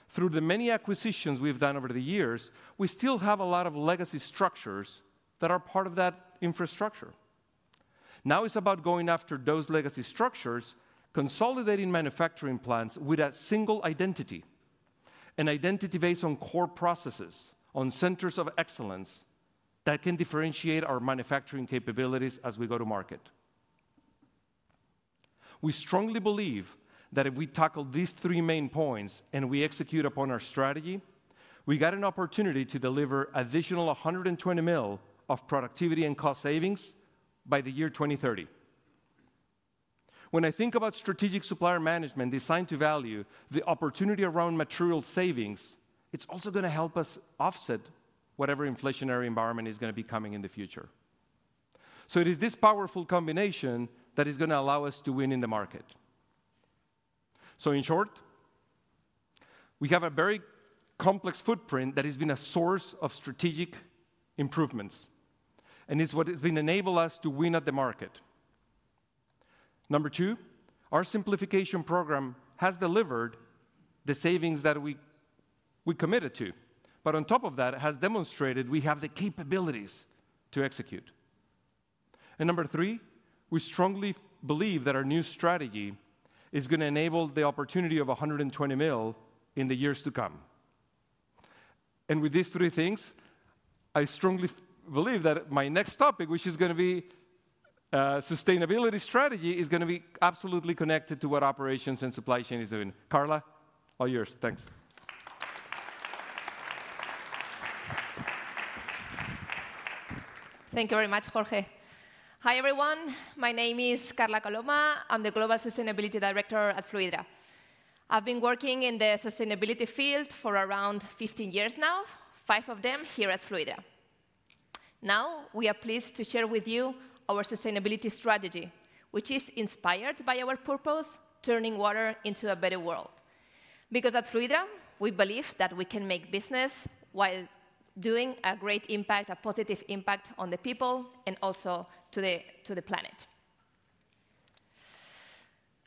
Through the many acquisitions we have done over the years, we still have a lot of legacy structures that are part of that infrastructure. Now it is about going after those legacy structures, consolidating manufacturing plants with a single identity, an identity based on core processes, on centers of excellence that can differentiate our manufacturing capabilities as we go to market. We strongly believe that if we tackle these three main points and we execute upon our strategy, we have an opportunity to deliver additional 120 million of productivity and cost savings by the year 2030. When I think about strategic supplier management, design to value, the opportunity around material savings, it is also going to help us offset whatever inflationary environment is going to be coming in the future. It is this powerful combination that is going to allow us to win in the market. In short, we have a very complex footprint that has been a source of strategic improvements. It is what has been enabling us to win at the market. Number two, our simplification program has delivered the savings that we committed to. On top of that, it has demonstrated we have the capabilities to execute. Number three, we strongly believe that our new strategy is going to enable the opportunity of 120 million in the years to come. With these three things, I strongly believe that my next topic, which is going to be sustainability strategy, is going to be absolutely connected to what operations and supply chain is doing. Carla, all yours. Thanks. Thank you very much, Jorge. Hi everyone. My name is Carla Coloma. I'm the Global Sustainability Director at Fluidra. I've been working in the sustainability field for around 15 years now, five of them here at Fluidra. Now we are pleased to share with you our sustainability strategy, which is inspired by our purpose, turning water into a better world. Because at Fluidra, we believe that we can make business while doing a great impact, a positive impact on the people and also to the planet.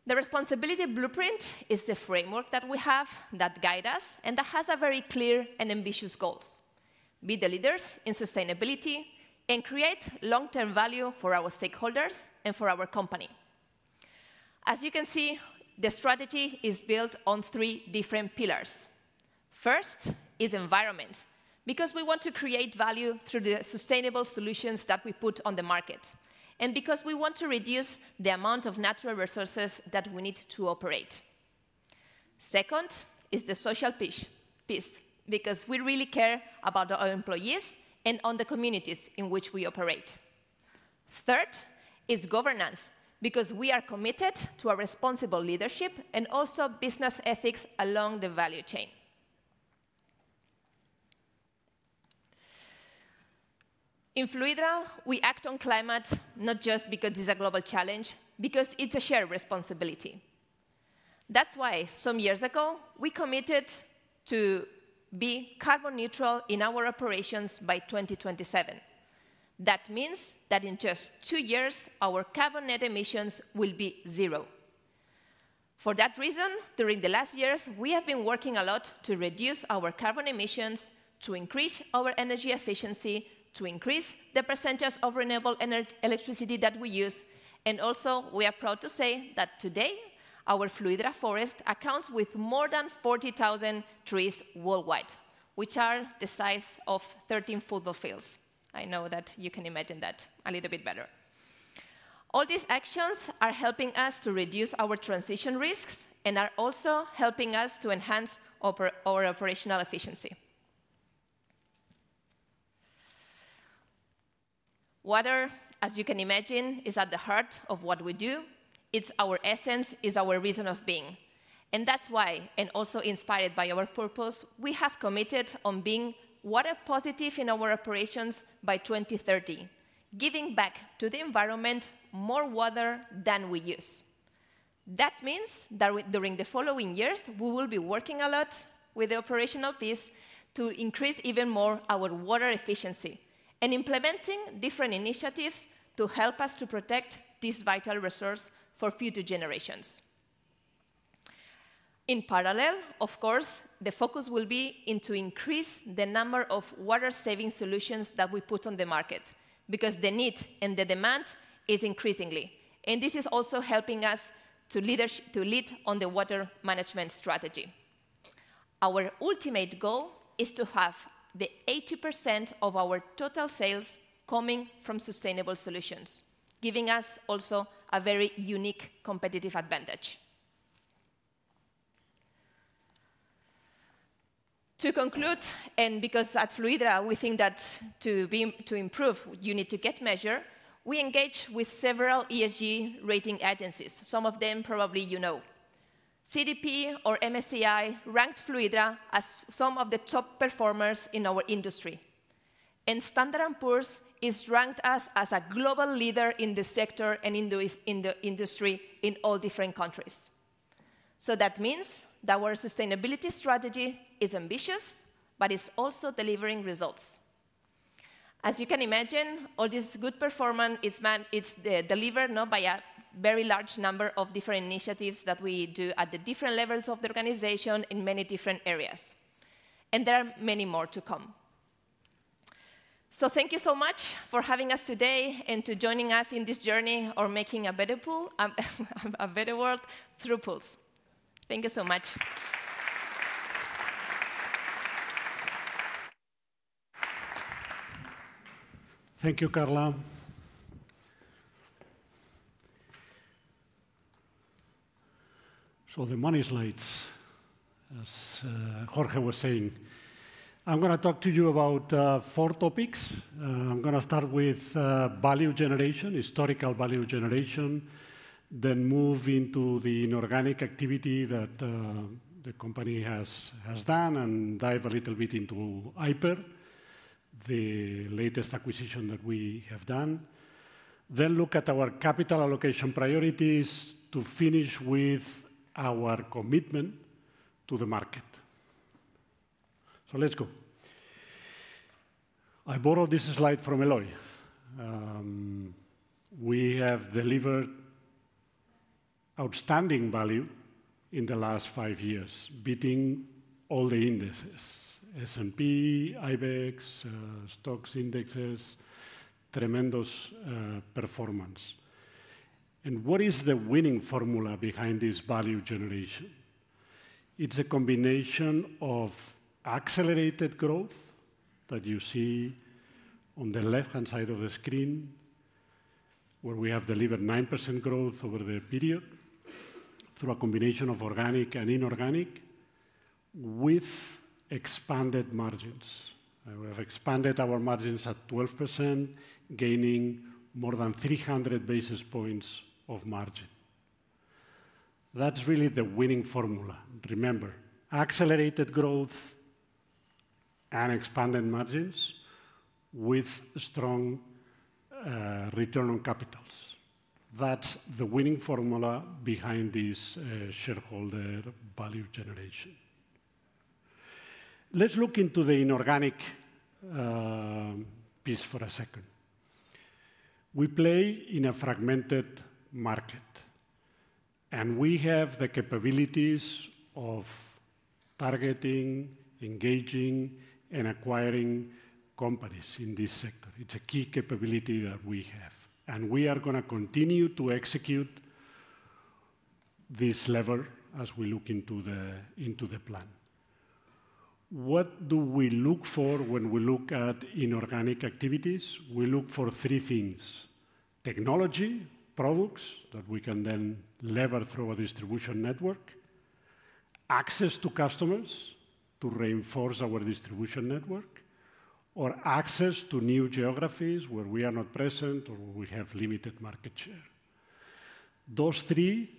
The Responsibility Blueprint is the framework that we have that guides us and that has very clear and ambitious goals, be the leaders in sustainability and create long-term value for our stakeholders and for our company. As you can see, the strategy is built on three different pillars. First is environment, because we want to create value through the sustainable solutions that we put on the market. And because we want to reduce the amount of natural resources that we need to operate. Second is the social piece, because we really care about our employees and on the communities in which we operate. Third is governance, because we are committed to our responsible leadership and also business ethics along the value chain. In Fluidra, we act on climate not just because it's a global challenge, because it's a shared responsibility. That's why some years ago, we committed to be carbon neutral in our operations by 2027. That means that in just two years, our carbon net emissions will be zero. For that reason, during the last years, we have been working a lot to reduce our carbon emissions, to increase our energy efficiency, to increase the percentage of renewable electricity that we use. We are also proud to say that today, our Fluidra forest accounts for more than 40,000 trees worldwide, which are the size of 13 football fields. I know that you can imagine that a little bit better. All these actions are helping us to reduce our transition risks and are also helping us to enhance our operational efficiency. Water, as you can imagine, is at the heart of what we do. It's our essence, it's our reason of being. That is why, and also inspired by our purpose, we have committed to being water positive in our operations by 2030, giving back to the environment more water than we use. That means that during the following years, we will be working a lot with the operational piece to increase even more our water efficiency and implementing different initiatives to help us to protect this vital resource for future generations. In parallel, of course, the focus will be on increasing the number of water-saving solutions that we put on the market, because the need and the demand is increasing. This is also helping us to lead on the water management strategy. Our ultimate goal is to have 80% of our total sales coming from sustainable solutions, giving us also a very unique competitive advantage. To conclude, and because at Fluidra, we think that to improve, you need to get measured, we engage with several ESG rating agencies, some of them probably you know. CDP or MSCI ranked Fluidra as some of the top performers in our industry. Standard & Poor's has ranked us as a global leader in the sector and in the industry in all different countries. That means that our sustainability strategy is ambitious, but it is also delivering results. As you can imagine, all this good performance is delivered not by a very large number of different initiatives that we do at the different levels of the organization in many different areas. There are many more to come. Thank you so much for having us today and for joining us in this journey of making a better pool, a better world through pools. Thank you so much. Thank you, Carla. The money slides, as Jorge was saying. I'm going to talk to you about four topics. I'm going to start with value generation, historical value generation, then move into the inorganic activity that the company has done and dive a little bit into Aiper, the latest acquisition that we have done. Then look at our capital allocation priorities to finish with our commitment to the market. Let's go. I borrowed this slide from Eloi. We have delivered outstanding value in the last five years, beating all the indices, S&P, IBEX, stocks, indexes, tremendous performance. What is the winning formula behind this value generation? It's a combination of accelerated growth that you see on the left-hand side of the screen, where we have delivered 9% growth over the period through a combination of organic and inorganic with expanded margins. We have expanded our margins at 12%, gaining more than 300 basis points of margin. That's really the winning formula. Remember, accelerated growth and expanded margins with strong return on capitals. That's the winning formula behind this shareholder value generation. Let's look into the inorganic piece for a second. We play in a fragmented market. We have the capabilities of targeting, engaging, and acquiring companies in this sector. It's a key capability that we have. We are going to continue to execute this lever as we look into the plan. What do we look for when we look at inorganic activities? We look for three things: technology, products that we can then lever through our distribution network, access to customers to reinforce our distribution network, or access to new geographies where we are not present or we have limited market share. Those three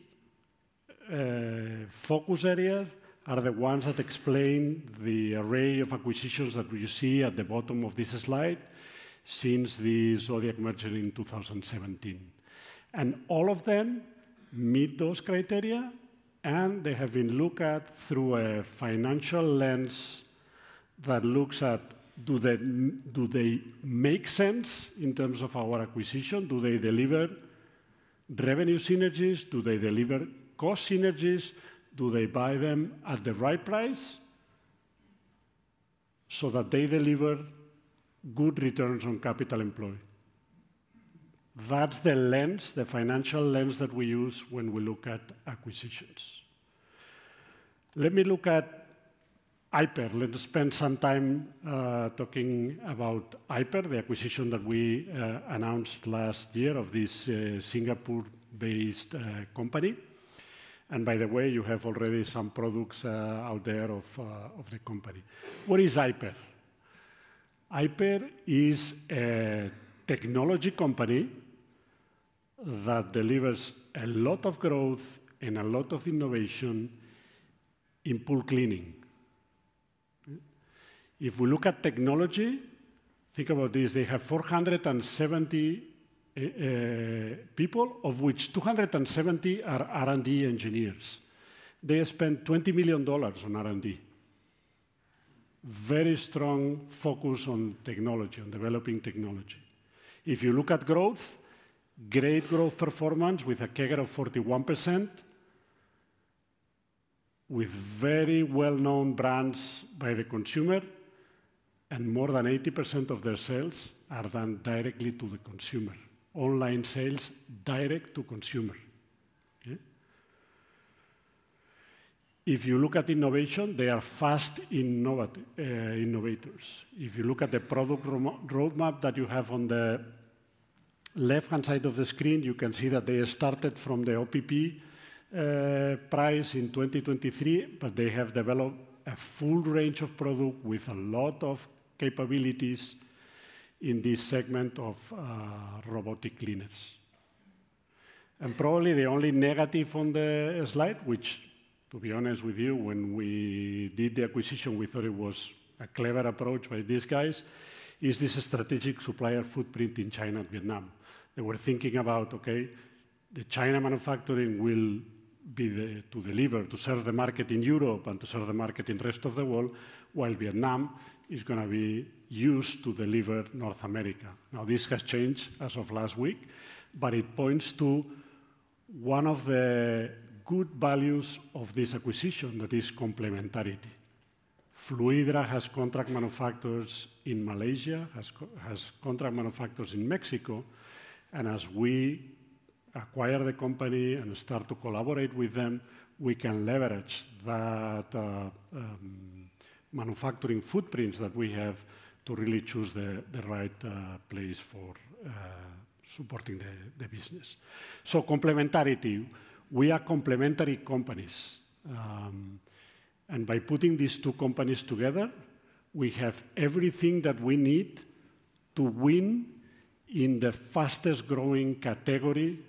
focus areas are the ones that explain the array of acquisitions that we see at the bottom of this slide since the Zodiac merger in 2017. All of them meet those criteria, and they have been looked at through a financial lens that looks at, do they make sense in terms of our acquisition? Do they deliver revenue synergies? Do they deliver cost synergies? Do they buy them at the right price so that they deliver good returns on capital employed? That is the lens, the financial lens that we use when we look at acquisitions. Let me look at Aiper. Let's spend some time talking about Aiper, the acquisition that we announced last year of this Singapore-based company. By the way, you have already some products out there of the company. What is Aiper? Aiper is a technology company that delivers a lot of growth and a lot of innovation in pool cleaning. If we look at technology, think about this. They have 470 people, of which 270 are R&D engineers. They have spent $20 million on R&D. Very strong focus on technology, on developing technology. If you look at growth, great growth performance with a CAGR of 41%, with very well-known brands by the consumer, and more than 80% of their sales are done directly to the consumer. Online sales direct to consumer. If you look at innovation, they are fast innovators. If you look at the product roadmap that you have on the left-hand side of the screen, you can see that they started from the OPP price in 2023, but they have developed a full range of products with a lot of capabilities in this segment of robotic cleaners. Probably the only negative on the slide, which, to be honest with you, when we did the acquisition, we thought it was a clever approach by these guys, is this strategic supplier footprint in China and Vietnam. They were thinking about, okay, the China manufacturing will be to deliver, to serve the market in Europe and to serve the market in the rest of the world, while Vietnam is going to be used to deliver North America. Now, this has changed as of last week, but it points to one of the good values of this acquisition that is complementarity. Fluidra has contract manufacturers in Malaysia, has contract manufacturers in Mexico, and as we acquire the company and start to collaborate with them, we can leverage that manufacturing footprints that we have to really choose the right place for supporting the business. Complementarity, we are complementary companies. By putting these two companies together, we have everything that we need to win in the fastest-growing category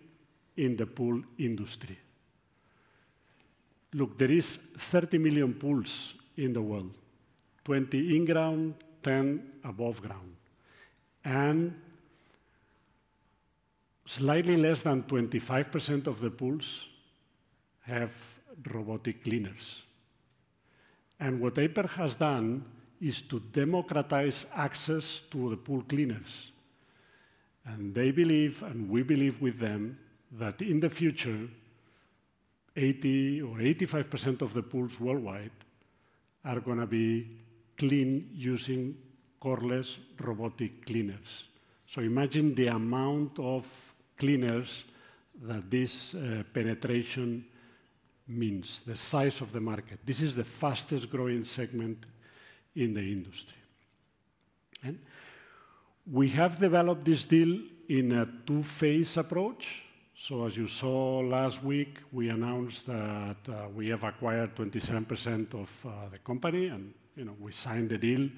in the pool industry. Look, there are 30 million pools in the world, 20 million in-ground, 10 million above ground. Slightly less than 25% of the pools have robotic cleaners. What Aiper has done is to democratize access to the pool cleaners. They believe, and we believe with them, that in the future, 80% or 85% of the pools worldwide are going to be cleaned using cordless robotic cleaners. Imagine the amount of cleaners that this penetration means, the size of the market. This is the fastest-growing segment in the industry. We have developed this deal in a two-phase approach. As you saw last week, we announced that we have acquired 27% of the company, and we signed the deal.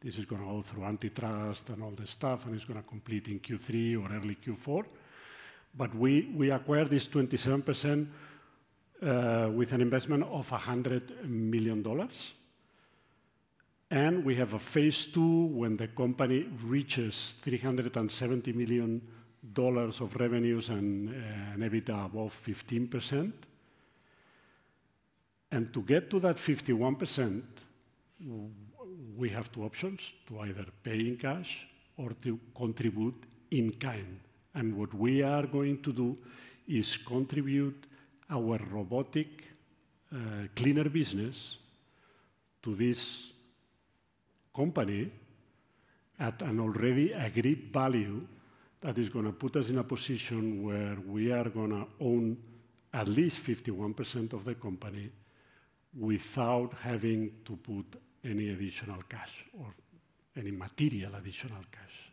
This is going to go through antitrust and all this stuff, and it's going to complete in Q3 or early Q4. We acquired this 27% with an investment of $100 million. We have a phase two when the company reaches $370 million of revenues and EBITDA above 15%. To get to that 51%, we have two options: to either pay in cash or to contribute in kind. What we are going to do is contribute our robotic cleaner business to this company at an already agreed value that is going to put us in a position where we are going to own at least 51% of the company without having to put any additional cash or any material additional cash.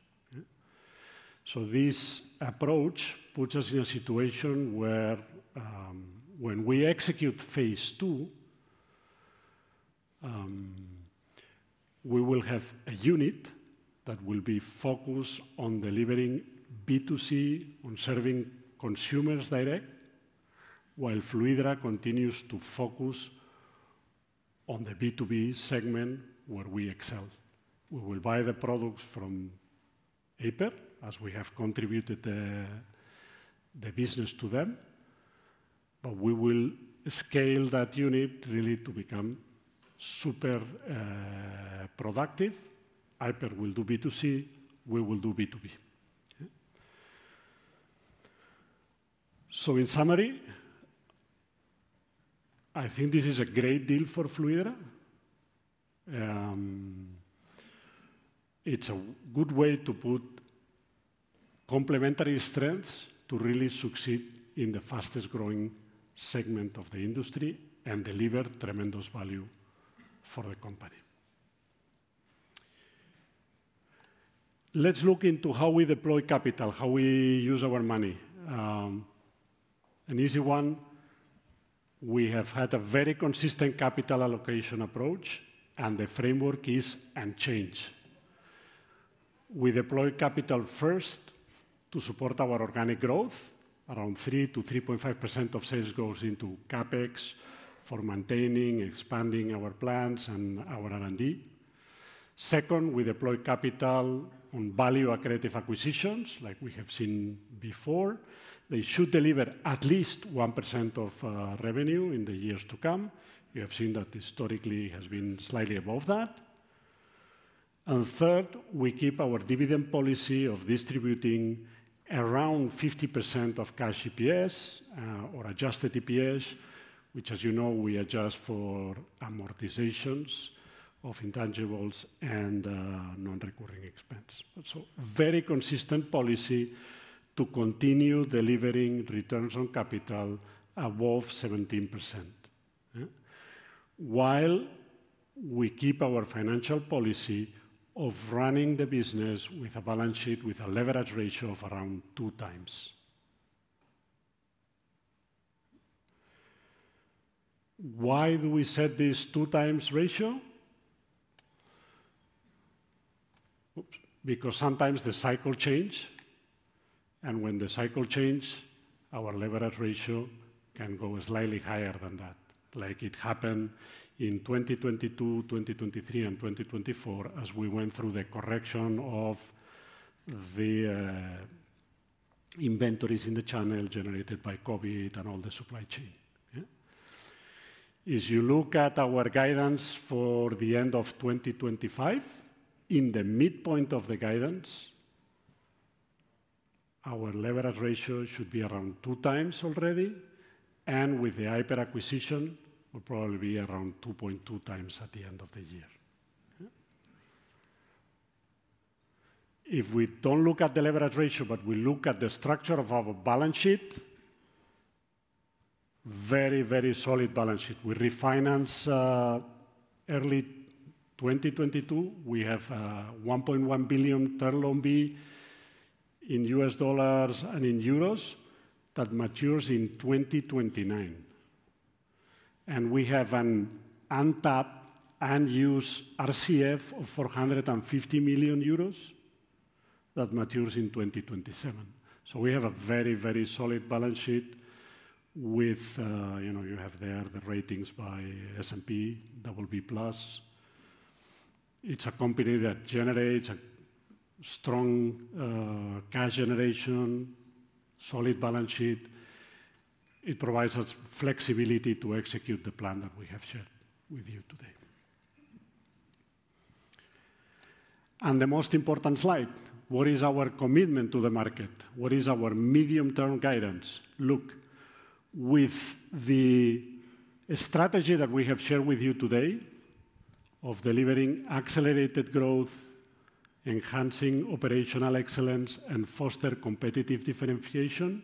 This approach puts us in a situation where when we execute phase two, we will have a unit that will be focused on delivering B2C, on serving consumers direct, while Fluidra continues to focus on the B2B segment where we excel. We will buy the products from Aiper as we have contributed the business to them. We will scale that unit really to become super productive. Aiper will do B2C, we will do B2B. In summary, I think this is a great deal for Fluidra. It's a good way to put complementary strengths to really succeed in the fastest-growing segment of the industry and deliver tremendous value for the company. Let's look into how we deploy capital, how we use our money. An easy one, we have had a very consistent capital allocation approach, and the framework is unchanged. We deploy capital first to support our organic growth. Around 3%-3.5% of sales goes into CapEx for maintaining, expanding our plants and our R&D. Second, we deploy capital on value-accretive acquisitions, like we have seen before. They should deliver at least 1% of revenue in the years to come. You have seen that historically it has been slightly above that. Third, we keep our dividend policy of distributing around 50% of cash EPS or adjusted EPS, which, as you know, we adjust for amortizations of intangibles and non-recurring expense. Very consistent policy to continue delivering returns on capital above 17%, while we keep our financial policy of running the business with a balance sheet with a leverage ratio of around two times. Why do we set this two-times ratio? Because sometimes the cycle changes. When the cycle changes, our leverage ratio can go slightly higher than that, like it happened in 2022, 2023, and 2024 as we went through the correction of the inventories in the channel generated by COVID and all the supply chain. If you look at our guidance for the end of 2025, in the midpoint of the guidance, our leverage ratio should be around two times already. With the Aiper acquisition, it will probably be around 2.2 times at the end of the year. If we do not look at the leverage ratio, but we look at the structure of our balance sheet, very, very solid balance sheet. We refinanced early 2022. We have $1.1 billion term loan B in US dollars and in euros that matures in 2029. We have an untapped unused RCF of 450 million euros that matures in 2027. We have a very, very solid balance sheet with, you have there the ratings by S&P, Double B Plus. It's a company that generates a strong cash generation, solid balance sheet. It provides us flexibility to execute the plan that we have shared with you today. The most important slide, what is our commitment to the market? What is our medium-term guidance? Look, with the strategy that we have shared with you today of delivering accelerated growth, enhancing operational excellence, and fostering competitive differentiation,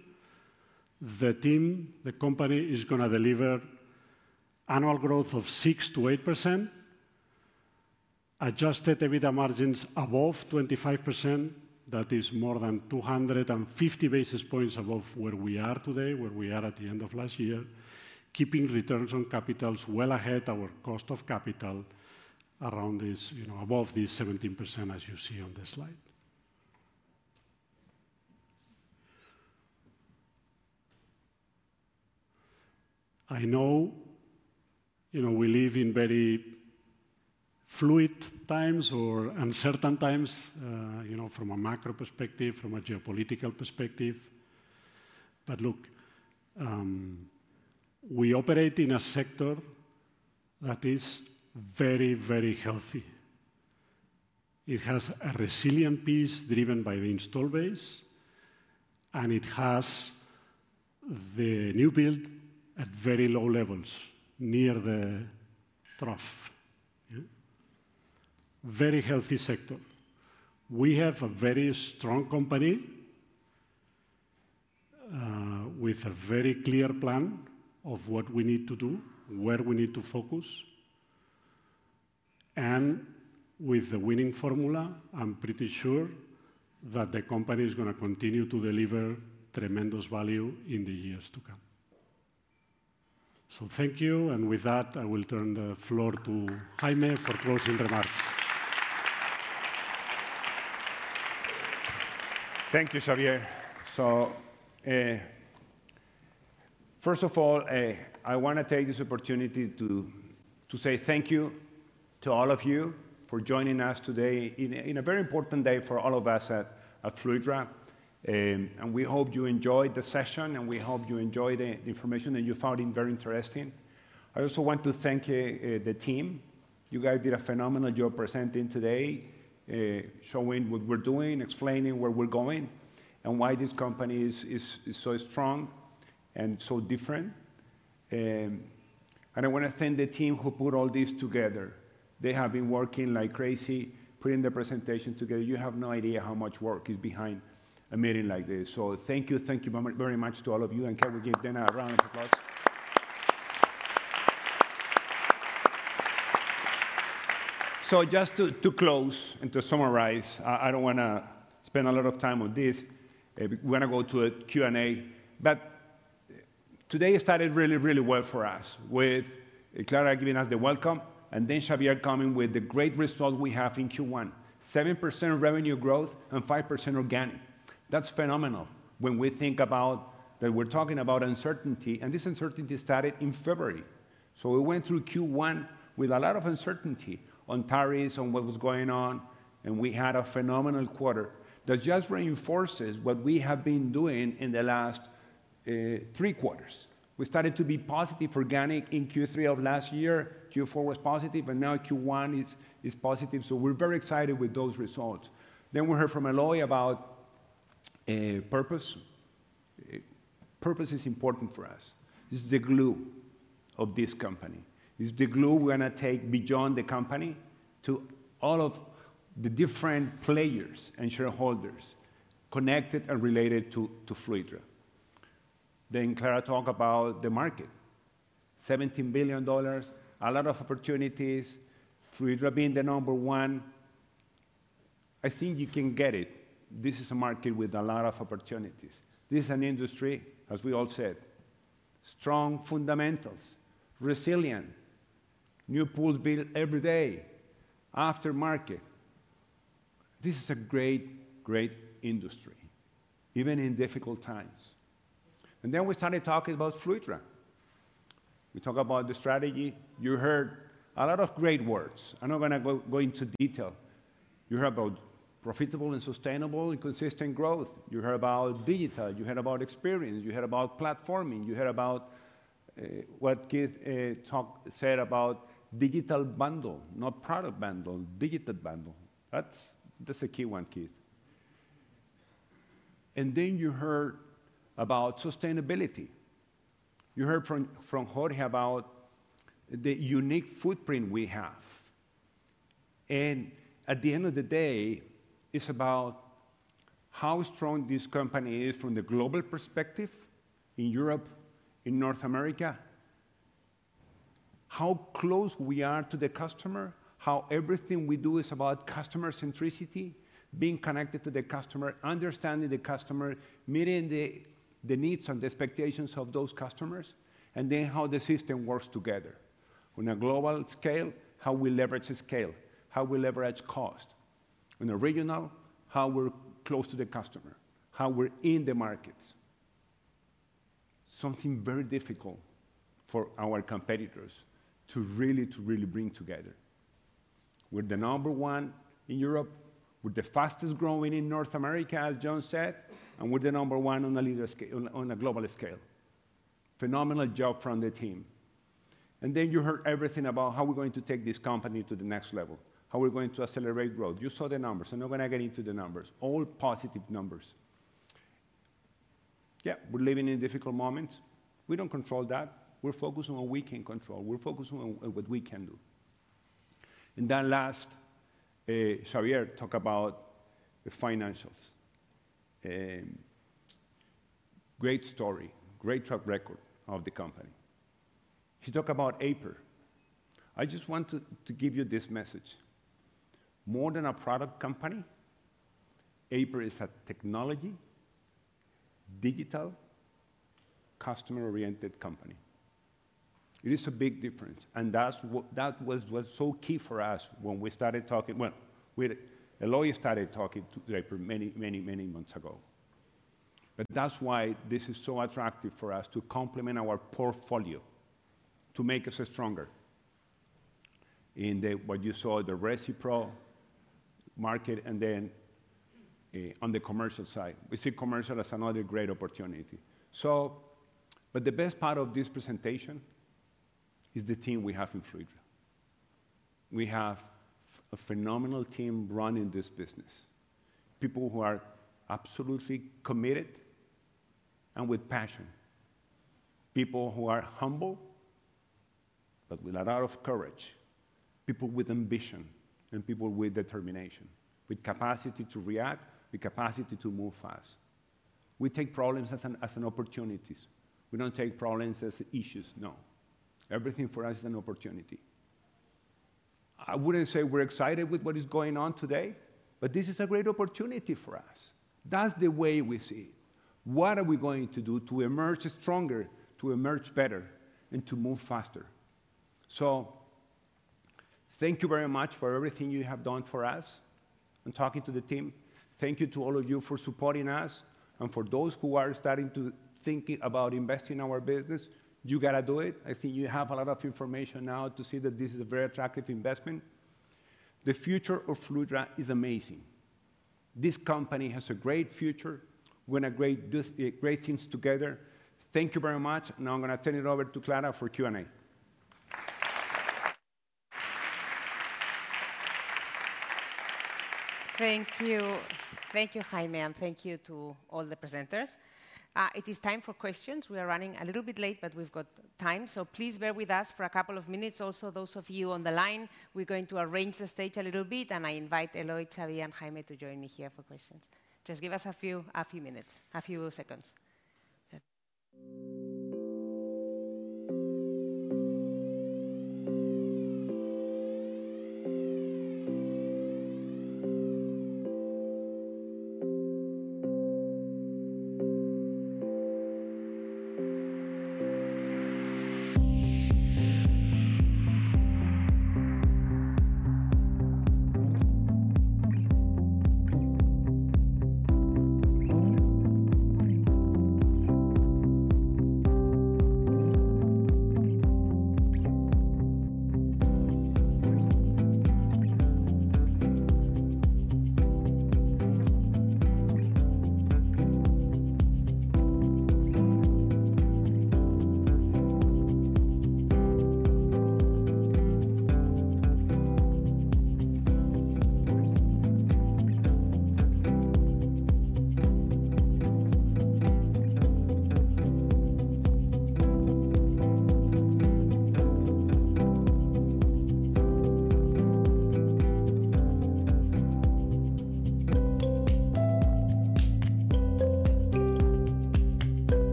the team, the company is going to deliver annual growth of 6%-8%, adjusted EBITDA margins above 25%. That is more than 250 basis points above where we are today, where we are at the end of last year, keeping returns on capitals well ahead of our cost of capital around this, above this 17% as you see on the slide. I know we live in very fluid times or uncertain times from a macro perspective, from a geopolitical perspective. Look, we operate in a sector that is very, very healthy. It has a resilient piece driven by the install base, and it has the new build at very low levels near the trough. Very healthy sector. We have a very strong company with a very clear plan of what we need to do, where we need to focus, and with the winning formula, I'm pretty sure that the company is going to continue to deliver tremendous value in the years to come. Thank you. With that, I will turn the floor to Jaime for closing remarks. Thank you, Xavier. First of all, I want to take this opportunity to say thank you to all of you for joining us today on a very important day for all of us at Fluidra. We hope you enjoyed the session, and we hope you enjoyed the information that you found very interesting. I also want to thank the team. You guys did a phenomenal job presenting today, showing what we are doing, explaining where we are going, and why this company is so strong and so different. I want to thank the team who put all this together. They have been working like crazy, putting the presentation together. You have no idea how much work is behind a meeting like this. Thank you, thank you very much to all of you. Can we give them a round of applause? Just to close and to summarize, I do not want to spend a lot of time on this. We are going to go to a Q&A. Today started really, really well for us with Clara giving us the welcome, and then Xavier coming with the great result we have in Q1, 7% revenue growth and 5% organic. That is phenomenal when we think about that we are talking about uncertainty. This uncertainty started in February. We went through Q1 with a lot of uncertainty on tariffs and what was going on. We had a phenomenal quarter that just reinforces what we have been doing in the last three quarters. We started to be positive organic in Q3 of last year. Q4 was positive, and now Q1 is positive. We are very excited with those results. We heard from Eloi about purpose. Purpose is important for us. It's the glue of this company. It's the glue we're going to take beyond the company to all of the different players and shareholders connected and related to Fluidra. Clara talked about the market, $17 billion, a lot of opportunities, Fluidra being the number one. I think you can get it. This is a market with a lot of opportunities. This is an industry, as we all said, strong fundamentals, resilient, new pools built every day, aftermarket. This is a great, great industry, even in difficult times. We started talking about Fluidra. We talked about the strategy. You heard a lot of great words. I'm not going to go into detail. You heard about profitable and sustainable and consistent growth. You heard about digital. You heard about experience. You heard about platforming. You heard about what Keith said about digital bundle, not product bundle, digital bundle. That's a key one, Keith. You heard about sustainability. You heard from Jorge about the unique footprint we have. At the end of the day, it's about how strong this company is from the global perspective in Europe, in North America, how close we are to the customer, how everything we do is about customer centricity, being connected to the customer, understanding the customer, meeting the needs and the expectations of those customers, and how the system works together. On a global scale, how we leverage scale, how we leverage cost. On a regional level, how we're close to the customer, how we're in the markets. Something very difficult for our competitors to really bring together. We're the number one in Europe. We're the fastest growing in North America, as Jon said, and we're the number one on a global scale. Phenomenal job from the team. You heard everything about how we're going to take this company to the next level, how we're going to accelerate growth. You saw the numbers. I'm not going to get into the numbers. All positive numbers. Yeah, we're living in difficult moments. We don't control that. We're focused on what we can control. We're focused on what we can do. Last, Xavier talked about the financials. Great story, great track record of the company. He talked about Aiper. I just want to give you this message. More than a product company, Aiper is a technology, digital, customer-oriented company. It is a big difference. That was so key for us when we started talking. Eloi started talking to Aiper many, many, many months ago. That is why this is so attractive for us to complement our portfolio, to make us stronger. What you saw, the aftermarket, and then on the commercial side. We see commercial as another great opportunity. The best part of this presentation is the team we have in Fluidra. We have a phenomenal team running this business. People who are absolutely committed and with passion. People who are humble, but with a lot of courage. People with ambition and people with determination, with capacity to react, with capacity to move fast. We take problems as opportunities. We do not take problems as issues, no. Everything for us is an opportunity. I would not say we are excited with what is going on today, but this is a great opportunity for us. That is the way we see it. What are we going to do to emerge stronger, to emerge better, and to move faster? Thank you very much for everything you have done for us and talking to the team. Thank you to all of you for supporting us. For those who are starting to think about investing in our business, you got to do it. I think you have a lot of information now to see that this is a very attractive investment. The future of Fluidra is amazing. This company has a great future. We're in great things together. Thank you very much. Now I'm going to turn it over to Clara for Q&A. Thank you. Thank you, Jaime. Thank you to all the presenters. It is time for questions. We are running a little bit late, but we've got time. Please bear with us for a couple of minutes. Also, those of you on the line, we're going to arrange the stage a little bit. I invite Eloi, Xavier, and Jaime to join me here for questions. Just give us a few minutes, a few seconds.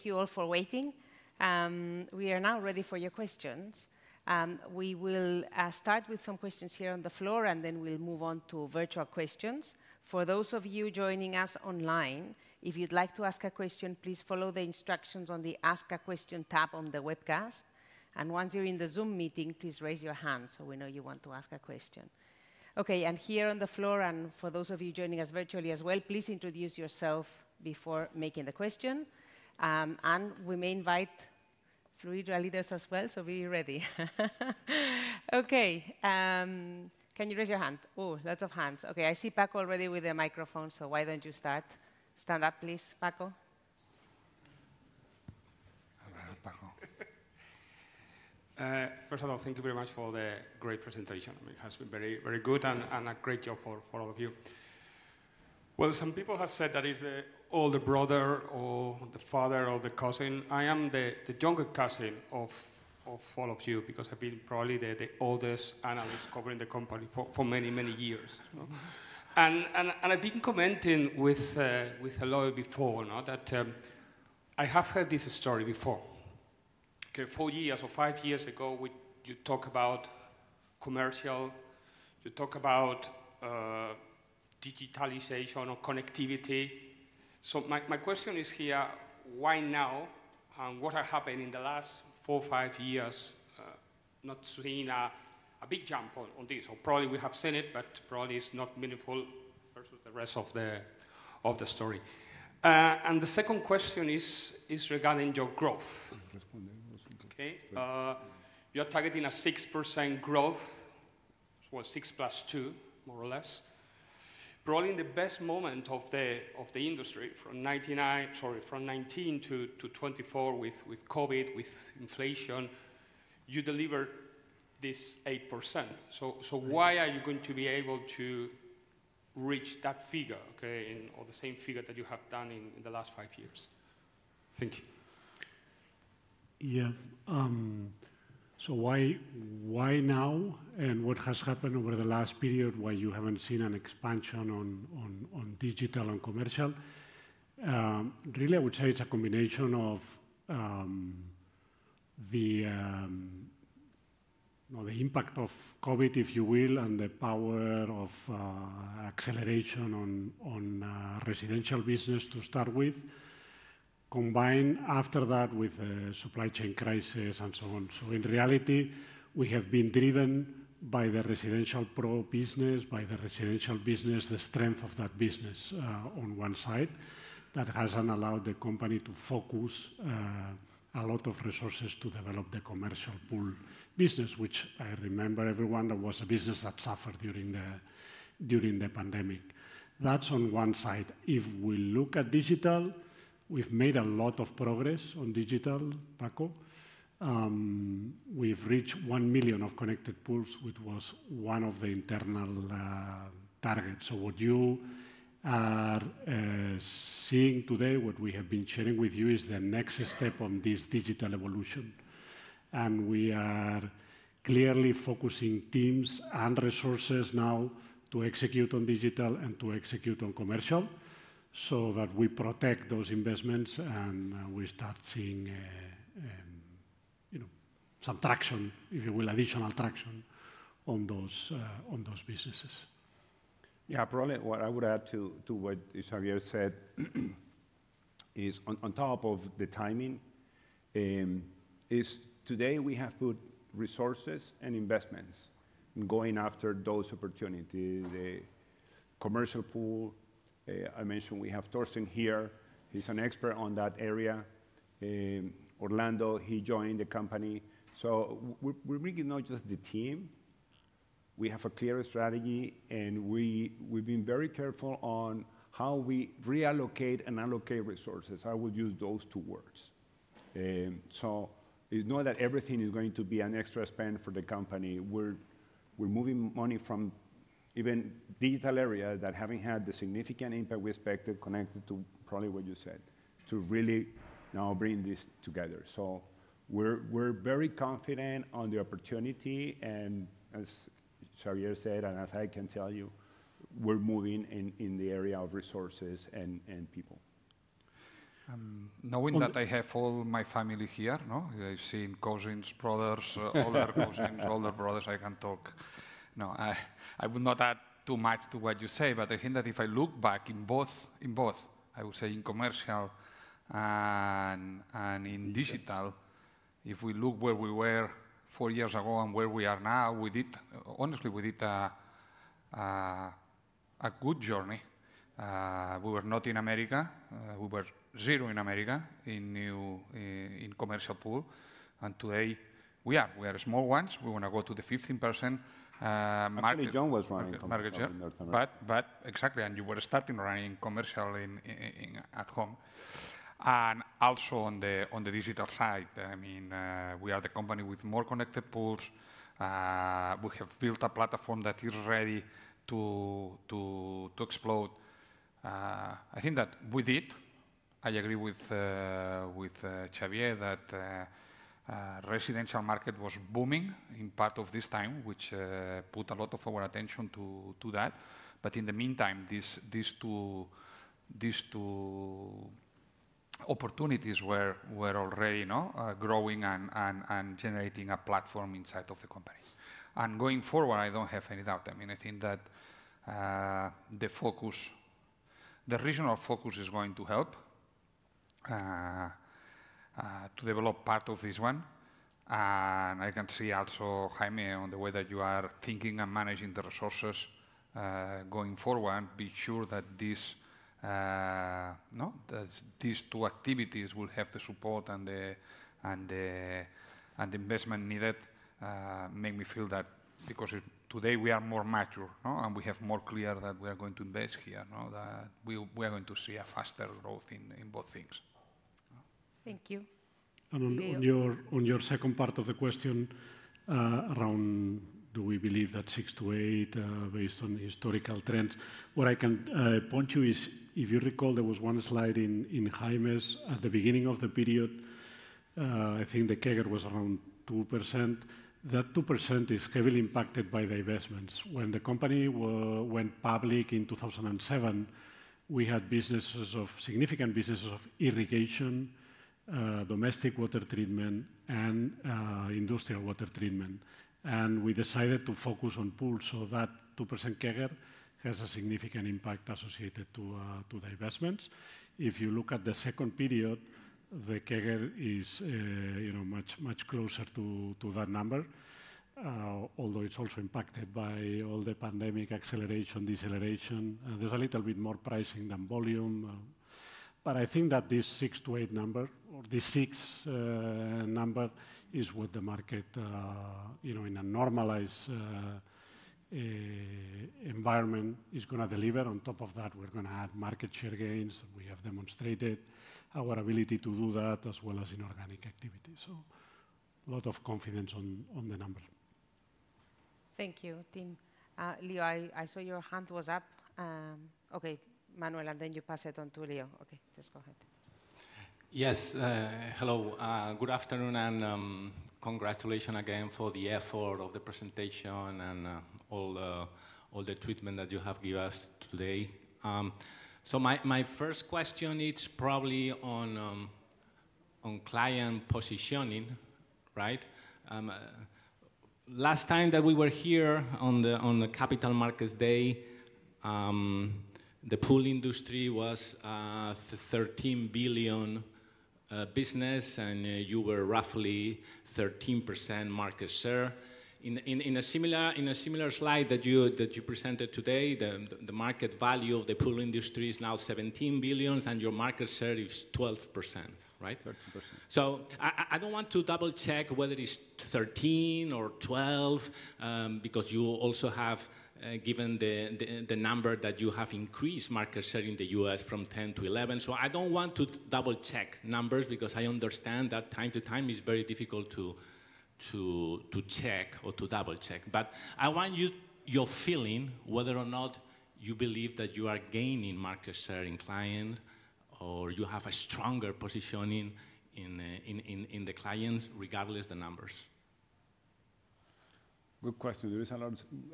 Thank you. Thank you all for waiting. We are now ready for your questions. We will start with some questions here on the floor, and then we'll move on to virtual questions. For those of you joining us online, if you'd like to ask a question, please follow the instructions on the Ask a Question tab on the webcast. Once you're in the Zoom meeting, please raise your hand so we know you want to ask a question. Okay, here on the floor, and for those of you joining us virtually as well, please introduce yourself before making the question. We may invite Fluidra leaders as well, so be ready. Okay, can you raise your hand? Oh, lots of hands. Okay, I see Paco already with the microphone, so why do you not start? Stand up, please, Paco. All right, Paco. First of all, thank you very much for the great presentation. It has been very, very good and a great job for all of you. Some people have said that is the older brother or the father or the cousin. I am the younger cousin of all of you because I have been probably the oldest analyst covering the company for many, many years. I have been commenting with Eloi before that I have heard this story before. Four years or five years ago, you talked about commercial, you talked about digitalization or connectivity. My question is here, why now and what has happened in the last four, five years, not seeing a big jump on this? Or probably we have seen it, but probably it's not meaningful versus the rest of the story. The second question is regarding your growth. Okay, you're targeting a 6% growth, 6 plus 2, more or less. Probably in the best moment of the industry, from 2019 to 2024 with COVID, with inflation, you delivered this 8%. Why are you going to be able to reach that figure or the same figure that you have done in the last five years? Thank you. Yeah, why now and what has happened over the last period, why you haven't seen an expansion on digital and commercial? Really, I would say it's a combination of the impact of COVID, if you will, and the power of acceleration on residential business to start with, combined after that with the supply chain crisis and so on. In reality, we have been driven by the residential pro business, by the residential business, the strength of that business on one side that hasn't allowed the company to focus a lot of resources to develop the commercial pool business, which I remember everyone that was a business that suffered during the pandemic. That's on one side. If we look at digital, we've made a lot of progress on digital, Paco. We've reached one million of connected pools, which was one of the internal targets. What you are seeing today, what we have been sharing with you, is the next step on this digital evolution. We are clearly focusing teams and resources now to execute on digital and to execute on commercial so that we protect those investments and we start seeing so me traction, if you will, additional traction on those businesses. Yeah, probably what I would add to what Xavier said is on top of the timing, is today we have put resources and investments going after those opportunities, the commercial pool. I mentioned we have Torsten here. He's an expert on that area. Orlando, he joined the company. So we're bringing not just the team. We have a clear strategy, and we've been very careful on how we reallocate and allocate resources. I would use those two words. It is not that everything is going to be an extra spend for the company. We're moving money from even digital areas that haven't had the significant impact we expected connected to probably what you said, to really now bring this together. We are very confident on the opportunity. As Xavier said, and as I can tell you, we're moving in the area of resources and people. Knowing that I have all my family here, I've seen cousins, brothers, older cousins, older brothers, I can talk. I would not add too much to what you say, but I think that if I look back in both, I would say in commercial and in digital, if we look where we were four years ago and where we are now, honestly, we did a good journey. We were not in America. We were zero in America, in commercial pool. Today we are. We are small ones. We want to go to the 15% market. Actually, Jon was running it. Exactly. You were starting running commercial at home. Also, on the digital side, I mean, we are the company with more connected pools. We have built a platform that is ready to explode. I think that with it, I agree with Xavier that residential market was booming in part of this time, which put a lot of our attention to that. In the meantime, these two opportunities were already growing and generating a platform inside of the company. Going forward, I do not have any doubt. I mean, I think that the regional focus is going to help to develop part of this one. I can see also, Jaime, in the way that you are thinking and managing the resources going forward, be sure that these two activities will have the support and the investment needed. Make me feel that because today we are more mature and we have more clear that we are going to invest here, that we are going to see a faster growth in both things. Thank you. On your second part of the question around, do we believe that 6-8% based on historical trends? What I can point to is, if you recall, there was one slide in Jaime's at the beginning of the period. I think the CAGR was around 2%. That 2% is heavily impacted by the investments. When the company went public in 2007, we had significant businesses of irrigation, domestic water treatment, and industrial water treatment. We decided to focus on pools so that 2% CAGR has a significant impact associated to the investments. If you look at the second period, the CAGR is much closer to that number, although it's also impacted by all the pandemic acceleration, deceleration. There's a little bit more pricing than volume. I think that this 6-8 number or this 6 number is what the market in a normalized environment is going to deliver. On top of that, we're going to add market share gains. We have demonstrated our ability to do that as well as inorganic activity. A lot of confidence on the number. Thank you, team. Leo, I saw your hand was up. Okay, Manuel, and then you pass it on to Leo. Okay, just go ahead. Yes, hello. Good afternoon and congratulations again for the effort of the presentation and all the treatment that you have given us today. My first question, it's probably on client positioning, right? Last time that we were here on the Capital Markets Day, the pool industry was a $13 billion business and you were roughly 13% market share. In a similar slide that you presented today, the market value of the pool industry is now $17 billion and your market share is 12%, right? 13%. I do not want to double-check whether it is 13% or 12% because you also have given the number that you have increased market share in the US from 10% to 11%. I do not want to double-check numbers because I understand that time to time it is very difficult to check or to double-check. I want your feeling whether or not you believe that you are gaining market share in clients or you have a stronger positioning in the clients regardless of the numbers. Good question.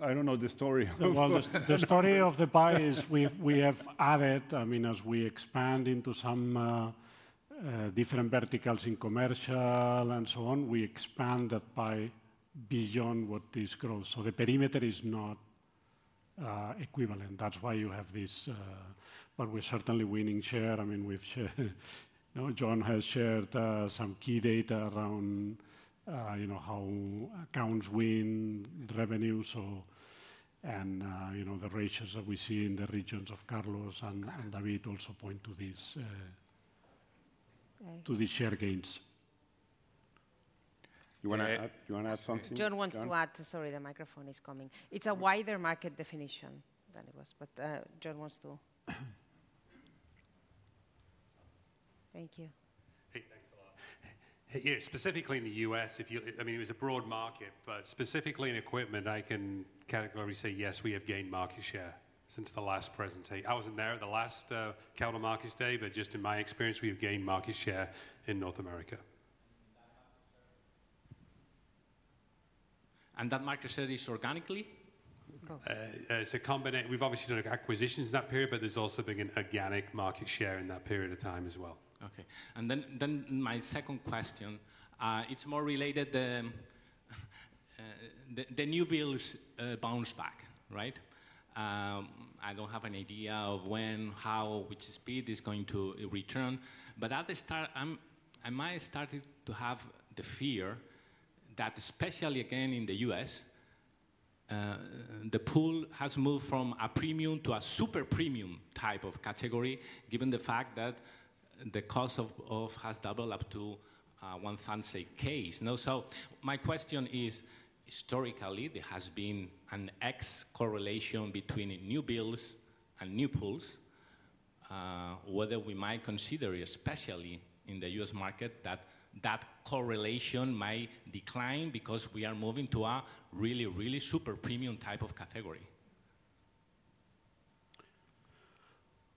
I do not know the story. The story of the buy is we have added, I mean, as we expand into some different verticals in commercial and so on, we expand that buy beyond what this grows. So the perimeter is not equivalent. That is why you have this, but we are certainly winning share. I mean, Jon has shared some key data around how accounts win, revenue, and the ratios that we see in the regions of Carlos. And David also pointed to these share gains. You want to add something? Jon wants to add. Sorry, the microphone is coming. It is a wider market definition than it was, but Jon wants to. Thank you. Hey, thanks a lot. Yeah, specifically in the U.S., I mean, it was a broad market, but specifically in equipment, I can categorically say yes, we have gained market share since the last presentation. I wasn't there at the last Capital Markets Day, but just in my experience, we have gained market share in North America. And that market share is organically? It's a combination. We've obviously done acquisitions in that period, but there's also been an organic market share in that period of time as well. Okay, and then my second question, it's more related to the new builds bounce back, right? I don't have an idea of when, how, which speed is going to return. But at the start, I might have started to have the fear that especially again in the U.S., the pool has moved from a premium to a super premium type of category given the fact that the cost has doubled up to $1,000K. My question is, historically, there has been an X correlation between new builds and new pools, whether we might consider especially in the U.S. market that that correlation might decline because we are moving to a really, really super premium type of category.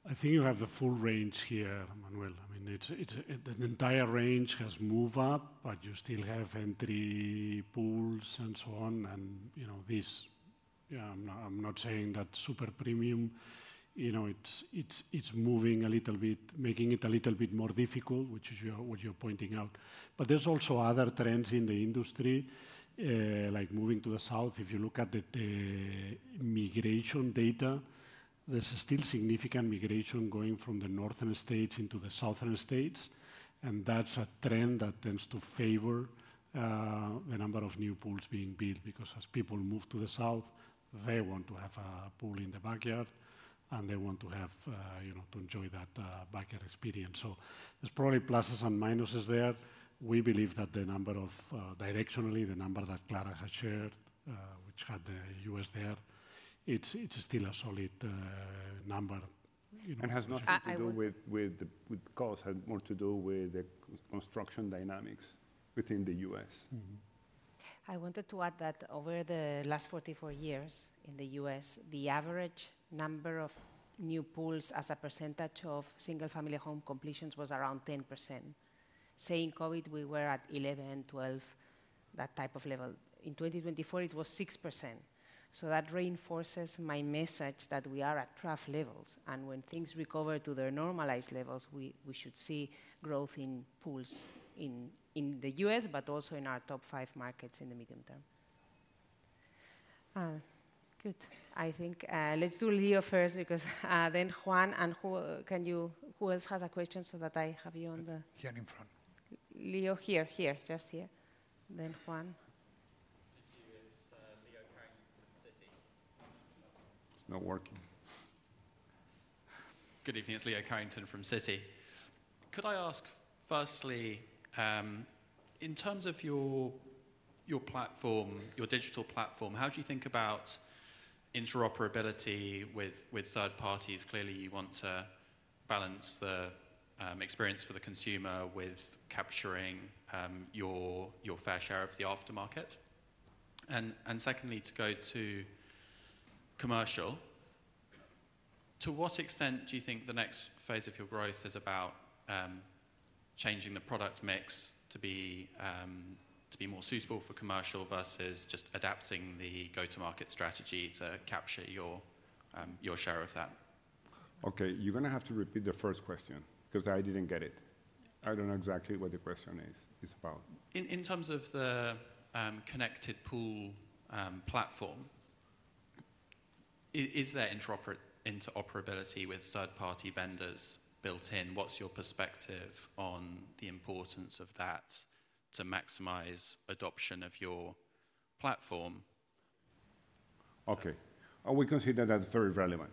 I think you have the full range here, Manuel. I mean, an entire range has moved up, but you still have entry pools and so on. I am not saying that super premium, it is moving a little bit, making it a little bit more difficult, which is what you are pointing out. There are also other trends in the industry, like moving to the south. If you look at the migration data, there is still significant migration going from the northern states into the southern states. That's a trend that tends to favor the number of new pools being built because as people move to the south, they want to have a pool in the backyard and they want to enjoy that backyard experience. There are probably pluses and minuses there. We believe that directionally, the number that Clara has shared, which had the U.S. there, is still a solid number. It has nothing to do with the cost, more to do with the construction dynamics within the U.S. | I wanted to add that over the last 44 years in the U.S., the average number of new pools as a percentage of single-family home completions was around 10%. During COVID, we were at 11-12%, that type of level. In 2024, it was 6%. That reinforces my message that we are at trough levels. When things recover to their normalized levels, we should see growth in pools in the U.S., but also in our top five markets in the medium term. Good. I think let's do Leo first because then Juan, and who else has a question so that I have you on the? Here in front. Leo here, here, just here. Then Juan. Leo Carrington from Citi. It's not working. Good evening. It's Leo Carrington from Citi. Could I ask firstly, in terms of your platform, your digital platform, how do you think about interoperability with third parties? Clearly, you want to balance the experience for the consumer with capturing your fair share of the aftermarket. Secondly, to go to commercial, to what extent do you think the next phase of your growth is about changing the product mix to be more suitable for commercial versus just adapting the go-to-market strategy to capture your share of that? Okay, you're going to have to repeat the first question because I didn't get it. I don't know exactly what the question is about. In terms of the connected pool platform, is there interoperability with third-party vendors built in? What's your perspective on the importance of that to maximize adoption of your platform? Okay, we consider that very relevant.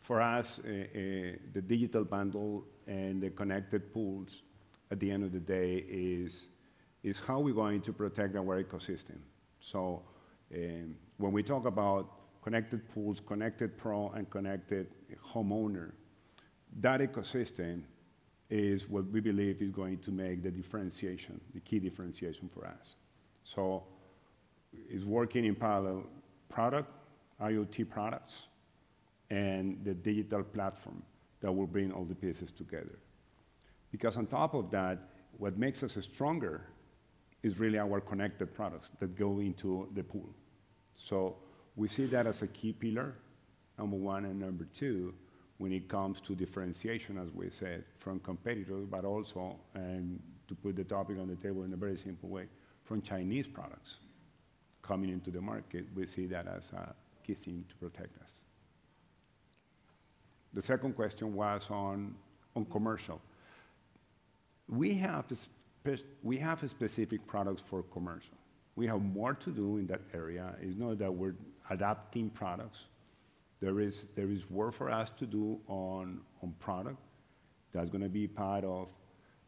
For us, the digital bundle and the connected pools at the end of the day is how we're going to protect our ecosystem. When we talk about connected pools, connected pro, and connected homeowner, that ecosystem is what we believe is going to make the differentiation, the key differentiation for us. It's working in parallel product, IoT products, and the digital platform that will bring all the pieces together. Because on top of that, what makes us stronger is really our connected products that go into the pool. We see that as a key pillar, number one and number two, when it comes to differentiation, as we said, from competitors, but also, and to put the topic on the table in a very simple way, from Chinese products coming into the market, we see that as a key thing to protect us. The second question was on commercial. We have specific products for commercial. We have more to do in that area. It's not that we're adapting products. There is work for us to do on product that's going to be part of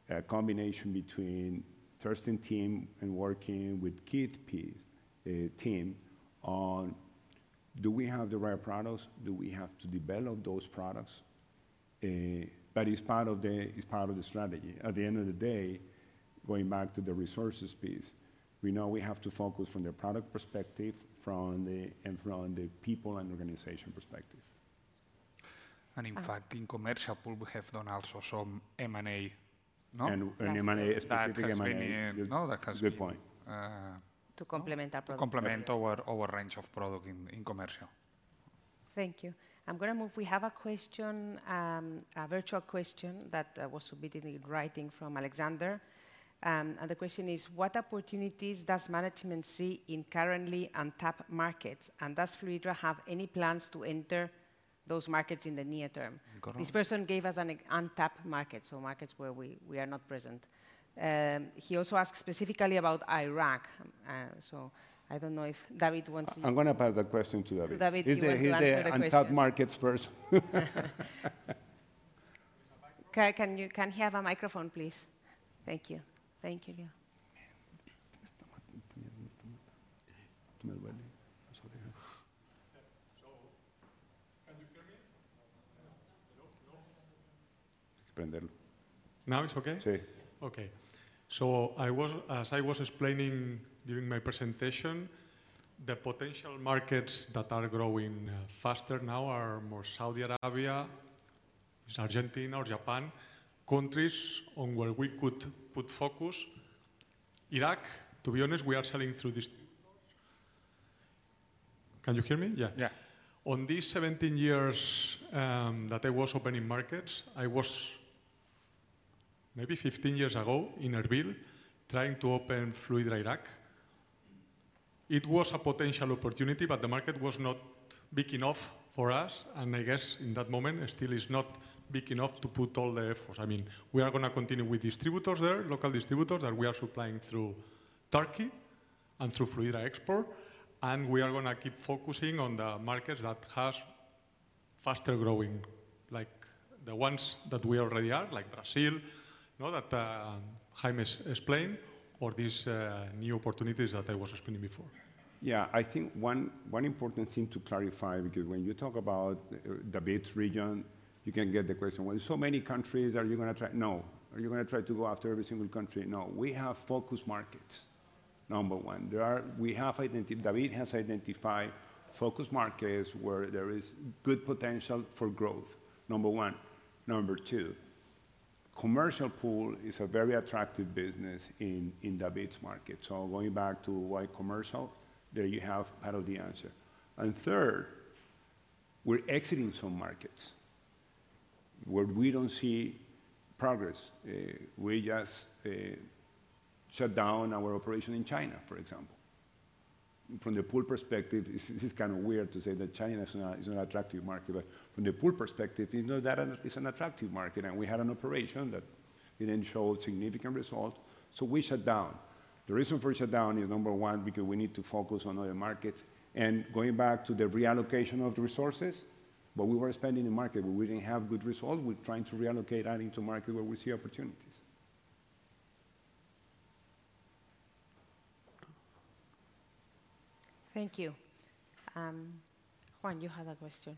a combination between Torsten's team and working with Keith's team on do we have the right products? Do we have to develop those products? It is part of the strategy. At the end of the day, going back to the resources piece, we know we have to focus from the product perspective and from the people and organization perspective. In fact, in commercial pool, we have done also some M&A. M&A, specific M&A. That has been a good point to complement our range of product in commercial. Thank you. I'm going to move. We have a question, a virtual question that was submitted in writing from Alexander. The question is, what opportunities does management see in currently untapped markets? Does Fluidra have any plans to enter those markets in the near term? This person gave us an untapped market, so markets where we are not present. He also asked specifically about Iraq. I do not know if David wants to. I am going to pass the question to David. David, you answer the question. Untapped markets first. Can he have a microphone, please? Thank you. Thank you, Leo. Now it is okay? Sí. Okay. As I was explaining during my presentation, the potential markets that are growing faster now are more Saudi Arabia, Argentina, or Japan, countries on where we could put focus. Iraq, to be honest, we are selling through these pools. Can you hear me? Yeah. On these 17 years that I was opening markets, I was maybe 15 years ago in Erbil trying to open Fluidra Iraq. It was a potential opportunity, but the market was not big enough for us. I guess in that moment, it still is not big enough to put all the efforts. I mean, we are going to continue with distributors there, local distributors that we are supplying through Turkey and through Fluidra Export. We are going to keep focusing on the markets that have faster growing, like the ones that we already are, like Brazil, that Jaime explained, or these new opportunities that I was explaining before. Yeah, I think one important thing to clarify because when you talk about the BRICS region, you can get the question, you know, so many countries, are you going to try? No, are you going to try to go after every single country? No, we have focus markets, number one. We have identified, David has identified focus markets where there is good potential for growth, number one. Number two, commercial pool is a very attractive business in the BITS market. Going back to why commercial, there you have part of the answer. Third, we're exiting some markets where we don't see progress. We just shut down our operation in China, for example. From the pool perspective, this is kind of weird to say that China is not an attractive market, but from the pool perspective, it's not that it's an attractive market. We had an operation that didn't show significant results, so we shut down. The reason for shutdown is number one, because we need to focus on other markets. Going back to the reallocation of the resources, what we were spending in market, we didn't have good results. We're trying to reallocate that into markets where we see opportunities. Thank you. Juan, you have a question.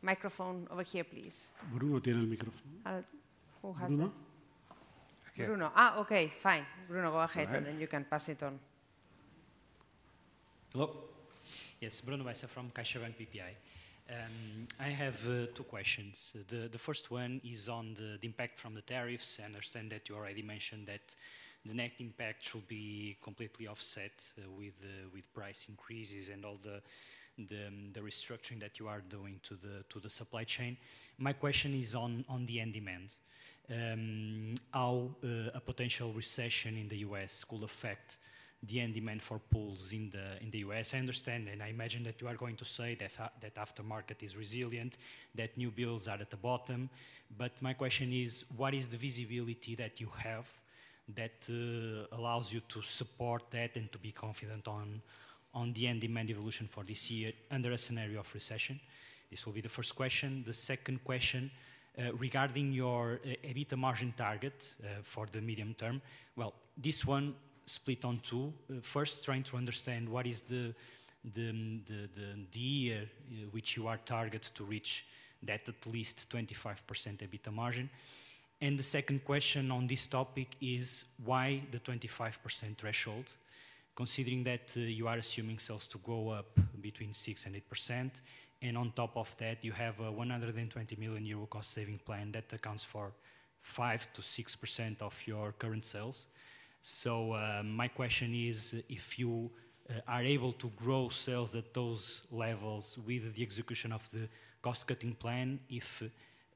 Microphone over here, please. Bruno, tienes el micrófono. Who has that? Bruno. Okay, fine. Bruno, go ahead and then you can pass it on. Hello. Yes, Bruno, I'm from CaixaBank PPI. I have two questions. The first one is on the impact from the tariffs. I understand that you already mentioned that the net impact should be completely offset with price increases and all the restructuring that you are doing to the supply chain. My question is on the end demand. How a potential recession in the U.S. could affect the end demand for pools in the U.S. I understand, and I imagine that you are going to say that aftermarket is resilient, that new builds are at the bottom. My question is, what is the visibility that you have that allows you to support that and to be confident on the end demand evolution for this year under a scenario of recession? This will be the first question. The second question regarding your EBITDA margin target for the medium term. This one split on two. First, trying to understand what is the year which you are targeted to reach that at least 25% EBITDA margin. The second question on this topic is why the 25% threshold, considering that you are assuming sales to go up between 6%-8%, and on top of that, you have a 120 million euro cost-saving plan that accounts for 5%-6% of your current sales. My question is, if you are able to grow sales at those levels with the execution of the cost-cutting plan, if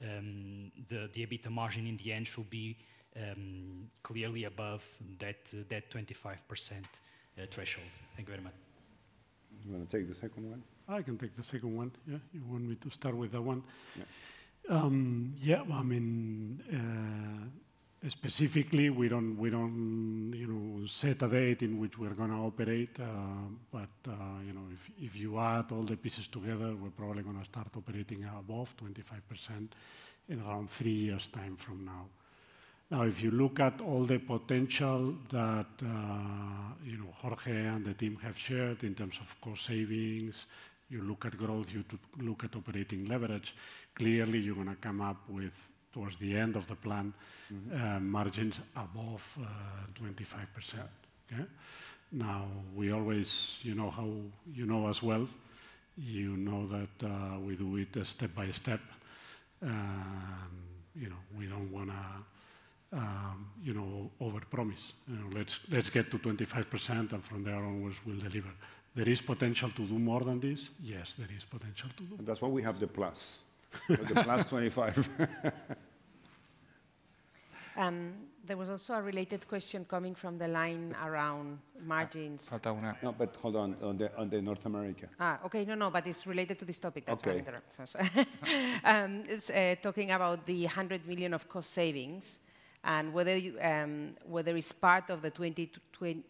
the EBITDA margin in the end should be clearly above that 25% threshold. Thank you very much. You want to take the second one? I can take the second one. You want me to start with that one? Yeah. I mean, specifically, we do not set a date in which we are going to operate. But if you add all the pieces together, we are probably going to start operating above 25% in around three years' time from now. Now, if you look at all the potential that Jorge and the team have shared in terms of cost savings, you look at growth, you look at operating leverage, clearly you are going to come up with, towards the end of the plan, margins above 25%. Now, we always, you know as well, you know that we do it step by step. We do not want to over-promise. Let's get to 25% and from there onwards we will deliver. There is potential to do more than this? Yes, there is potential to do. That is why we have the plus, the plus 25. There was also a related question coming from the line around margins. No, but hold on, on the North America. No, no, but it's related to this topic. That's what I'm talking about. Talking about the $100 million of cost savings and whether it's part of the 25%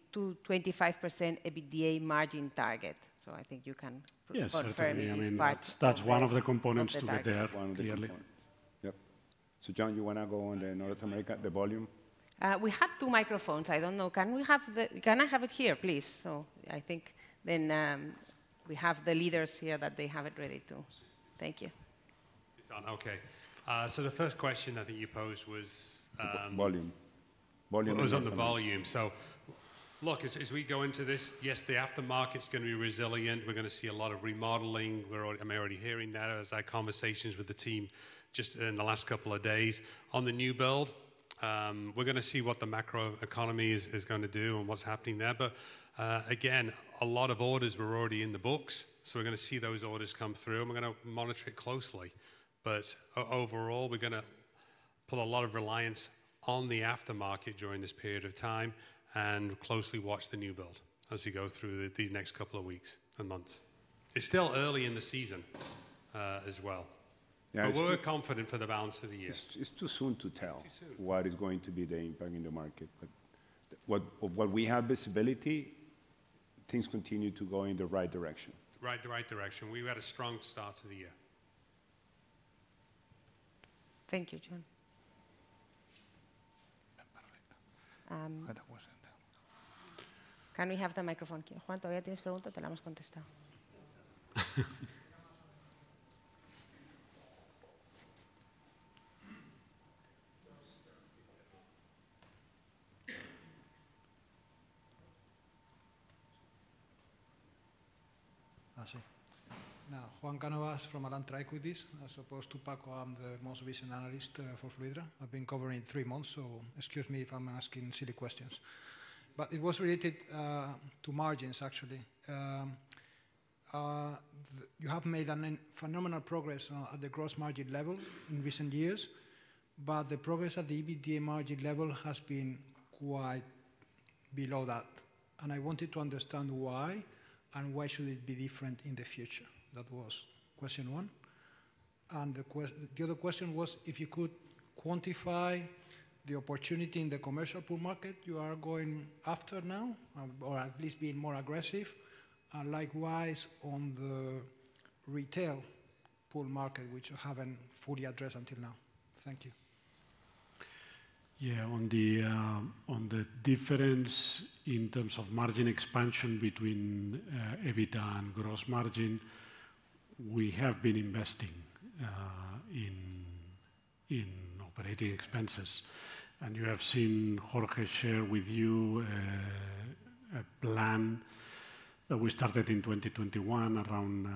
EBITDA margin target. I think you can confirm it is part. That's one of the components to be there, clearly. Yep. Jon, you want to go on the North America, the volume? We had two microphones. I don't know. Can we have the can I have it here, please? I think then we have the leaders here that they have it ready too. Thank you. The first question I think you posed was. Volume. Volume. It was on the volume. Look, as we go into this, yes, the aftermarket's going to be resilient. We're going to see a lot of remodeling. I'm already hearing that as I have conversations with the team just in the last couple of days. On the new build, we're going to see what the macro economy is going to do and what's happening there. A lot of orders were already in the books. We're going to see those orders come through. We're going to monitor it closely. Overall, we're going to put a lot of reliance on the aftermarket during this period of time and closely watch the new build as we go through the next couple of weeks and months. It's still early in the season as well. We're confident for the balance of the year. It's too soon to tell what is going to be the impact in the market. What we have visibility, things continue to go in the right direction. The right direction. We've had a strong start to the year. Thank you, Juan. Can we have the microphone? Juan, todavía tienes pregunta? Te la hemos contestado. Juan Canovas from Alantra Equities. As opposed to Paco, I'm the most recent analyst for Fluidra. I've been covering three months, so excuse me if I'm asking silly questions. It was related to margins, actually. You have made phenomenal progress at the gross margin level in recent years, but the progress at the EBITDA margin level has been quite below that. I wanted to understand why and why should it be different in the future. That was question one. The other question was if you could quantify the opportunity in the commercial pool market you are going after now, or at least being more aggressive, and likewise on the retail pool market, which you have not fully addressed until now. Thank you. Yeah, on the difference in terms of margin expansion between EBITDA and gross margin, we have been investing in operating expenses. You have seen Jorge share with you a plan that we started in 2021 around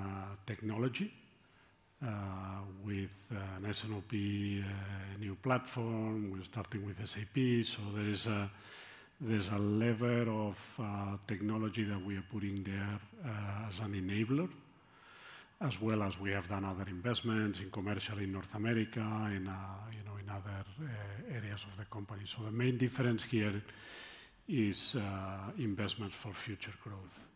technology with an S&OP new platform. We are starting with SAP. There is a lever of technology that we are putting there as an enabler, as well as we have done other investments in commercial in North America and in other areas of the company. The main difference here is investments for future growth.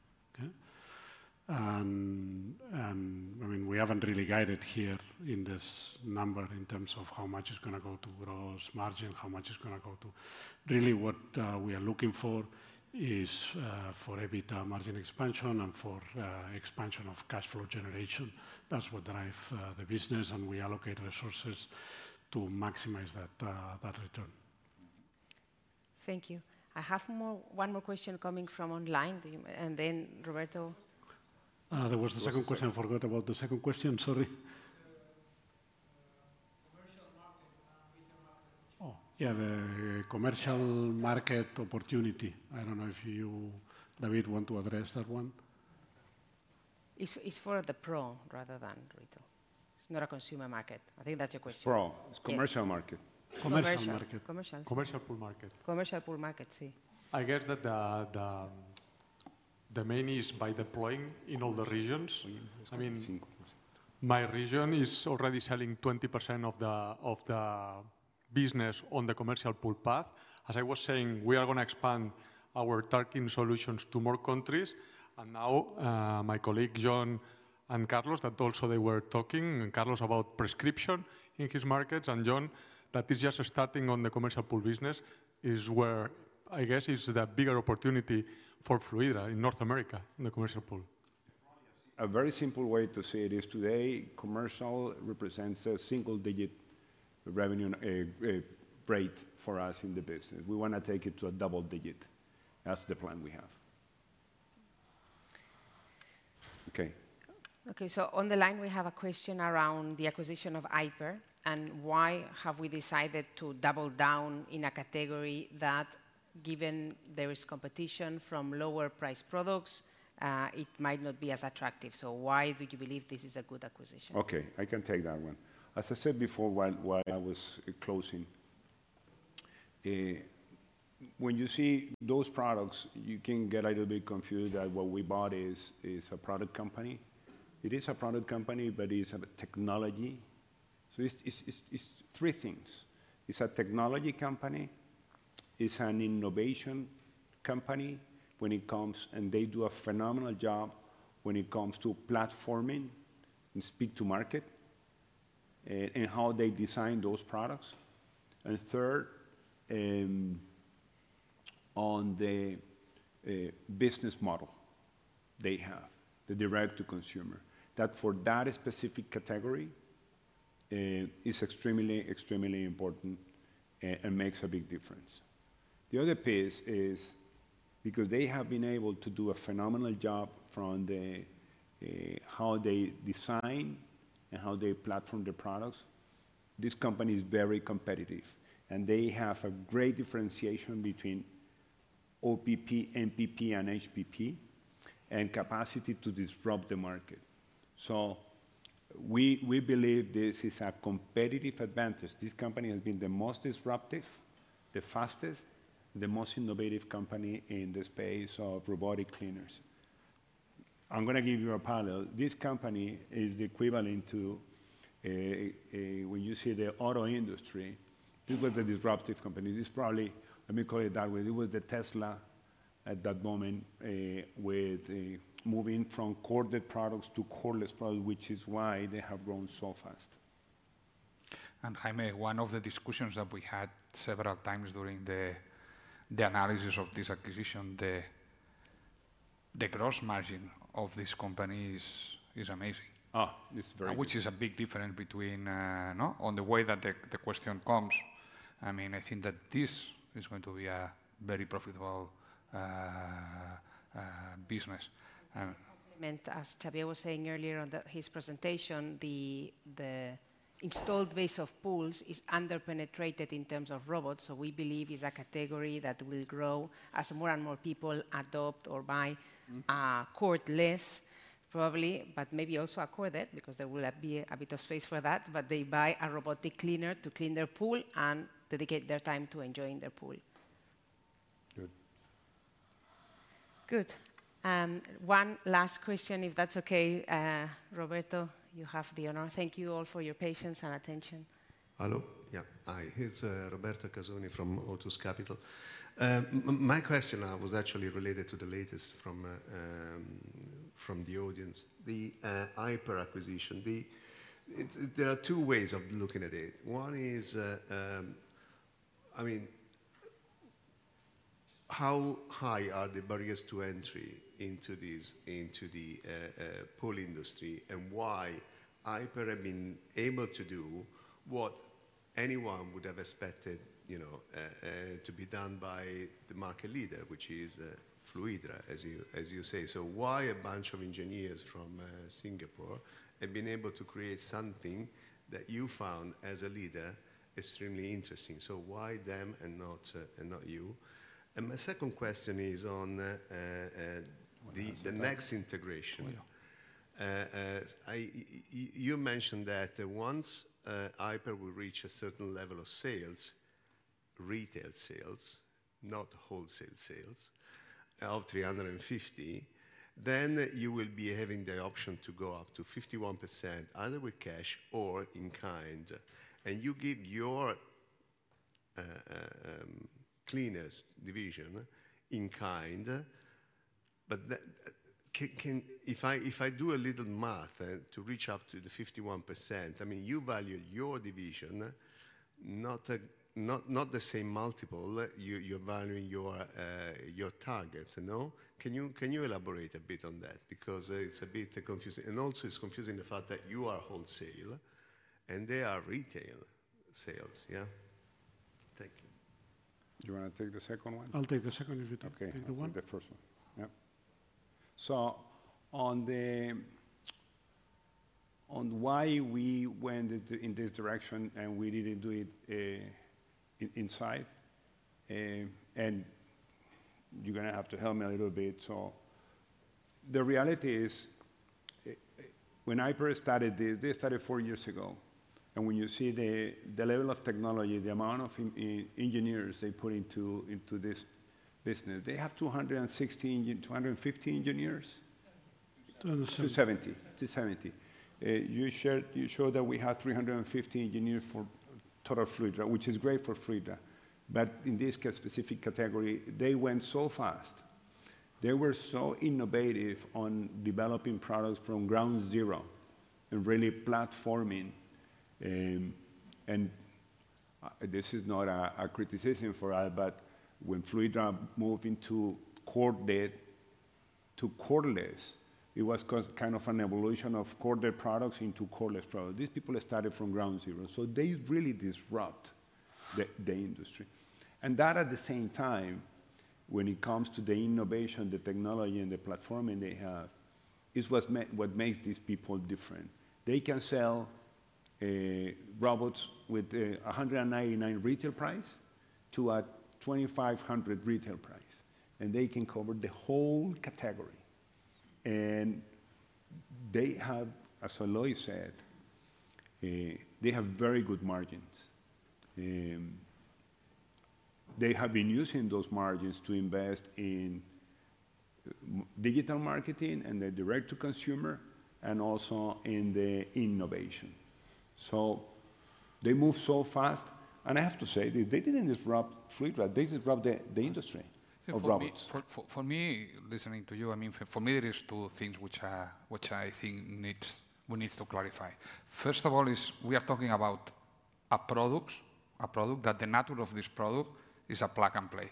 I mean, we haven't really guided here in this number in terms of how much is going to go to gross margin, how much is going to go to really what we are looking for is for EBITDA margin expansion and for expansion of cash flow generation. That's what drives the business, and we allocate resources to maximize that return. Thank you. I have one more question coming from online. And then Roberto. There was the second question. I forgot about the second question. Sorry. Commercial market and retail market opportunity. Oh, yeah, the commercial market opportunity. I don't know if you, David, want to address that one. It's for the pro rather than retail. It's not a consumer market. I think that's your question. It's pro. It's commercial market. Commercial market. Commercial pool market. Commercial pool market, sí. I guess that the main is by deploying in all the regions. I mean, my region is already selling 20% of the business on the commercial pool path. As I was saying, we are going to expand our turnkey solutions to more countries. Now my colleague Jon and Carlos, that also they were talking, Carlos about prescription in his markets. Jon, that is just starting on the commercial pool business, is where I guess is the bigger opportunity for Fluidra in North America in the commercial pool. A very simple way to say it is today, commercial represents a single-digit revenue rate for us in the business. We want to take it to a double digit. That's the plan we have. Okay. Okay, on the line, we have a question around the acquisition of Aiper. Why have we decided to double down in a category that, given there is competition from lower-priced products, it might not be as attractive? Why do you believe this is a good acquisition? Okay, I can take that one. As I said before while I was closing, when you see those products, you can get a little bit confused that what we bought is a product company. It is a product company, but it is a technology. It is three things. It is a technology company. It is an innovation company when it comes, and they do a phenomenal job when it comes to platforming and speed to market and how they design those products. Third, on the business model they have, the direct-to-consumer, for that specific category is extremely, extremely important and makes a big difference. The other piece is because they have been able to do a phenomenal job from how they design and how they platform their products. This company is very competitive, and they have a great differentiation between OPP, MPP, and HPP and capacity to disrupt the market. We believe this is a competitive advantage. This company has been the most disruptive, the fastest, the most innovative company in the space of robotic cleaners. I'm going to give you a parallel. This company is the equivalent to when you see the auto industry, it was a disruptive company. It's probably, let me call it that way, it was the Tesla at that moment with moving from corded products to cordless products, which is why they have grown so fast. Jaime, one of the discussions that we had several times during the analysis of this acquisition, the gross margin of this company is amazing. Oh, it's very good. Which is a big difference between on the way that the question comes. I mean, I think that this is going to be a very profitable business. As Xavier was saying earlier on his presentation, the installed base of pools is under-penetrated in terms of robots. We believe it's a category that will grow as more and more people adopt or buy cordless, probably, but maybe also a corded because there will be a bit of space for that. They buy a robotic cleaner to clean their pool and dedicate their time to enjoying their pool. Good. Good. One last question, if that's okay. Roberto, you have the honor. Thank you all for your patience and attention. Hello. Yeah. Hi, it's Roberto Casoni from Otus Capital. My question was actually related to the latest from the audience. The Aiper acquisition, there are two ways of looking at it. One is, I mean, how high are the barriers to entry into the pool industry and why Aiper have been able to do what anyone would have expected to be done by the market leader, which is Fluidra, as you say. Why have a bunch of engineers from Singapore been able to create something that you found as a leader extremely interesting? Why them and not you? My second question is on the next integration. You mentioned that once Aiper will reach a certain level of sales, retail sales, not wholesale sales, of 350 million, then you will be having the option to go up to 51% either with cash or in-kind. You give your cleanest division in-kind. If I do a little math to reach up to the 51%, I mean, you value your division, not the same multiple you're valuing your target, no? Can you elaborate a bit on that? Because it's a bit confusing. Also, it's confusing the fact that you are wholesale and they are retail sales, yeah? Thank you. Do you want to take the second one? I'll take the second if you take the one. Okay, the first one. Yep. On why we went in this direction and we didn't do it inside? You're going to have to help me a little bit. The reality is when Aiper started this, they started four years ago. When you see the level of technology, the amount of engineers they put into this business, they have 260, 250 engineers? 270. 270. You showed that we have 350 engineers for total Fluidra, which is great for Fluidra. In this specific category, they went so fast. They were so innovative on developing products from ground zero and really platforming. This is not a criticism for us, but when Fluidra moved into corded to cordless, it was kind of an evolution of corded products into cordless products. These people started from ground zero. They really disrupt the industry. At the same time, when it comes to the innovation, the technology, and the platforming they have, it is what makes these people different. They can sell robots with a $199 retail price to a $2,500 retail price. They can cover the whole category. As Eloi said, they have very good margins. They have been using those margins to invest in digital marketing and the direct-to-consumer and also in the innovation. They moved so fast. I have to say, they did not disrupt Fluidra. They disrupted the industry of robots. For me, listening to you, I mean, for me, there are two things which I think we need to clarify. First of all, we are talking about a product that the nature of this product is a plug and play.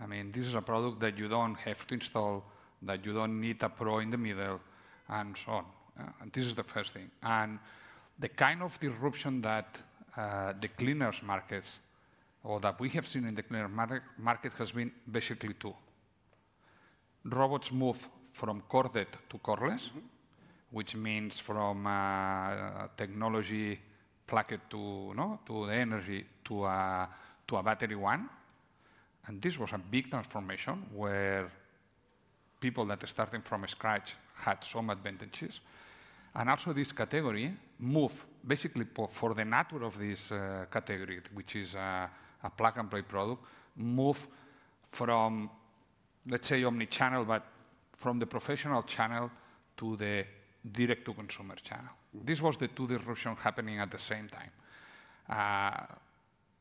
I mean, this is a product that you do not have to install, that you do not need a pro in the middle, and so on. This is the first thing. The kind of disruption that the cleaners' markets or that we have seen in the cleaners' market has been basically two. Robots move from corded to cordless, which means from technology plugged to the energy to a battery one. This was a big transformation where people that are starting from scratch had some advantages. Also, this category moved, basically for the nature of this category, which is a plug-and-play product, moved from, let's say, omnichannel, but from the professional channel to the direct-to-consumer channel. This was the two disruptions happening at the same time.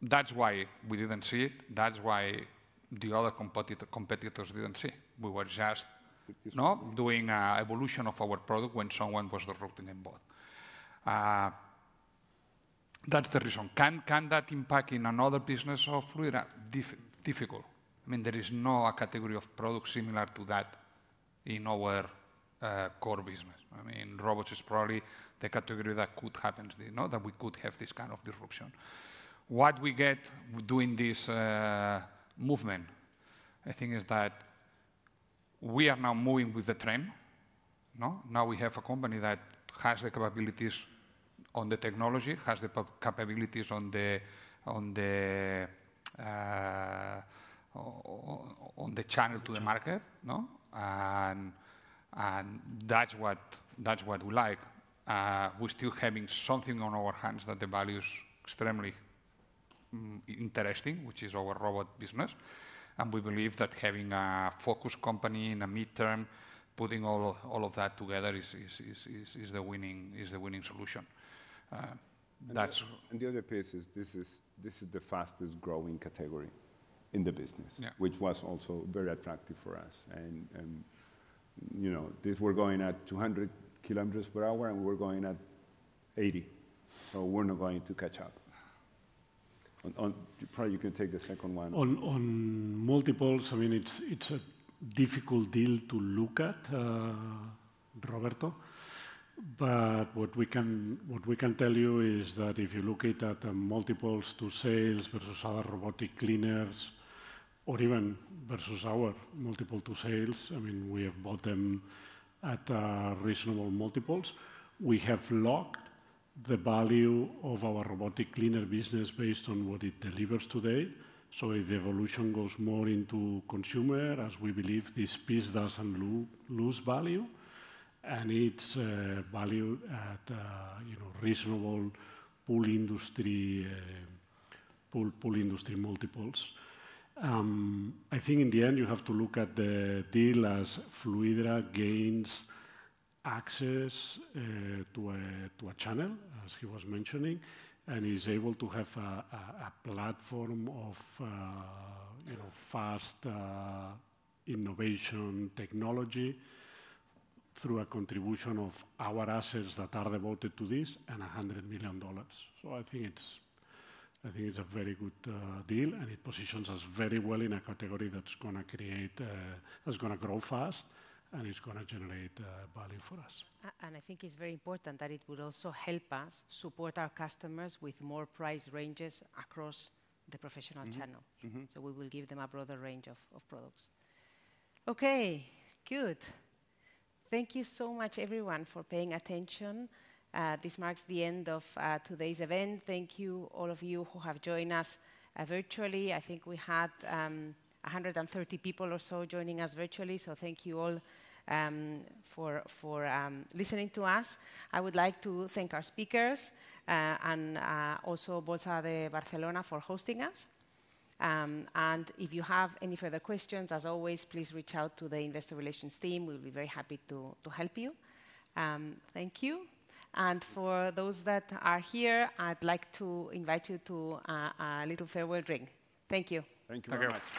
That's why we didn't see it. That's why the other competitors didn't see. We were just doing an evolution of our product when someone was disrupting it both. That's the reason. Can that impact in another business of Fluidra? Difficult. I mean, there is no category of product similar to that in our core business. I mean, robots is probably the category that could happen that we could have this kind of disruption. What we get doing this movement, I think, is that we are now moving with the trend. Now we have a company that has the capabilities on the technology, has the capabilities on the channel to the market. That is what we like. We are still having something on our hands that the value is extremely interesting, which is our robot business. We believe that having a focused company in the midterm, putting all of that together is the winning solution. The other piece is this is the fastest-growing category in the business, which was also very attractive for us. We are going at 200 kilometers per hour, and we are going at 80. We are not going to catch up. Probably you can take the second one. I mean, on multiples, it is a difficult deal to look at, Roberto. What we can tell you is that if you look at the multiples to sales versus other robotic cleaners, or even versus our multiple to sales, I mean, we have bought them at reasonable multiples. We have locked the value of our robotic cleaner business based on what it delivers today. The evolution goes more into consumer, as we believe this piece doesn't lose value. It is valued at reasonable pool industry multiples. I think in the end, you have to look at the deal as Fluidra gains access to a channel, as he was mentioning, and is able to have a platform of fast innovation technology through a contribution of our assets that are devoted to this and $100 million. I think it's a very good deal, and it positions us very well in a category that's going to create, that's going to grow fast, and it's going to generate value for us. I think it's very important that it would also help us support our customers with more price ranges across the professional channel. We will give them a broader range of products. Okay. Good. Thank you so much, everyone, for paying attention. This marks the end of today's event. Thank you, all of you who have joined us virtually. I think we had 130 people or so joining us virtually. Thank you all for listening to us. I would like to thank our speakers and also Bolsa de Barcelona for hosting us. If you have any further questions, as always, please reach out to the investor relations team. We'll be very happy to help you. Thank you. For those that are here, I'd like to invite you to a little farewell drink. Thank you. Thank you very much.